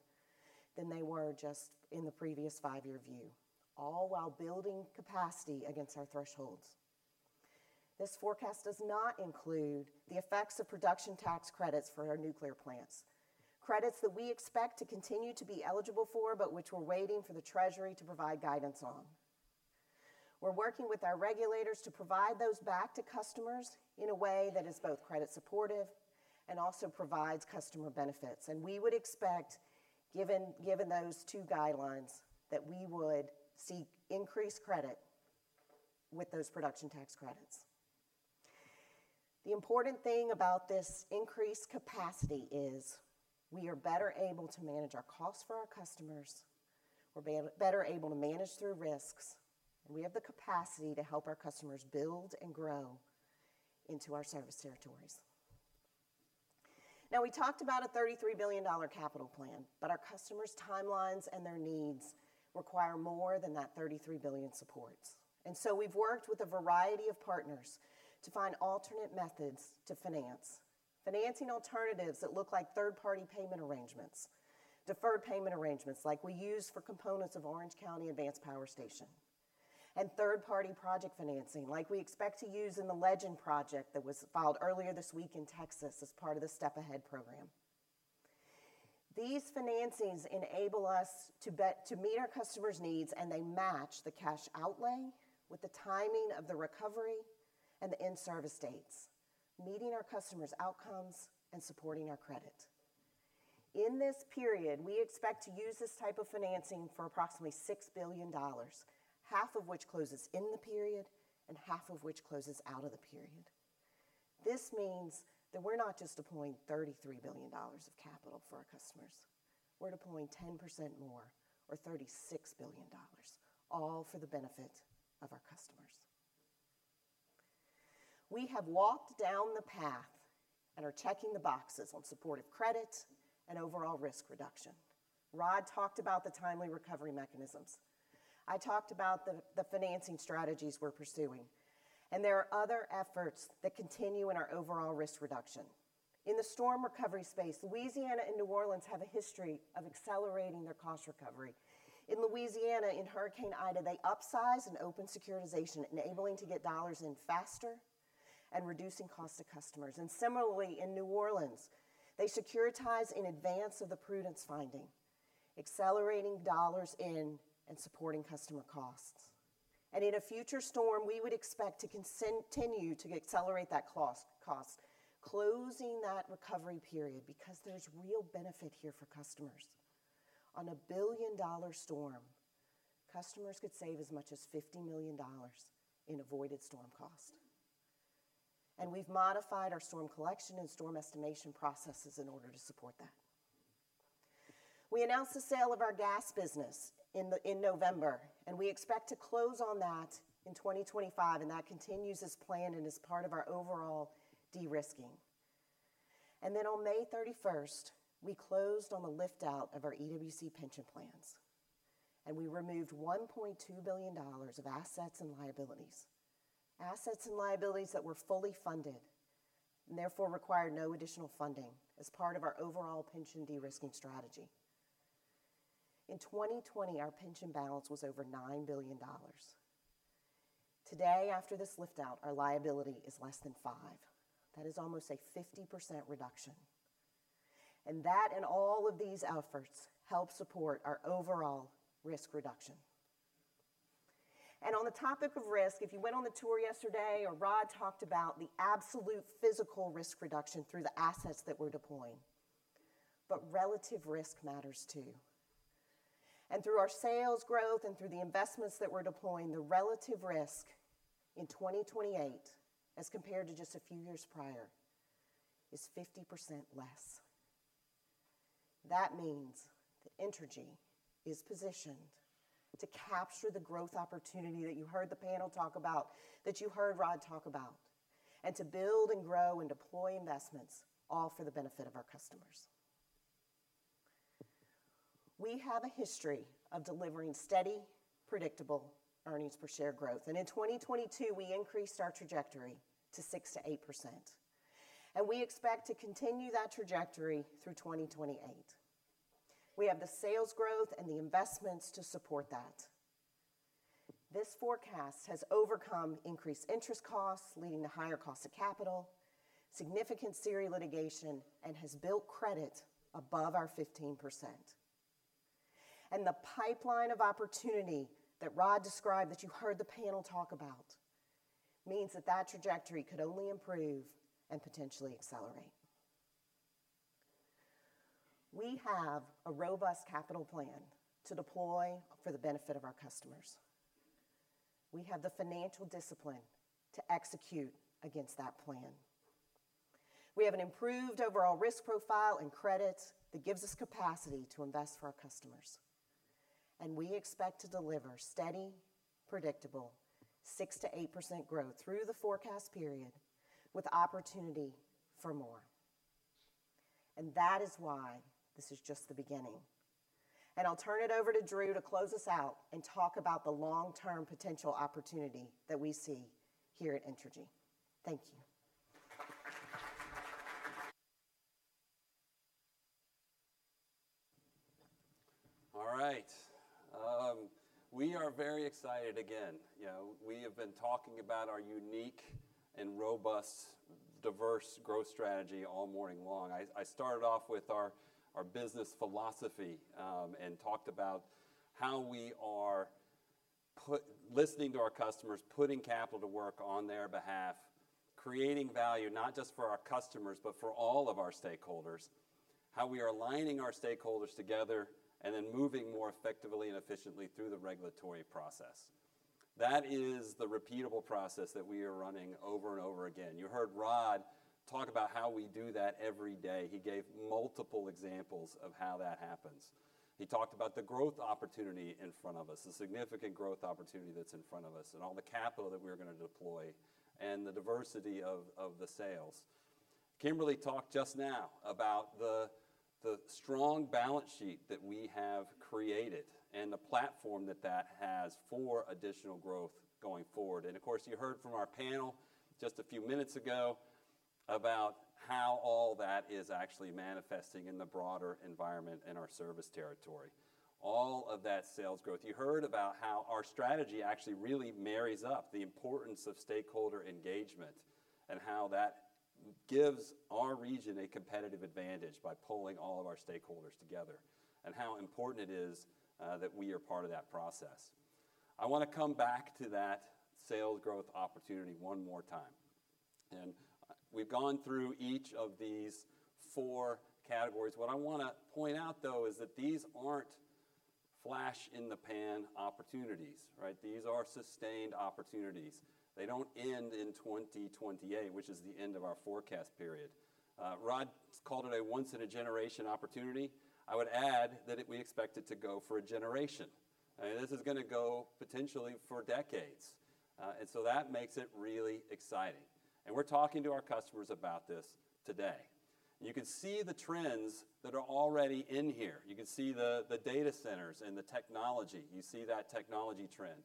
than they were just in the previous five-year view, all while building capacity against our thresholds. This forecast does not include the effects of production tax credits for our nuclear plants, credits that we expect to continue to be eligible for, but which we're waiting for the Treasury to provide guidance on. We're working with our regulators to provide those back to customers in a way that is both credit-supportive and also provides customer benefits. We would expect, given those two guidelines, that we would see increased credit with those production tax credits. The important thing about this increased capacity is we are better able to manage our costs for our customers. We're better able to manage through risks, and we have the capacity to help our customers build and grow into our service territories. Now, we talked about a $33 billion capital plan, but our customers' timelines and their needs require more than that $33 billion supports. And so we've worked with a variety of partners to find alternate methods to finance, financing alternatives that look like third-party payment arrangements, deferred payment arrangements like we use for components of Orange County Advanced Power Station, and third-party project financing like we expect to use in the Legend project that was filed earlier this week in Texas as part of the STEP Ahead program. These financings enable us to meet our customers' needs, and they match the cash outlay with the timing of the recovery and the in-service dates, meeting our customers' outcomes and supporting our credit. In this period, we expect to use this type of financing for approximately $6 billion, half of which closes in the period and half of which closes out of the period. This means that we're not just deploying $33 billion of capital for our customers. We're deploying 10% more, or $36 billion, all for the benefit of our customers. We have walked down the path and are checking the boxes on supportive credit and overall risk reduction. Rod talked about the timely recovery mechanisms. I talked about the financing strategies we're pursuing. There are other efforts that continue in our overall risk reduction. In the storm recovery space, Louisiana and New Orleans have a history of accelerating their cost recovery. In Louisiana, in Hurricane Ida, they upsized and opened securitization, enabling to get dollars in faster and reducing costs to customers. Similarly, in New Orleans, they securitized in advance of the prudence finding, accelerating dollars in and supporting customer costs. In a future storm, we would expect to continue to accelerate that cost, closing that recovery period because there's real benefit here for customers. On a billion-dollar storm, customers could save as much as $50 million in avoided storm cost. We've modified our storm collection and storm estimation processes in order to support that. We announced the sale of our gas business in November, and we expect to close on that in 2025, and that continues as planned and is part of our overall de-risking. Then on May 31st, we closed on the liftout of our EWC pension plans, and we removed $1.2 billion of assets and liabilities, assets and liabilities that were fully funded and therefore required no additional funding as part of our overall pension de-risking strategy. In 2020, our pension balance was over $9 billion. Today, after this liftout, our liability is less than $5 billion. That is almost a 50% reduction. That and all of these efforts help support our overall risk reduction. On the topic of risk, if you went on the tour yesterday, Rod talked about the absolute physical risk reduction through the assets that we're deploying. But relative risk matters too. Through our sales growth and through the investments that we're deploying, the relative risk in 2028, as compared to just a few years prior, is 50% less. That means Entergy is positioned to capture the growth opportunity that you heard the panel talk about, that you heard Rod talk about, and to build and grow and deploy investments, all for the benefit of our customers. We have a history of delivering steady, predictable earnings per share growth. In 2022, we increased our trajectory to 6%-8%. We expect to continue that trajectory through 2028. We have the sales growth and the investments to support that. This forecast has overcome increased interest costs, leading to higher costs of capital, significant SERI litigation, and has built credit above our 15%. The pipeline of opportunity that Rod described that you heard the panel talk about means that that trajectory could only improve and potentially accelerate. We have a robust capital plan to deploy for the benefit of our customers. We have the financial discipline to execute against that plan. We have an improved overall risk profile and credit that gives us capacity to invest for our customers. We expect to deliver steady, predictable 6%-8% growth through the forecast period with opportunity for more. That is why this is just the beginning. I'll turn it over to Drew to close us out and talk about the long-term potential opportunity that we see here at Entergy. Thank you. All right. We are very excited again. We have been talking about our unique and robust, diverse growth strategy all morning long. I started off with our business philosophy and talked about how we are listening to our customers, putting capital to work on their behalf, creating value not just for our customers, but for all of our stakeholders, how we are aligning our stakeholders together and then moving more effectively and efficiently through the regulatory process. That is the repeatable process that we are running over and over again. You heard Rod talk about how we do that every day. He gave multiple examples of how that happens. He talked about the growth opportunity in front of us, the significant growth opportunity that's in front of us, and all the capital that we're going to deploy, and the diversity of the sales. Kimberly talked just now about the strong balance sheet that we have created and the platform that that has for additional growth going forward. And of course, you heard from our panel just a few minutes ago about how all that is actually manifesting in the broader environment and our service territory. All of that sales growth. You heard about how our strategy actually really marries up the importance of stakeholder engagement and how that gives our region a competitive advantage by pulling all of our stakeholders together and how important it is that we are part of that process. I want to come back to that sales growth opportunity one more time. And we've gone through each of these four categories. What I want to point out, though, is that these aren't flash-in-the-pan opportunities. These are sustained opportunities. They don't end in 2028, which is the end of our forecast period. Rod called it a once-in-a-generation opportunity. I would add that we expect it to go for a generation. This is going to go potentially for decades. And so that makes it really exciting. And we're talking to our customers about this today. You can see the trends that are already in here. You can see the data centers and the technology. You see that technology trend.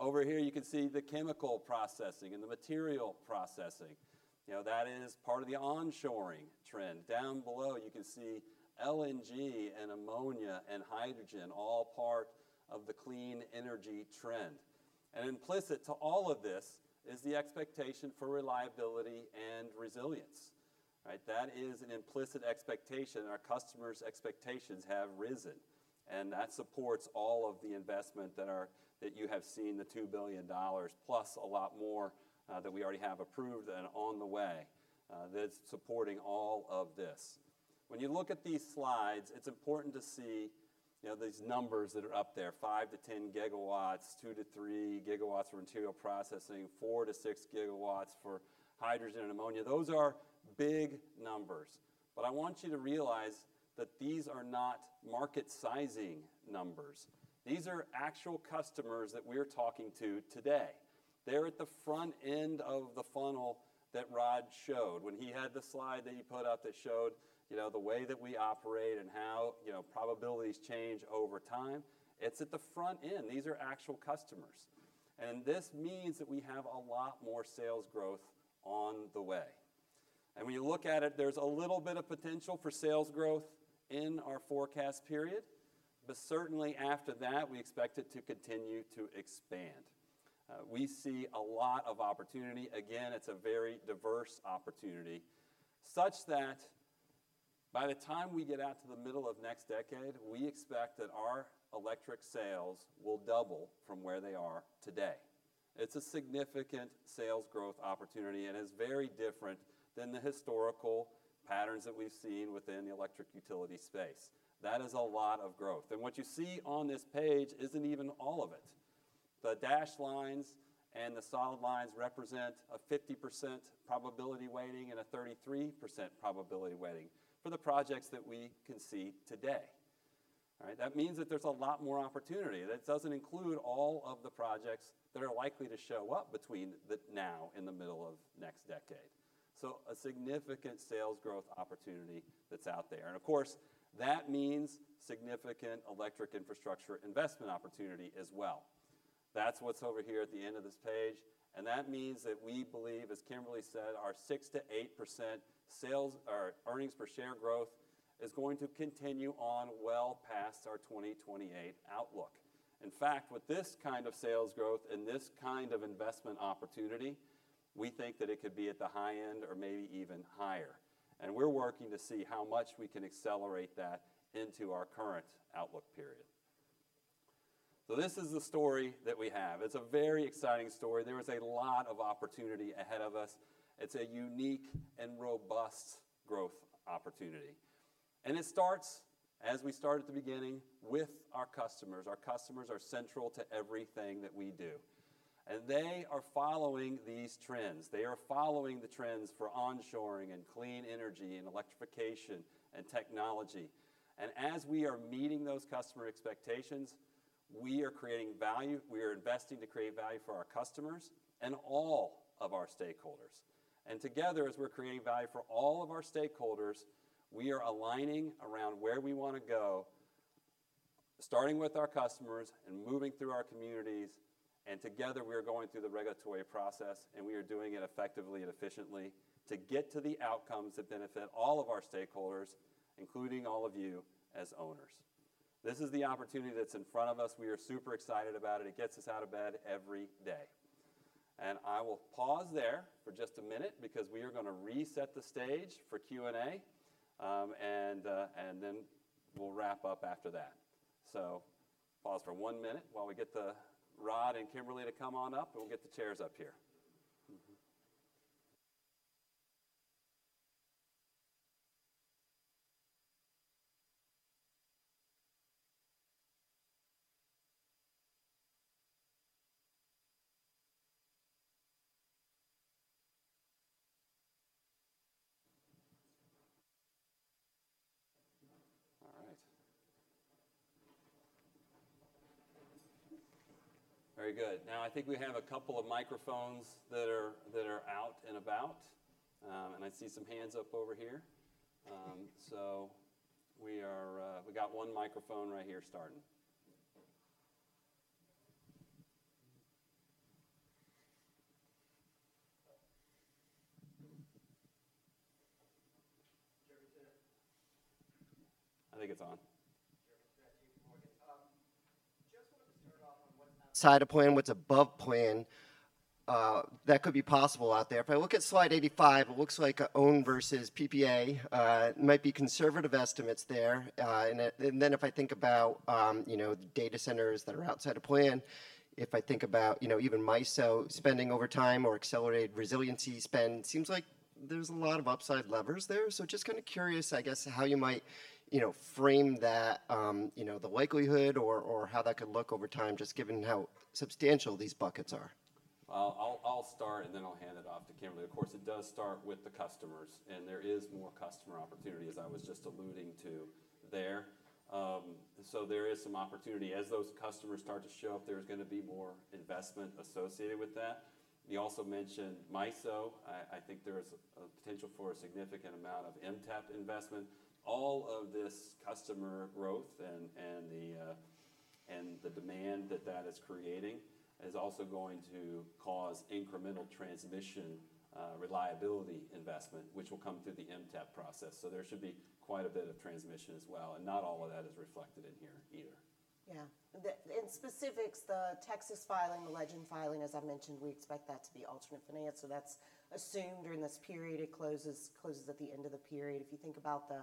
Over here, you can see the chemical processing and the material processing. That is part of the onshoring trend. Down below, you can see LNG and ammonia and hydrogen, all part of the clean energy trend. And implicit to all of this is the expectation for reliability and resilience. That is an implicit expectation. Our customers' expectations have risen. And that supports all of the investment that you have seen, the $2 billion, plus a lot more that we already have approved and on the way that's supporting all of this. When you look at these slides, it's important to see these numbers that are up there: 5-10 GW, 2-3 GW for material processing, 4-6 GW for hydrogen and ammonia. Those are big numbers. But I want you to realize that these are not market-sizing numbers. These are actual customers that we are talking to today. They're at the front end of the funnel that Rod showed when he had the slide that he put up that showed the way that we operate and how probabilities change over time. It's at the front end. These are actual customers. And this means that we have a lot more sales growth on the way. When you look at it, there's a little bit of potential for sales growth in our forecast period. But certainly after that, we expect it to continue to expand. We see a lot of opportunity. Again, it's a very diverse opportunity such that by the time we get out to the middle of next decade, we expect that our electric sales will double from where they are today. It's a significant sales growth opportunity and is very different than the historical patterns that we've seen within the electric utility space. That is a lot of growth. And what you see on this page isn't even all of it. The dashed lines and the solid lines represent a 50% probability weighting and a 33% probability weighting for the projects that we can see today. That means that there's a lot more opportunity. That doesn't include all of the projects that are likely to show up between now and the middle of next decade. So a significant sales growth opportunity that's out there. And of course, that means significant electric infrastructure investment opportunity as well. That's what's over here at the end of this page. And that means that we believe, as Kimberly said, our 6%-8% earnings per share growth is going to continue on well past our 2028 outlook. In fact, with this kind of sales growth and this kind of investment opportunity, we think that it could be at the high end or maybe even higher. And we're working to see how much we can accelerate that into our current outlook period. So this is the story that we have. It's a very exciting story. There is a lot of opportunity ahead of us. It's a unique and robust growth opportunity. And it starts, as we started at the beginning, with our customers. Our customers are central to everything that we do. And they are following these trends. They are following the trends for onshoring and clean energy and electrification and technology. And as we are meeting those customer expectations, we are creating value. We are investing to create value for our customers and all of our stakeholders. And together, as we're creating value for all of our stakeholders, we are aligning around where we want to go, starting with our customers and moving through our communities. And together, we are going through the regulatory process, and we are doing it effectively and efficiently to get to the outcomes that benefit all of our stakeholders, including all of you as owners. This is the opportunity that's in front of us. We are super excited about it. It gets us out of bed every day. I will pause there for just a minute because we are going to reset the stage for Q&A, and then we'll wrap up after that. Pause for one minute while we get Rod and Kimberly to come on up, and we'll get the chairs up here. All right. Very good. Now, I think we have a couple of microphones that are out and about. I see some hands up over here. We got one microphone right here starting. I think it's on. Just wanted to start off on what's outside of plan, what's above plan that could be possible out there. If I look at slide 85, it looks like owned versus PPA. It might be conservative estimates there. And then if I think about data centers that are outside of plan, if I think about even MISO spending over time or accelerated resiliency spend, it seems like there's a lot of upside levers there. So just kind of curious, I guess, how you might frame the likelihood or how that could look over time, just given how substantial these buckets are. I'll start, and then I'll hand it off to Kimberly. Of course, it does start with the customers. And there is more customer opportunity, as I was just alluding to there. So there is some opportunity. As those customers start to show up, there's going to be more investment associated with that. You also mentioned MISO. I think there is a potential for a significant amount of MTEP investment. All of this customer growth and the demand that that is creating is also going to cause incremental transmission reliability investment, which will come through the MTEP process. So there should be quite a bit of transmission as well. And not all of that is reflected in here either. Yeah. In specifics, the Texas filing, the Legend filing, as I mentioned, we expect that to be alternate finance. So that's assumed during this period. It closes at the end of the period. If you think about the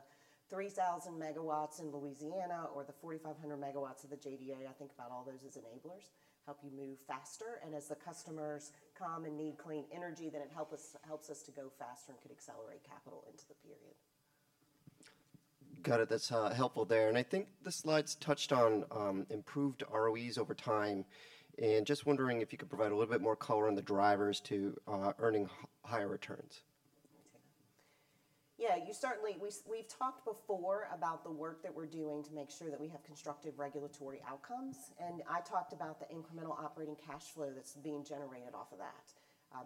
3,000 MW in Louisiana or the 4,500 MW of the JDA, I think about all those as enablers, help you move faster. And as the customers come and need clean energy, then it helps us to go faster and could accelerate capital into the period. Got it. That's helpful there. And I think the slides touched on improved ROEs over time. Just wondering if you could provide a little bit more color on the drivers to earning higher returns. Yeah. We've talked before about the work that we're doing to make sure that we have constructive regulatory outcomes. I talked about the incremental operating cash flow that's being generated off of that.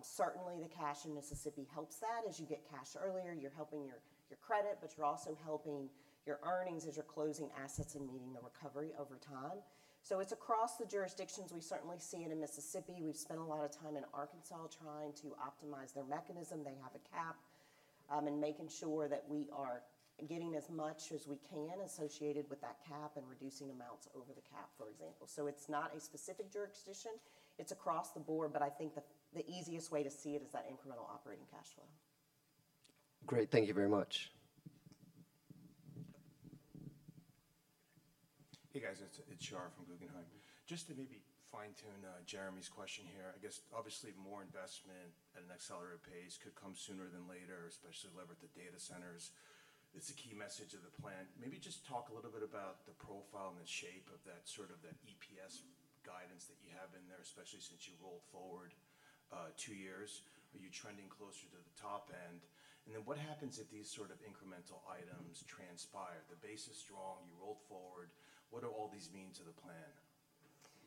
Certainly, the cash in Mississippi helps that. As you get cash earlier, you're helping your credit, but you're also helping your earnings as you're closing assets and meeting the recovery over time. It's across the jurisdictions. We certainly see it in Mississippi. We've spent a lot of time in Arkansas trying to optimize their mechanism. They have a cap and making sure that we are getting as much as we can associated with that cap and reducing amounts over the cap, for example. It's not a specific jurisdiction. It's across the board. But I think the easiest way to see it is that incremental operating cash flow. Great. Thank you very much. Hey, guys. It's Shar from Guggenheim. Just to maybe fine-tune Jeremy's question here, I guess, obviously, more investment at an accelerated pace could come sooner than later, especially leverage at the data centers. It's a key message of the plan. Maybe just talk a little bit about the profile and the shape of that sort of EPS guidance that you have in there, especially since you rolled forward two years. Are you trending closer to the top end? And then what happens if these sort of incremental items transpire? The base is strong. You rolled forward. What do all these mean to the plan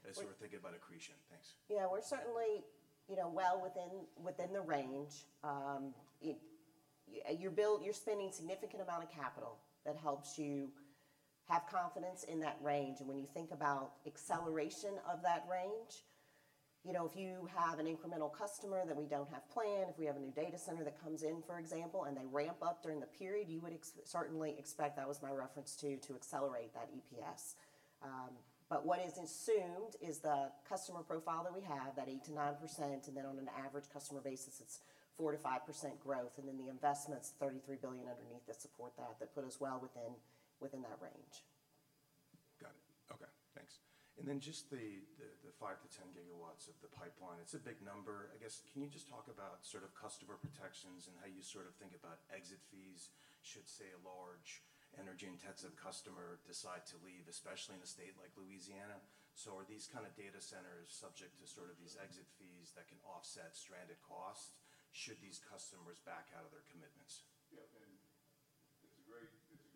as we're thinking about accretion? Thanks. Yeah. We're certainly well within the range. You're spending a significant amount of capital that helps you have confidence in that range. And when you think about acceleration of that range, if you have an incremental customer that we don't have planned, if we have a new data center that comes in, for example, and they ramp up during the period, you would certainly expect that was my reference to accelerate that EPS. But what is assumed is the customer profile that we have, that 8%-9%, and then on an average customer basis, it's 4%-5% growth. And then the investments, $33 billion underneath that support that, that put us well within that range. Got it. Okay. Thanks. And then just the 5-10 GW of the pipeline. It's a big number. I guess, can you just talk about sort of customer protections and how you sort of think about exit fees should, say, a large energy-intensive customer decide to leave, especially in a state like Louisiana? So are these kind of data centers subject to sort of these exit fees that can offset stranded costs? Should these customers back out of their commitments? Yeah. And it's a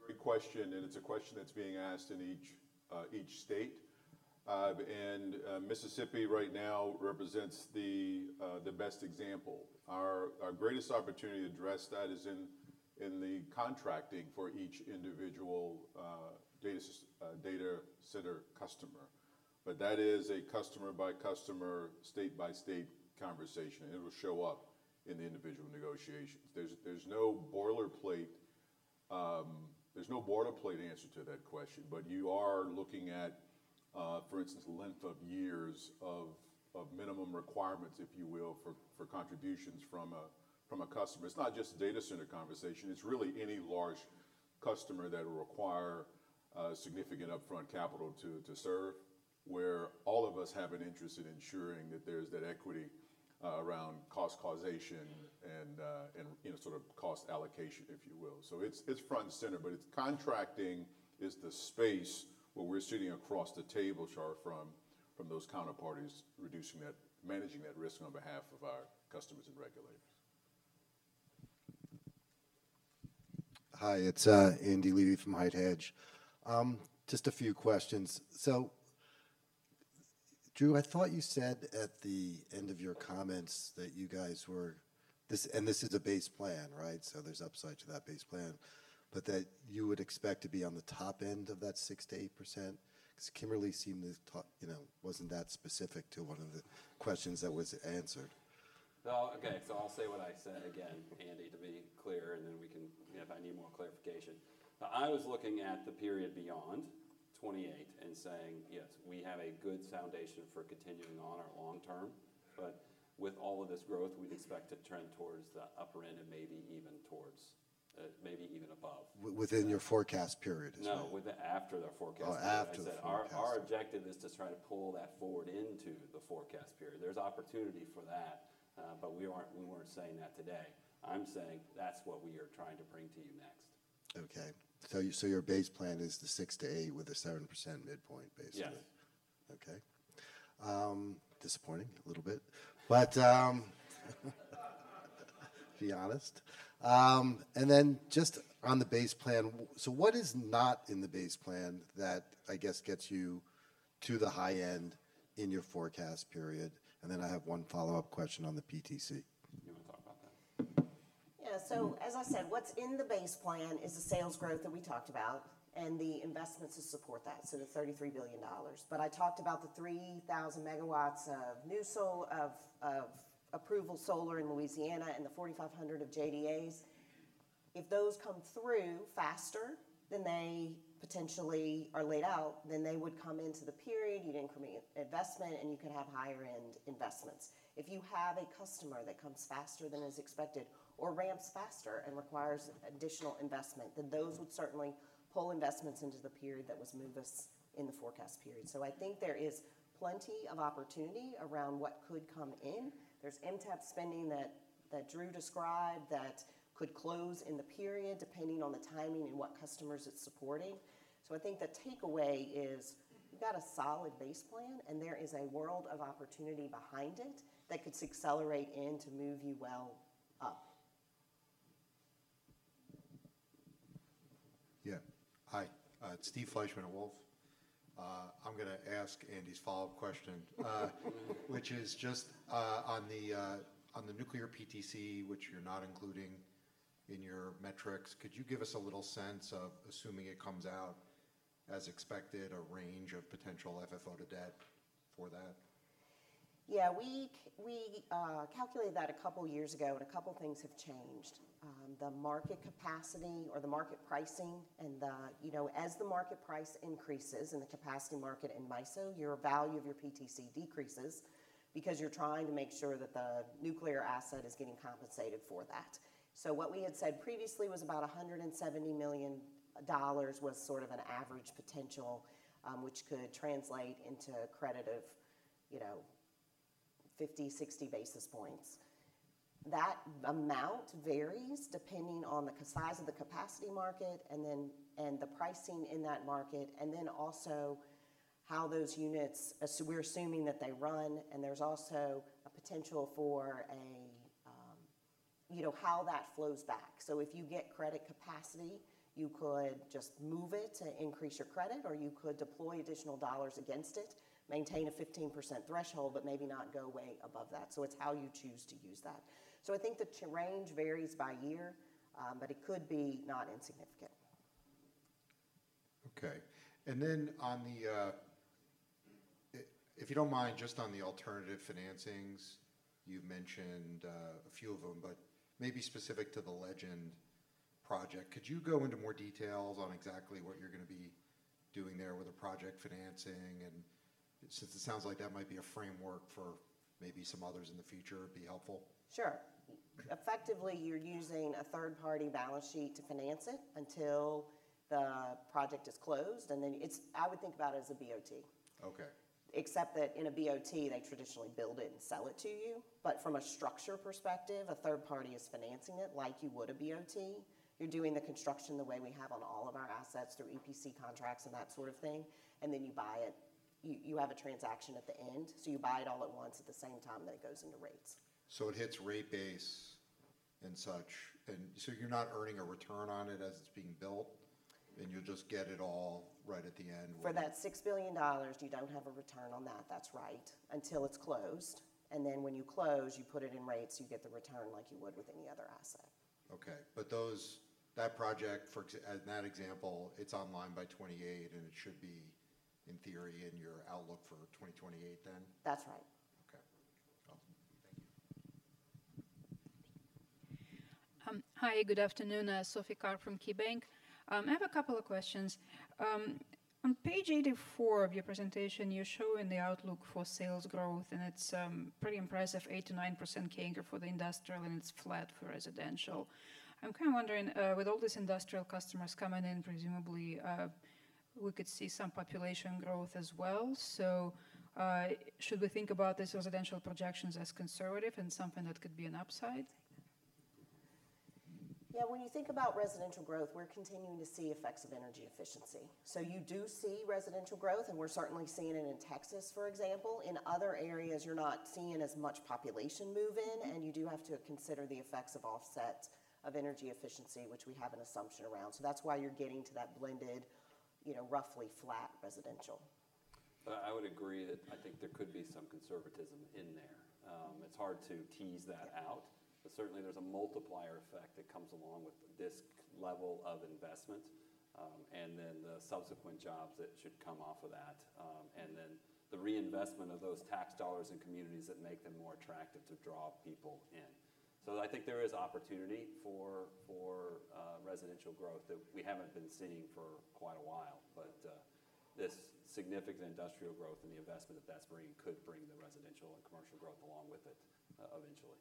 great question. And it's a question that's being asked in each state. And Mississippi right now represents the best example. Our greatest opportunity to address that is in the contracting for each individual data center customer. But that is a customer-by-customer, state-by-state conversation. It'll show up in the individual negotiations. There's no boilerplate answer to that question. But you are looking at, for instance, length of years of minimum requirements, if you will, for contributions from a customer. It's not just a data center conversation. It's really any large customer that will require significant upfront capital to serve, where all of us have an interest in ensuring that there's that equity around cost causation and sort of cost allocation, if you will. So it's front and center. But it's contracting is the space where we're sitting across the table from those counterparties, managing that risk on behalf of our customers and regulators. Hi. It's Andy Levi from HITE Hedge. Just a few questions. So, Drew, I thought you said at the end of your comments that you guys were—and this is a base plan, right? So there's upside to that base plan—but that you would expect to be on the top end of that 6%-8% because Kimberly seemed to wasn't that specific to one of the questions that was answered. Okay. So I'll say what I said again, Andy, to be clear, and then we can, if I need more clarification. I was looking at the period beyond 2028 and saying, yes, we have a good foundation for continuing on our long-term. But with all of this growth, we'd expect to trend towards the upper end and maybe even towards, maybe even above. Within your forecast period, is that? No, after the forecast period. Our objective is to try to pull that forward into the forecast period. There's opportunity for that, but we weren't saying that today. I'm saying that's what we are trying to bring to you next. Okay. So your base plan is the 6%-8% with a 7% midpoint, basically. Yeah. Okay. Disappointing a little bit, but be honest. Then just on the base plan, so what is not in the base plan that, I guess, gets you to the high end in your forecast period? And then I have one follow-up question on the PTC. You want to talk about that? Yeah. So, as I said, what's in the base plan is the sales growth that we talked about and the investments to support that, so the $33 billion. But I talked about the 3,000 MW of approved solar in Louisiana and the 4,500 MW of JDAs. If those come through faster than they potentially are laid out, then they would come into the period, you'd increment investment, and you could have higher-end investments. If you have a customer that comes faster than is expected or ramps faster and requires additional investment, then those would certainly pull investments into the period that was moved us in the forecast period. So I think there is plenty of opportunity around what could come in. There's MTEP spending that Drew described that could close in the period depending on the timing and what customers it's supporting. So I think the takeaway is you've got a solid base plan, and there is a world of opportunity behind it that could accelerate in to move you well up. Yeah. Hi. It's Steve Fleishman of Wolfe. I'm going to ask Andy's follow-up question, which is just on the nuclear PTC, which you're not including in your metrics. Could you give us a little sense of, assuming it comes out as expected, a range of potential FFO to debt for that? Yeah. We calculated that a couple of years ago, and a couple of things have changed. The market capacity or the market pricing and the, as the market price increases in the capacity market in MISO, your value of your PTC decreases because you're trying to make sure that the nuclear asset is getting compensated for that. So what we had said previously was about $170 million was sort of an average potential, which could translate into credit of 50-60 basis points. That amount varies depending on the size of the capacity market and the pricing in that market, and then also how those units—we're assuming that they run. And there's also a potential for how that flows back. So if you get credit capacity, you could just move it to increase your credit, or you could deploy additional dollars against it, maintain a 15% threshold, but maybe not go way above that. So it's how you choose to use that. So I think the range varies by year, but it could be not insignificant. Okay. And then if you don't mind, just on the alternative financings, you mentioned a few of them, but maybe specific to the Legend project. Could you go into more details on exactly what you're going to be doing there with the project financing? And since it sounds like that might be a framework for maybe some others in the future, it would be helpful. Sure. Effectively, you're using a third-party balance sheet to finance it until the project is closed. And then I would think about it as a BOT. Except that in a BOT, they traditionally build it and sell it to you. But from a structure perspective, a third party is financing it like you would a BOT. You're doing the construction the way we have on all of our assets through EPC contracts and that sort of thing. And then you buy it. You have a transaction at the end. So you buy it all at once at the same time that it goes into rates. So it hits rate base and such. And so you're not earning a return on it as it's being built, and you'll just get it all right at the end. For that $6 billion, you don't have a return on that. That's right until it's closed. And then when you close, you put it in rates. You get the return like you would with any other asset. Okay. But that project, in that example, it's online by 2028, and it should be, in theory, in your outlook for 2028 then? That's right. Okay. Awesome. Thank you. Hi. Good afternoon. Sophie Karp from KeyBanc. I have a couple of questions. On page 84 of your presentation, you're showing the outlook for sales growth, and it's pretty impressive. 8%-9% CAGR for the industrial, and it's flat for residential. I'm kind of wondering, with all these industrial customers coming in, presumably, we could see some population growth as well. So should we think about these residential projections as conservative and something that could be an upside? Yeah. When you think about residential growth, we're continuing to see effects of energy efficiency. So you do see residential growth, and we're certainly seeing it in Texas, for example. In other areas, you're not seeing as much population move in, and you do have to consider the effects of offset of energy efficiency, which we have an assumption around. So that's why you're getting to that blended, roughly flat residential. I would agree that I think there could be some conservatism in there. It's hard to tease that out, but certainly, there's a multiplier effect that comes along with this level of investment and then the subsequent jobs that should come off of that and then the reinvestment of those tax dollars in communities that make them more attractive to draw people in. So I think there is opportunity for residential growth that we haven't been seeing for quite a while. But this significant industrial growth and the investment that that's bringing could bring the residential and commercial growth along with it eventually.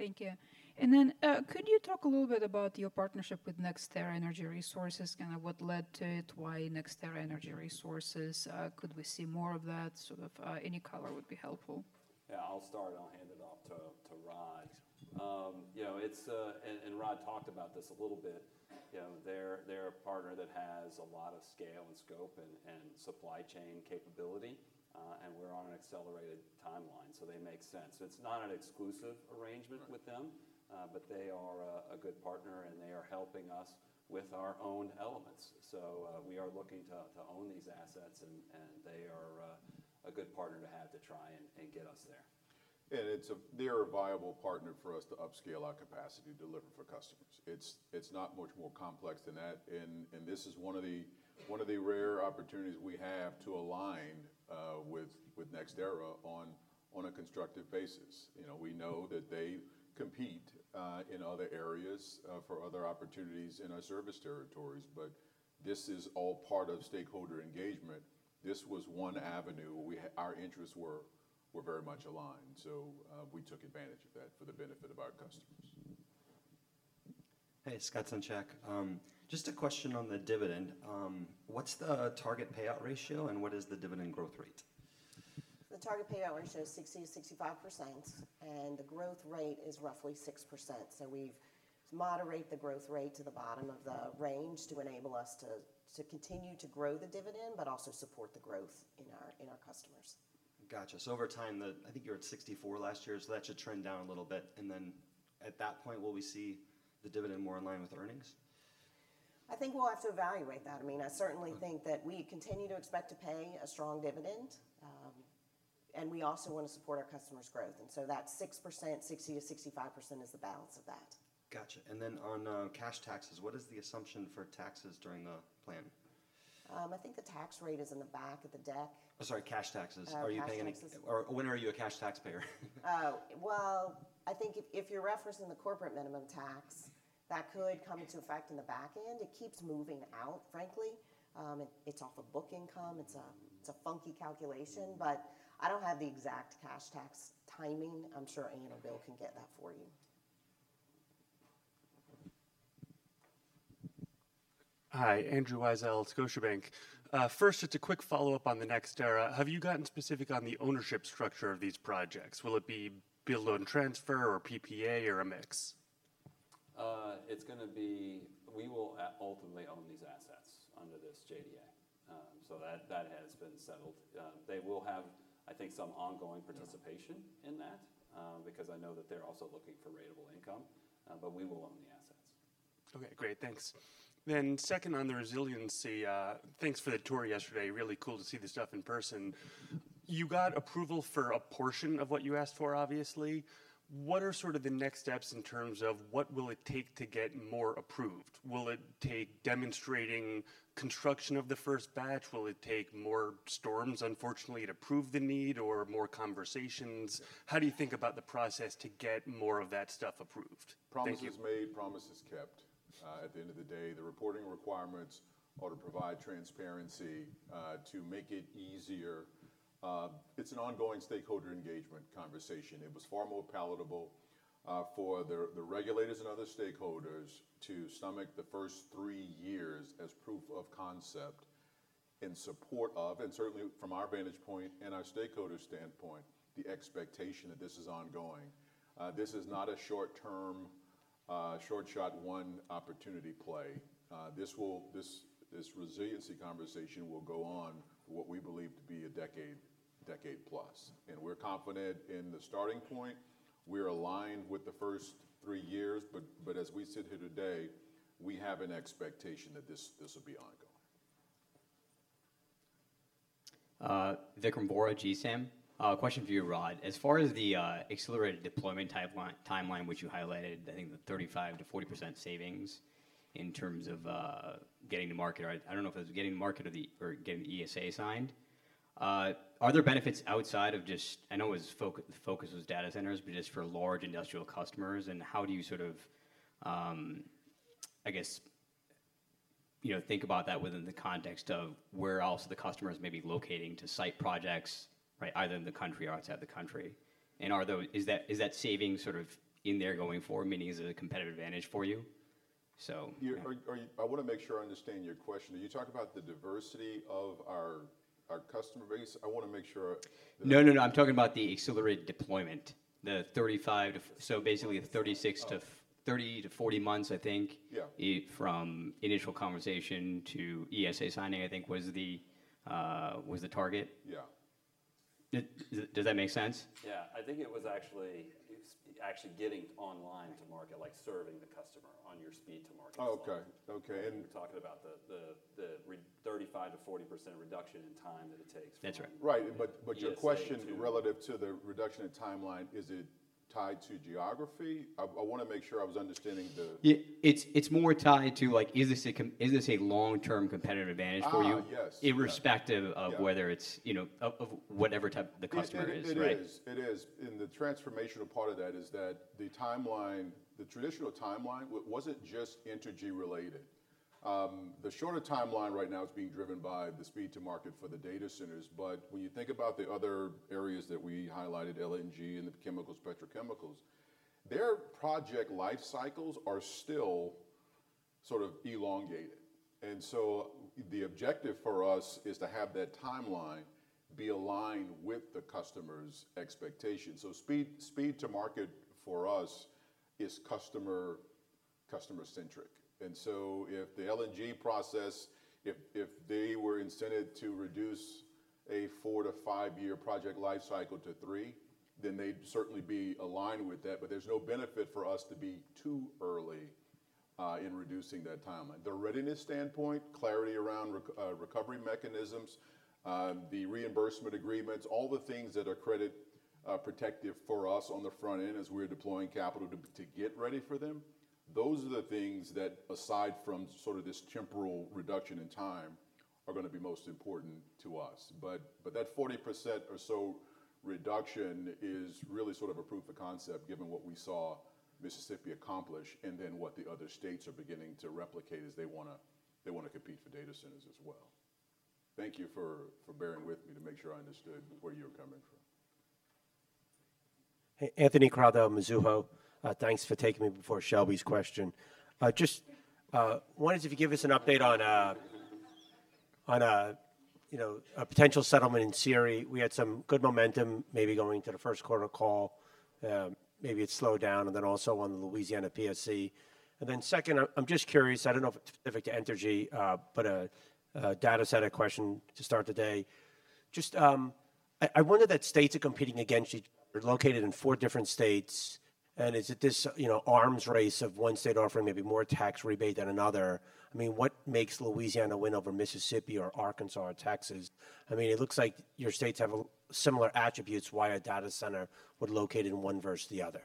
Thank you. And then could you talk a little bit about your partnership with NextEra Energy Resources? Kind of what led to it? Why NextEra Energy Resources? Could we see more of that? Sort of any color would be helpful. Yeah. I'll start. I'll hand it off to Rod. Rod talked about this a little bit. They're a partner that has a lot of scale and scope and supply chain capability, and we're on an accelerated timeline, so they make sense. It's not an exclusive arrangement with them, but they are a good partner, and they are helping us with our owned elements. We are looking to own these assets, and they are a good partner to have to try and get us there. They are a viable partner for us to upscale our capacity delivered for customers. It's not much more complex than that. This is one of the rare opportunities we have to align with NextEra on a constructive basis. We know that they compete in other areas for other opportunities in our service territories, but this is all part of stakeholder engagement. This was one avenue where our interests were very much aligned. So we took advantage of that for the benefit of our customers. Hey, Scott Senchak. Just a question on the dividend. What's the target payout ratio, and what is the dividend growth rate? The target payout ratio is 60%-65%, and the growth rate is roughly 6%. So we've moderated the growth rate to the bottom of the range to enable us to continue to grow the dividend but also support the growth in our customers. Gotcha. So over time, I think you were at 64 last year. So that should trend down a little bit. And then at that point, will we see the dividend more in line with earnings? I think we'll have to evaluate that. I mean, I certainly think that we continue to expect to pay a strong dividend, and we also want to support our customers' growth. And so that 6%, 60%-65%, is the balance of that. Gotcha. And then on cash taxes, what is the assumption for taxes during the plan? I think the tax rate is in the back of the deck. I'm sorry. Cash taxes. Are you paying any? When are you a cash taxpayer? Well, I think if you're referencing the corporate minimum tax, that could come into effect in the back end. It keeps moving out, frankly. It's off of book income. It's a funky calculation, but I don't have the exact cash tax timing. I'm sure Anne or Bill can get that for you. Hi. Andrew Weisel, Scotiabank. First, just a quick follow-up on the NextEra. Have you gotten specific on the ownership structure of these projects? Will it be billed on transfer or PPA or a mix? It's going to be we will ultimately own these assets under this JDA. So that has been settled. They will have, I think, some ongoing participation in that because I know that they're also looking for ratable income, but we will own the assets. Okay. Great. Thanks. Then second on the resiliency, thanks for the tour yesterday. Really cool to see the stuff in person. You got approval for a portion of what you asked for, obviously. What are sort of the next steps in terms of what will it take to get more approved? Will it take demonstrating construction of the first batch? Will it take more storms, unfortunately, to prove the need or more conversations? How do you think about the process to get more of that stuff approved? Promise is made, promise is kept. At the end of the day, the reporting requirements ought to provide transparency to make it easier. It's an ongoing stakeholder engagement conversation. It was far more palatable for the regulators and other stakeholders to stomach the first three years as proof of concept in support of, and certainly from our vantage point and our stakeholder standpoint, the expectation that this is ongoing. This is not a short-term, short-shot one opportunity play. This resiliency conversation will go on for what we believe to be a decade, decade-plus. We're confident in the starting point. We're aligned with the first three years, but as we sit here today, we have an expectation that this will be ongoing. Vikram Bora, GSAM. Question for you, Rod. As far as the accelerated deployment timeline, which you highlighted, I think the 35%-40% savings in terms of getting to market, I don't know if it was getting to market or getting the ESA signed. Are there benefits outside of just, I know the focus was data centers, but just for large industrial customers? And how do you sort of, I guess, think about that within the context of where else the customer is maybe locating to site projects, right, either in the country or outside the country? And is that saving sort of in there going forward, meaning is it a competitive advantage for you? So I want to make sure I understand your question. Are you talking about the diversity of our customer base? I want to make sure. No, no, no. I'm talking about the accelerated deployment. So basically, the 30-40 months, I think, from initial conversation to ESA signing, I think, was the target. Yeah. Does that make sense? Yeah. I think it was actually getting online to market, like serving the customer on your speed to market. Oh, okay. Okay. And we're talking about the 35%-40% reduction in time that it takes. That's right. Right. But your question relative to the reduction in timeline, is it tied to geography? I want to make sure I was understanding the. It's more tied to, is this a long-term competitive advantage for you? Yes. Irrespective of whether it's of whatever type the customer is, right? It is. It is. The transformational part of that is that the traditional timeline wasn't just energy-related. The shorter timeline right now is being driven by the speed to market for the data centers. But when you think about the other areas that we highlighted, LNG and the chemicals, petrochemicals, their project life cycles are still sort of elongated. And so the objective for us is to have that timeline be aligned with the customer's expectation. So speed to market for us is customer-centric. And so if the LNG process, if they were incented to reduce a 4- to 5-year project life cycle to 3, then they'd certainly be aligned with that. But there's no benefit for us to be too early in reducing that timeline. The readiness standpoint, clarity around recovery mechanisms, the reimbursement agreements, all the things that are credit-protective for us on the front end as we're deploying capital to get ready for them, those are the things that, aside from sort of this temporal reduction in time, are going to be most important to us. But that 40% or so reduction is really sort of a proof of concept given what we saw Mississippi accomplish and then what the other states are beginning to replicate as they want to compete for data centers as well. Thank you for bearing with me to make sure I understood where you were coming from. Anthony Crowdell, Mizuho, thanks for taking me before Shelby's question. Just wanted to give us an update on a potential settlement in SERI. We had some good momentum maybe going into the first quarter call. Maybe it slowed down, and then also on the Louisiana PSC. Then second, I'm just curious. I don't know if it's specific to Entergy, but a data center question to start the day. Just I wonder that states are competing against each other. You're located in four different states. And is it this arms race of one state offering maybe more tax rebate than another? I mean, what makes Louisiana win over Mississippi or Arkansas or Texas? I mean, it looks like your states have similar attributes. Why a data center would locate in one versus the other?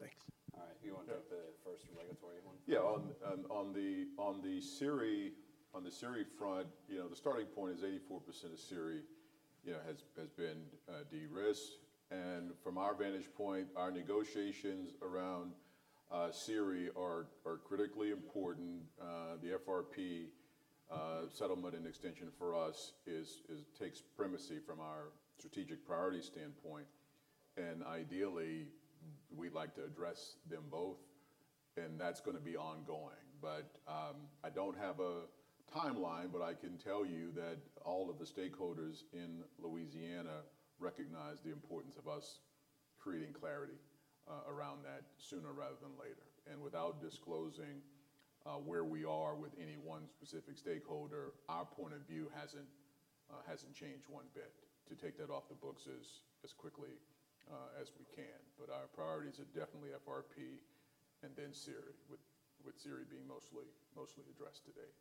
Thanks. All right. You want to go to the first regulatory one? Yeah. On the SERI front, the starting point is 84% of SERI has been de-risked. And from our vantage point, our negotiations around SERI are critically important. The FRP settlement and extension for us takes primacy from our strategic priority standpoint. Ideally, we'd like to address them both. That's going to be ongoing. But I don't have a timeline, but I can tell you that all of the stakeholders in Louisiana recognize the importance of us creating clarity around that sooner rather than later. Without disclosing where we are with any one specific stakeholder, our point of view hasn't changed one bit to take that off the books as quickly as we can. Our priorities are definitely FRP and then SERI, with SERI being mostly addressed to date.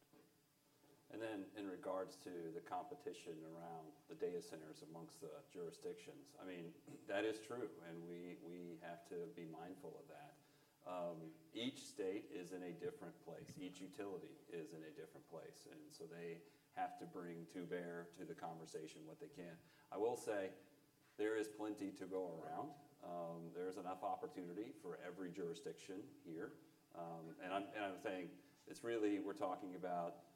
In regards to the competition around the data centers amongst the jurisdictions, I mean, that is true, and we have to be mindful of that. Each state is in a different place. Each utility is in a different place. And so they have to bring to bear to the conversation what they can. I will say there is plenty to go around. There is enough opportunity for every jurisdiction here. And I'm saying it's really we're talking about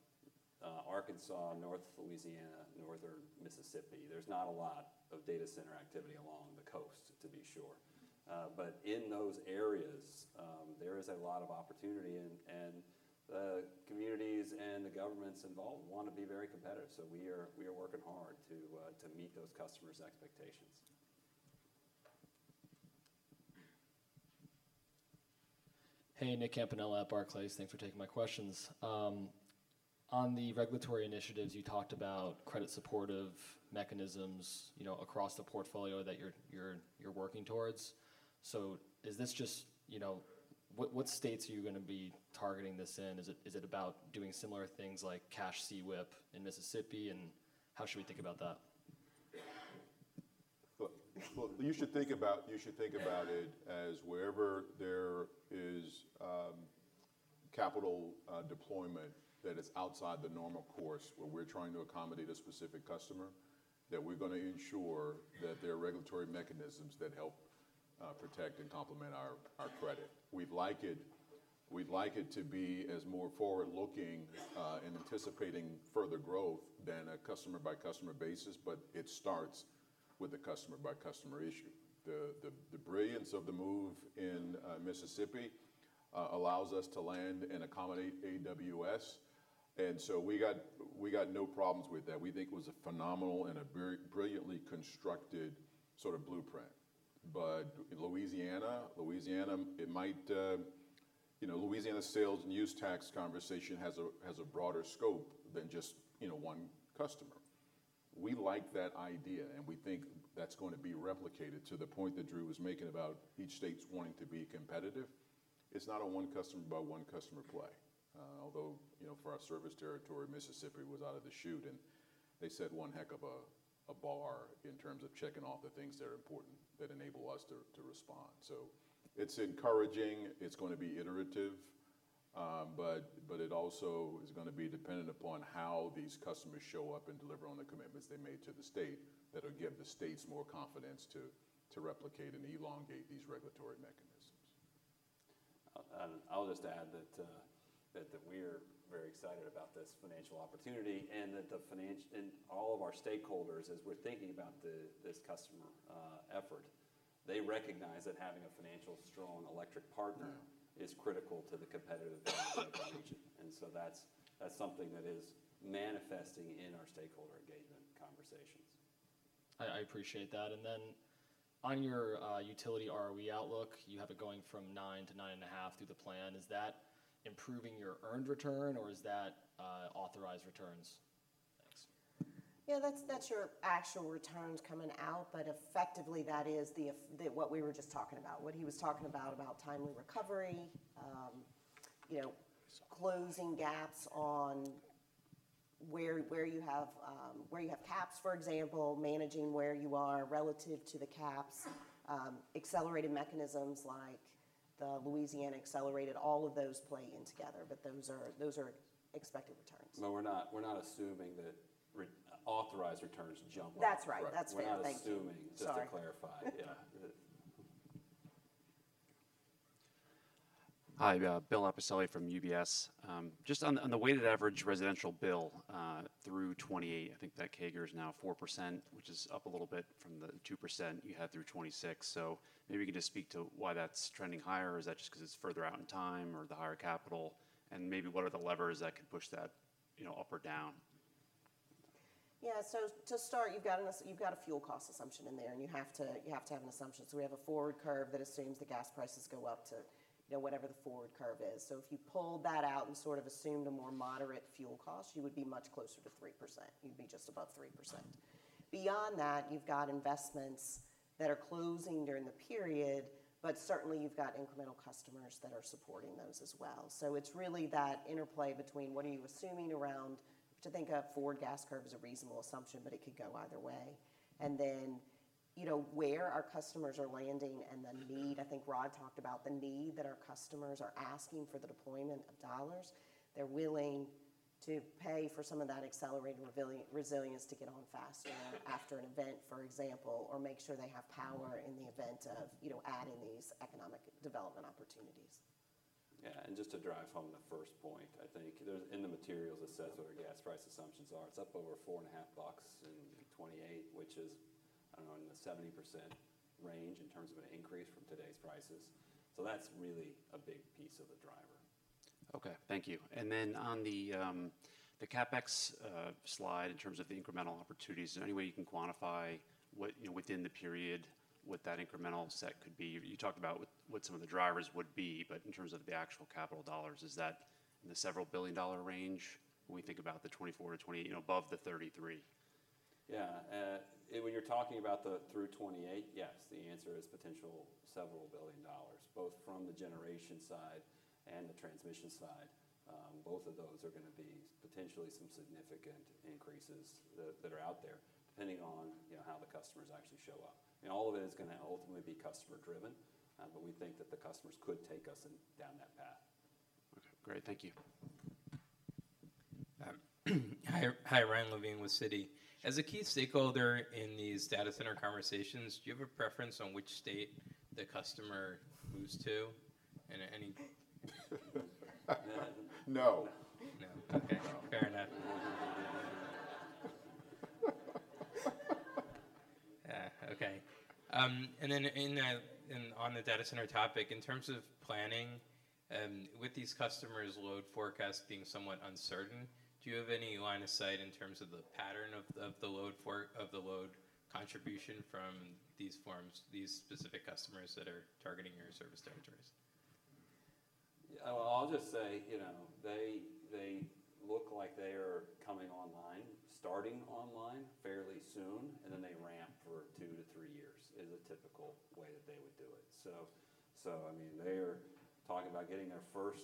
Arkansas, North Louisiana, Northern Mississippi. There's not a lot of data center activity along the coast, to be sure. But in those areas, there is a lot of opportunity. And the communities and the governments involved want to be very competitive. So we are working hard to meet those customers' expectations. Hey, Nick Campanella at Barclays. Thanks for taking my questions. On the regulatory initiatives, you talked about credit-supportive mechanisms across the portfolio that you're working towards. So is this just what states are you going to be targeting this in? Is it about doing similar things like cash CWIP in Mississippi? And how should we think about that? Well, you should think about it as wherever there is capital deployment that is outside the normal course where we're trying to accommodate a specific customer, that we're going to ensure that there are regulatory mechanisms that help protect and complement our credit. We'd like it to be as more forward-looking and anticipating further growth than a customer-by-customer basis, but it starts with a customer-by-customer issue. The brilliance of the move in Mississippi allows us to land and accommodate AWS. And so we got no problems with that. We think it was a phenomenal and a brilliantly constructed sort of blueprint. But Louisiana, Louisiana, it might Louisiana sales and use tax conversation has a broader scope than just one customer. We like that idea, and we think that's going to be replicated to the point that Drew was making about each state's wanting to be competitive. It's not a one-customer-by-one customer play. Although for our service territory, Mississippi was out of the chute, and they set one heck of a bar in terms of checking off the things that are important that enable us to respond. So it's encouraging. It's going to be iterative. But it also is going to be dependent upon how these customers show up and deliver on the commitments they made to the state that will give the states more confidence to replicate and elongate these regulatory mechanisms. I'll just add that we are very excited about this financial opportunity and that the financial and all of our stakeholders, as we're thinking about this customer effort, they recognize that having a financial-strong electric partner is critical to the competitive advantage of the region. And so that's something that is manifesting in our stakeholder engagement conversations. I appreciate that. Then on your utility ROE outlook, you have it going from 9 to 9.5 through the plan. Is that improving your earned return, or is that authorized returns? Thanks. Yeah, that's your actual returns coming out, but effectively that is what we were just talking about, what he was talking about, about timely recovery, closing gaps on where you have caps, for example, managing where you are relative to the caps, accelerated mechanisms like the Louisiana accelerated, all of those play in together, but those are expected returns. No, we're not assuming that authorized returns jump up. That's right. That's what I was thinking. We're not assuming, just to clarify. Yeah. Hi, Bill Appicelli from UBS. Just on the weighted average residential bill through 2028, I think that CAGR is now 4%, which is up a little bit from the 2% you had through 2026. So maybe we can just speak to why that's trending higher. Is that just because it's further out in time or the higher capital? And maybe what are the levers that can push that up or down? Yeah. So to start, you've got a fuel cost assumption in there, and you have to have an assumption. So we have a forward curve that assumes the gas prices go up to whatever the forward curve is. So if you pull that out and sort of assumed a more moderate fuel cost, you would be much closer to 3%. You'd be just above 3%. Beyond that, you've got investments that are closing during the period, but certainly you've got incremental customers that are supporting those as well. So it's really that interplay between what are you assuming around to think a forward gas curve is a reasonable assumption, but it could go either way. And then where our customers are landing and the need, I think Rod talked about the need that our customers are asking for the deployment of dollars, they're willing to pay for some of that accelerated resilience to get on faster after an event, for example, or make sure they have power in the event of adding these economic development opportunities. Yeah. And just to drive home the first point, I think in the materials it says what our gas price assumptions are, it's up over $4.5 in 2028, which is, I don't know, in the 70% range in terms of an increase from today's prices. So that's really a big piece of the driver. Okay. Thank you. And then on the CapEx slide in terms of the incremental opportunities, is there any way you can quantify within the period what that incremental set could be? You talked about what some of the drivers would be, but in terms of the actual capital dollars, is that in the several billion-dollar range when we think about the 2024 to 2028, above the 2033? Yeah. When you're talking about the through 2028, yes, the answer is potential several billion dollars, both from the generation side and the transmission side. Both of those are going to be potentially some significant increases that are out there, depending on how the customers actually show up. And all of it is going to ultimately be customer-driven, but we think that the customers could take us down that path. Okay. Great. Thank you. Hi, Ryan Levine with Citi. As a key stakeholder in these data center conversations, do you have a preference on which state the customer moves to? And any. No. No. Okay. Fair enough. Yeah. Okay. And then on the data center topic, in terms of planning, with these customers' load forecasts being somewhat uncertain, do you have any line of sight in terms of the pattern of the load contribution from these specific customers that are targeting your service territories? I'll just say they look like they are coming online, starting online fairly soon, and then they ramp for 2-3 years is a typical way that they would do it. So I mean, they are talking about getting their first,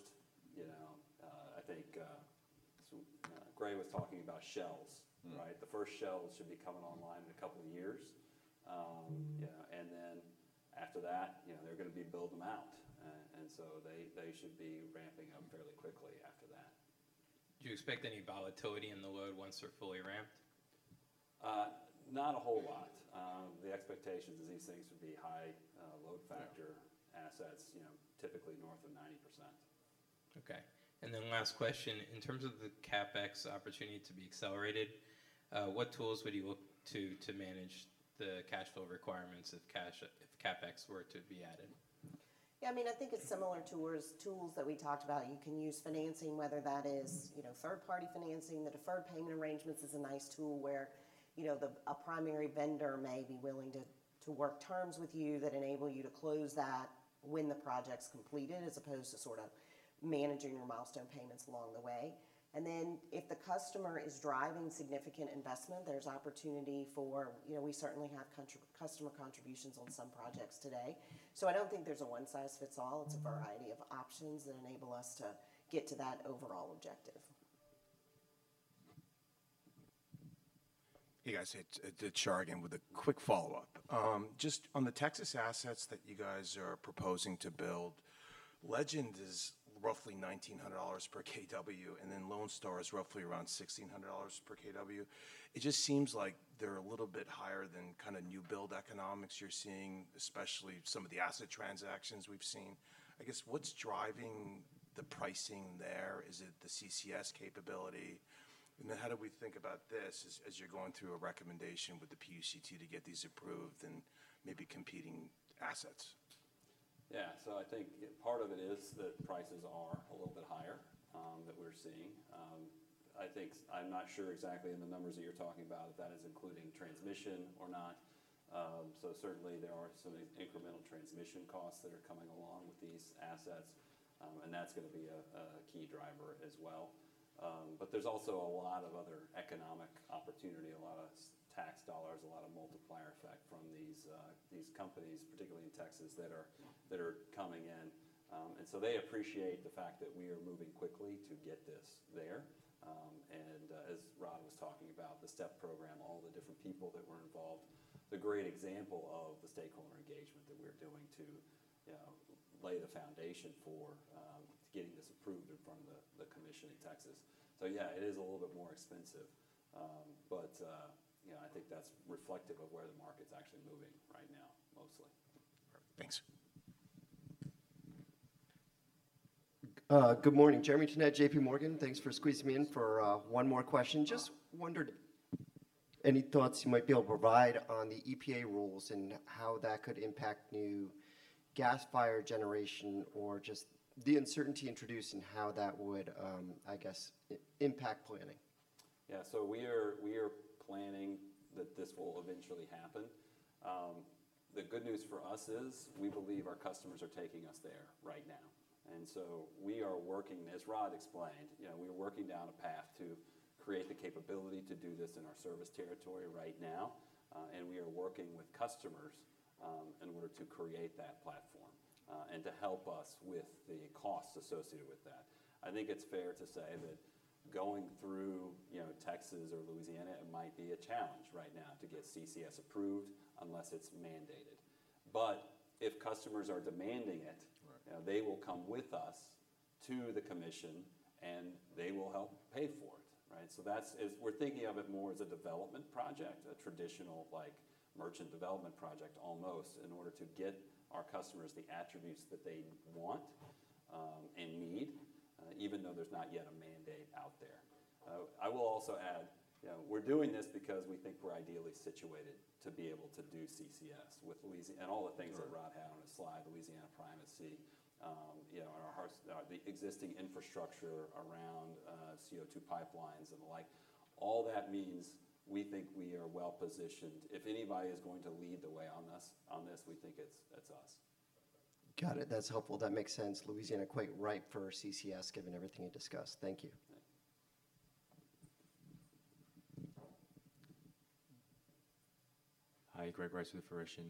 I think Gray was talking about shells, right? The first shells should be coming online in a couple of years. And then after that, they're going to be building them out. And so they should be ramping up fairly quickly after that. Do you expect any volatility in the load once they're fully ramped? Not a whole lot. The expectation is these things would be high load factor assets, typically north of 90%. Okay. And then last question. In terms of the CapEx opportunity to be accelerated, what tools would you look to manage the cash flow requirements if CapEx were to be added? Yeah. I mean, I think it's similar to tools that we talked about. You can use financing, whether that is third-party financing. The deferred payment arrangements is a nice tool where a primary vendor may be willing to work terms with you that enable you to close that when the project's completed, as opposed to sort of managing your milestone payments along the way. And then if the customer is driving significant investment, there's opportunity for we certainly have customer contributions on some projects today. So I don't think there's a one-size-fits-all. It's a variety of options that enable us to get to that overall objective. Hey, guys. It's Shar again with a quick follow-up. Just on the Texas assets that you guys are proposing to build, Legend is roughly $1,900 per kW, and then Lone Star is roughly around $1,600 per kW. It just seems like they're a little bit higher than kind of new build economics you're seeing, especially some of the asset transactions we've seen. I guess what's driving the pricing there? Is it the CCS capability? And then how do we think about this as you're going through a recommendation with the PUCT to get these approved and maybe competing assets? Yeah. So I think part of it is that prices are a little bit higher than we're seeing. I think I'm not sure exactly in the numbers that you're talking about if that is including transmission or not. So certainly there are some incremental transmission costs that are coming along with these assets, and that's going to be a key driver as well. But there's also a lot of other economic opportunity, a lot of tax dollars, a lot of multiplier effect from these companies, particularly in Texas, that are coming in. And so they appreciate the fact that we are moving quickly to get this there. And as Rod was talking about, the STEP program, all the different people that were involved, the great example of the stakeholder engagement that we're doing to lay the foundation for getting this approved in front of the commission in Texas. So yeah, it is a little bit more expensive, but I think that's reflective of where the market's actually moving right now, mostly. Perfect. Thanks. Good morning. Jeremy Tonet, JPMorgan. Thanks for squeezing me in for one more question. Just wondered any thoughts you might be able to provide on the EPA rules and how that could impact new gas-fired generation or just the uncertainty introduced and how that would, I guess, impact planning. Yeah. So we are planning that this will eventually happen. The good news for us is we believe our customers are taking us there right now. And so we are working, as Rod explained, we are working down a path to create the capability to do this in our service territory right now. We are working with customers in order to create that platform and to help us with the costs associated with that. I think it's fair to say that going through Texas or Louisiana, it might be a challenge right now to get CCS approved unless it's mandated. But if customers are demanding it, they will come with us to the commission, and they will help pay for it, right? So we're thinking of it more as a development project, a traditional merchant development project almost, in order to get our customers the attributes that they want and need, even though there's not yet a mandate out there. I will also add we're doing this because we think we're ideally situated to be able to do CCS with Louisiana and all the things that Rod had on his slide, Louisiana primacy and the existing infrastructure around CO2 pipelines and the like. All that means we think we are well positioned. If anybody is going to lead the way on this, we think it's us. Got it. That's helpful. That makes sense. Louisiana quite ripe for CCS given everything you discussed. Thank you. Hi, Greg Rice with the Verition.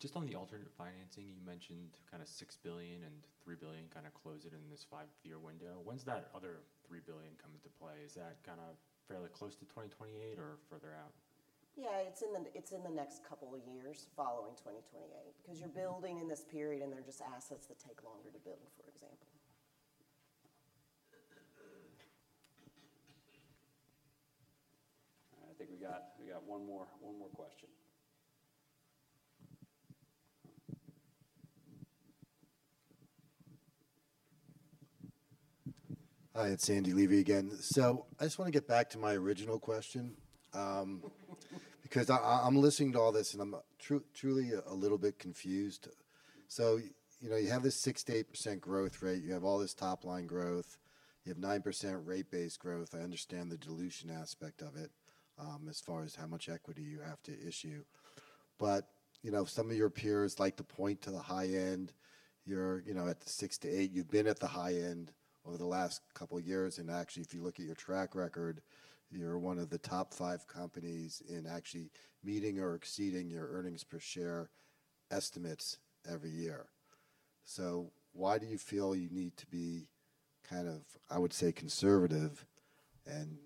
Just on the alternative financing, you mentioned kind of $6 billion and $3 billion kind of closed it in this 5-year window. When's that other $3 billion come into play? Is that kind of fairly close to 2028 or further out? Yeah, it's in the next couple of years following 2028 because you're building in this period, and they're just assets that take longer to build, for example. I think we got one more question. Hi, it's Andy Levi again. So I just want to get back to my original question because I'm listening to all this, and I'm truly a little bit confused. So you have this 6%-8% growth rate. You have all this top-line growth. You have 9% rate-based growth. I understand the dilution aspect of it as far as how much equity you have to issue. But some of your peers like to point to the high end. You're at the 6%-8%. You've been at the high end over the last couple of years. Actually, if you look at your track record, you're one of the top five companies in actually meeting or exceeding your earnings per share estimates every year. So why do you feel you need to be kind of, I would say, conservative and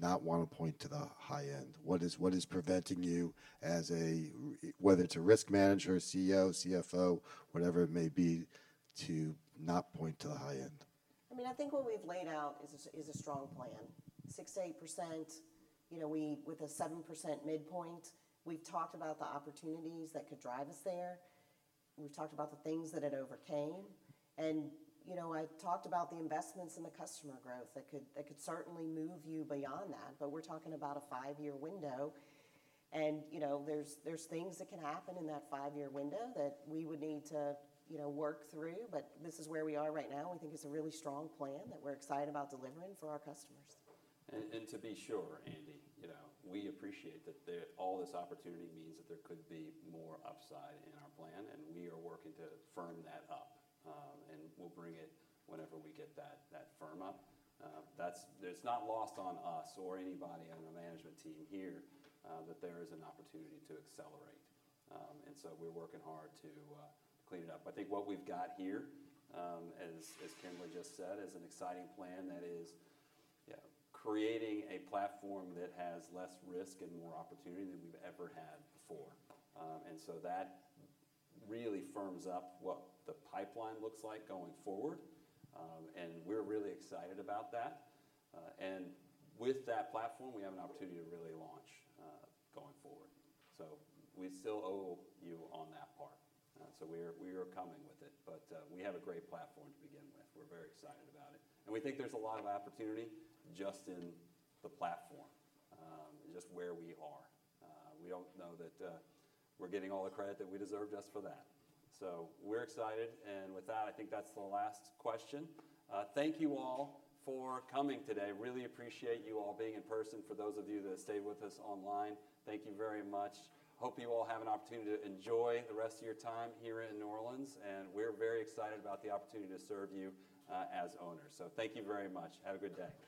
not want to point to the high end? What is preventing you as a, whether it's a risk manager, CEO, CFO, whatever it may be, to not point to the high end? I mean, I think what we've laid out is a strong plan. 6%-8% with a 7% midpoint. We've talked about the opportunities that could drive us there. We've talked about the things that it overcame. And I talked about the investments and the customer growth that could certainly move you beyond that. But we're talking about a five-year window. And there's things that can happen in that five-year window that we would need to work through. But this is where we are right now. We think it's a really strong plan that we're excited about delivering for our customers. And to be sure, Andy, we appreciate that all this opportunity means that there could be more upside in our plan, and we are working to firm that up. And we'll bring it whenever we get that firm up. It's not lost on us or anybody on the management team here that there is an opportunity to accelerate. And so we're working hard to clean it up. I think what we've got here, as Kimberly just said, is an exciting plan that is creating a platform that has less risk and more opportunity than we've ever had before. So that really firms up what the pipeline looks like going forward. We're really excited about that. With that platform, we have an opportunity to really launch going forward. So we still owe you on that part. We are coming with it. But we have a great platform to begin with. We're very excited about it. We think there's a lot of opportunity just in the platform, just where we are. We don't know that we're getting all the credit that we deserve just for that. So we're excited. With that, I think that's the last question. Thank you all for coming today. Really appreciate you all being in person. For those of you that stayed with us online, thank you very much. Hope you all have an opportunity to enjoy the rest of your time here in New Orleans. We're very excited about the opportunity to serve you as owners. Thank you very much. Have a good day.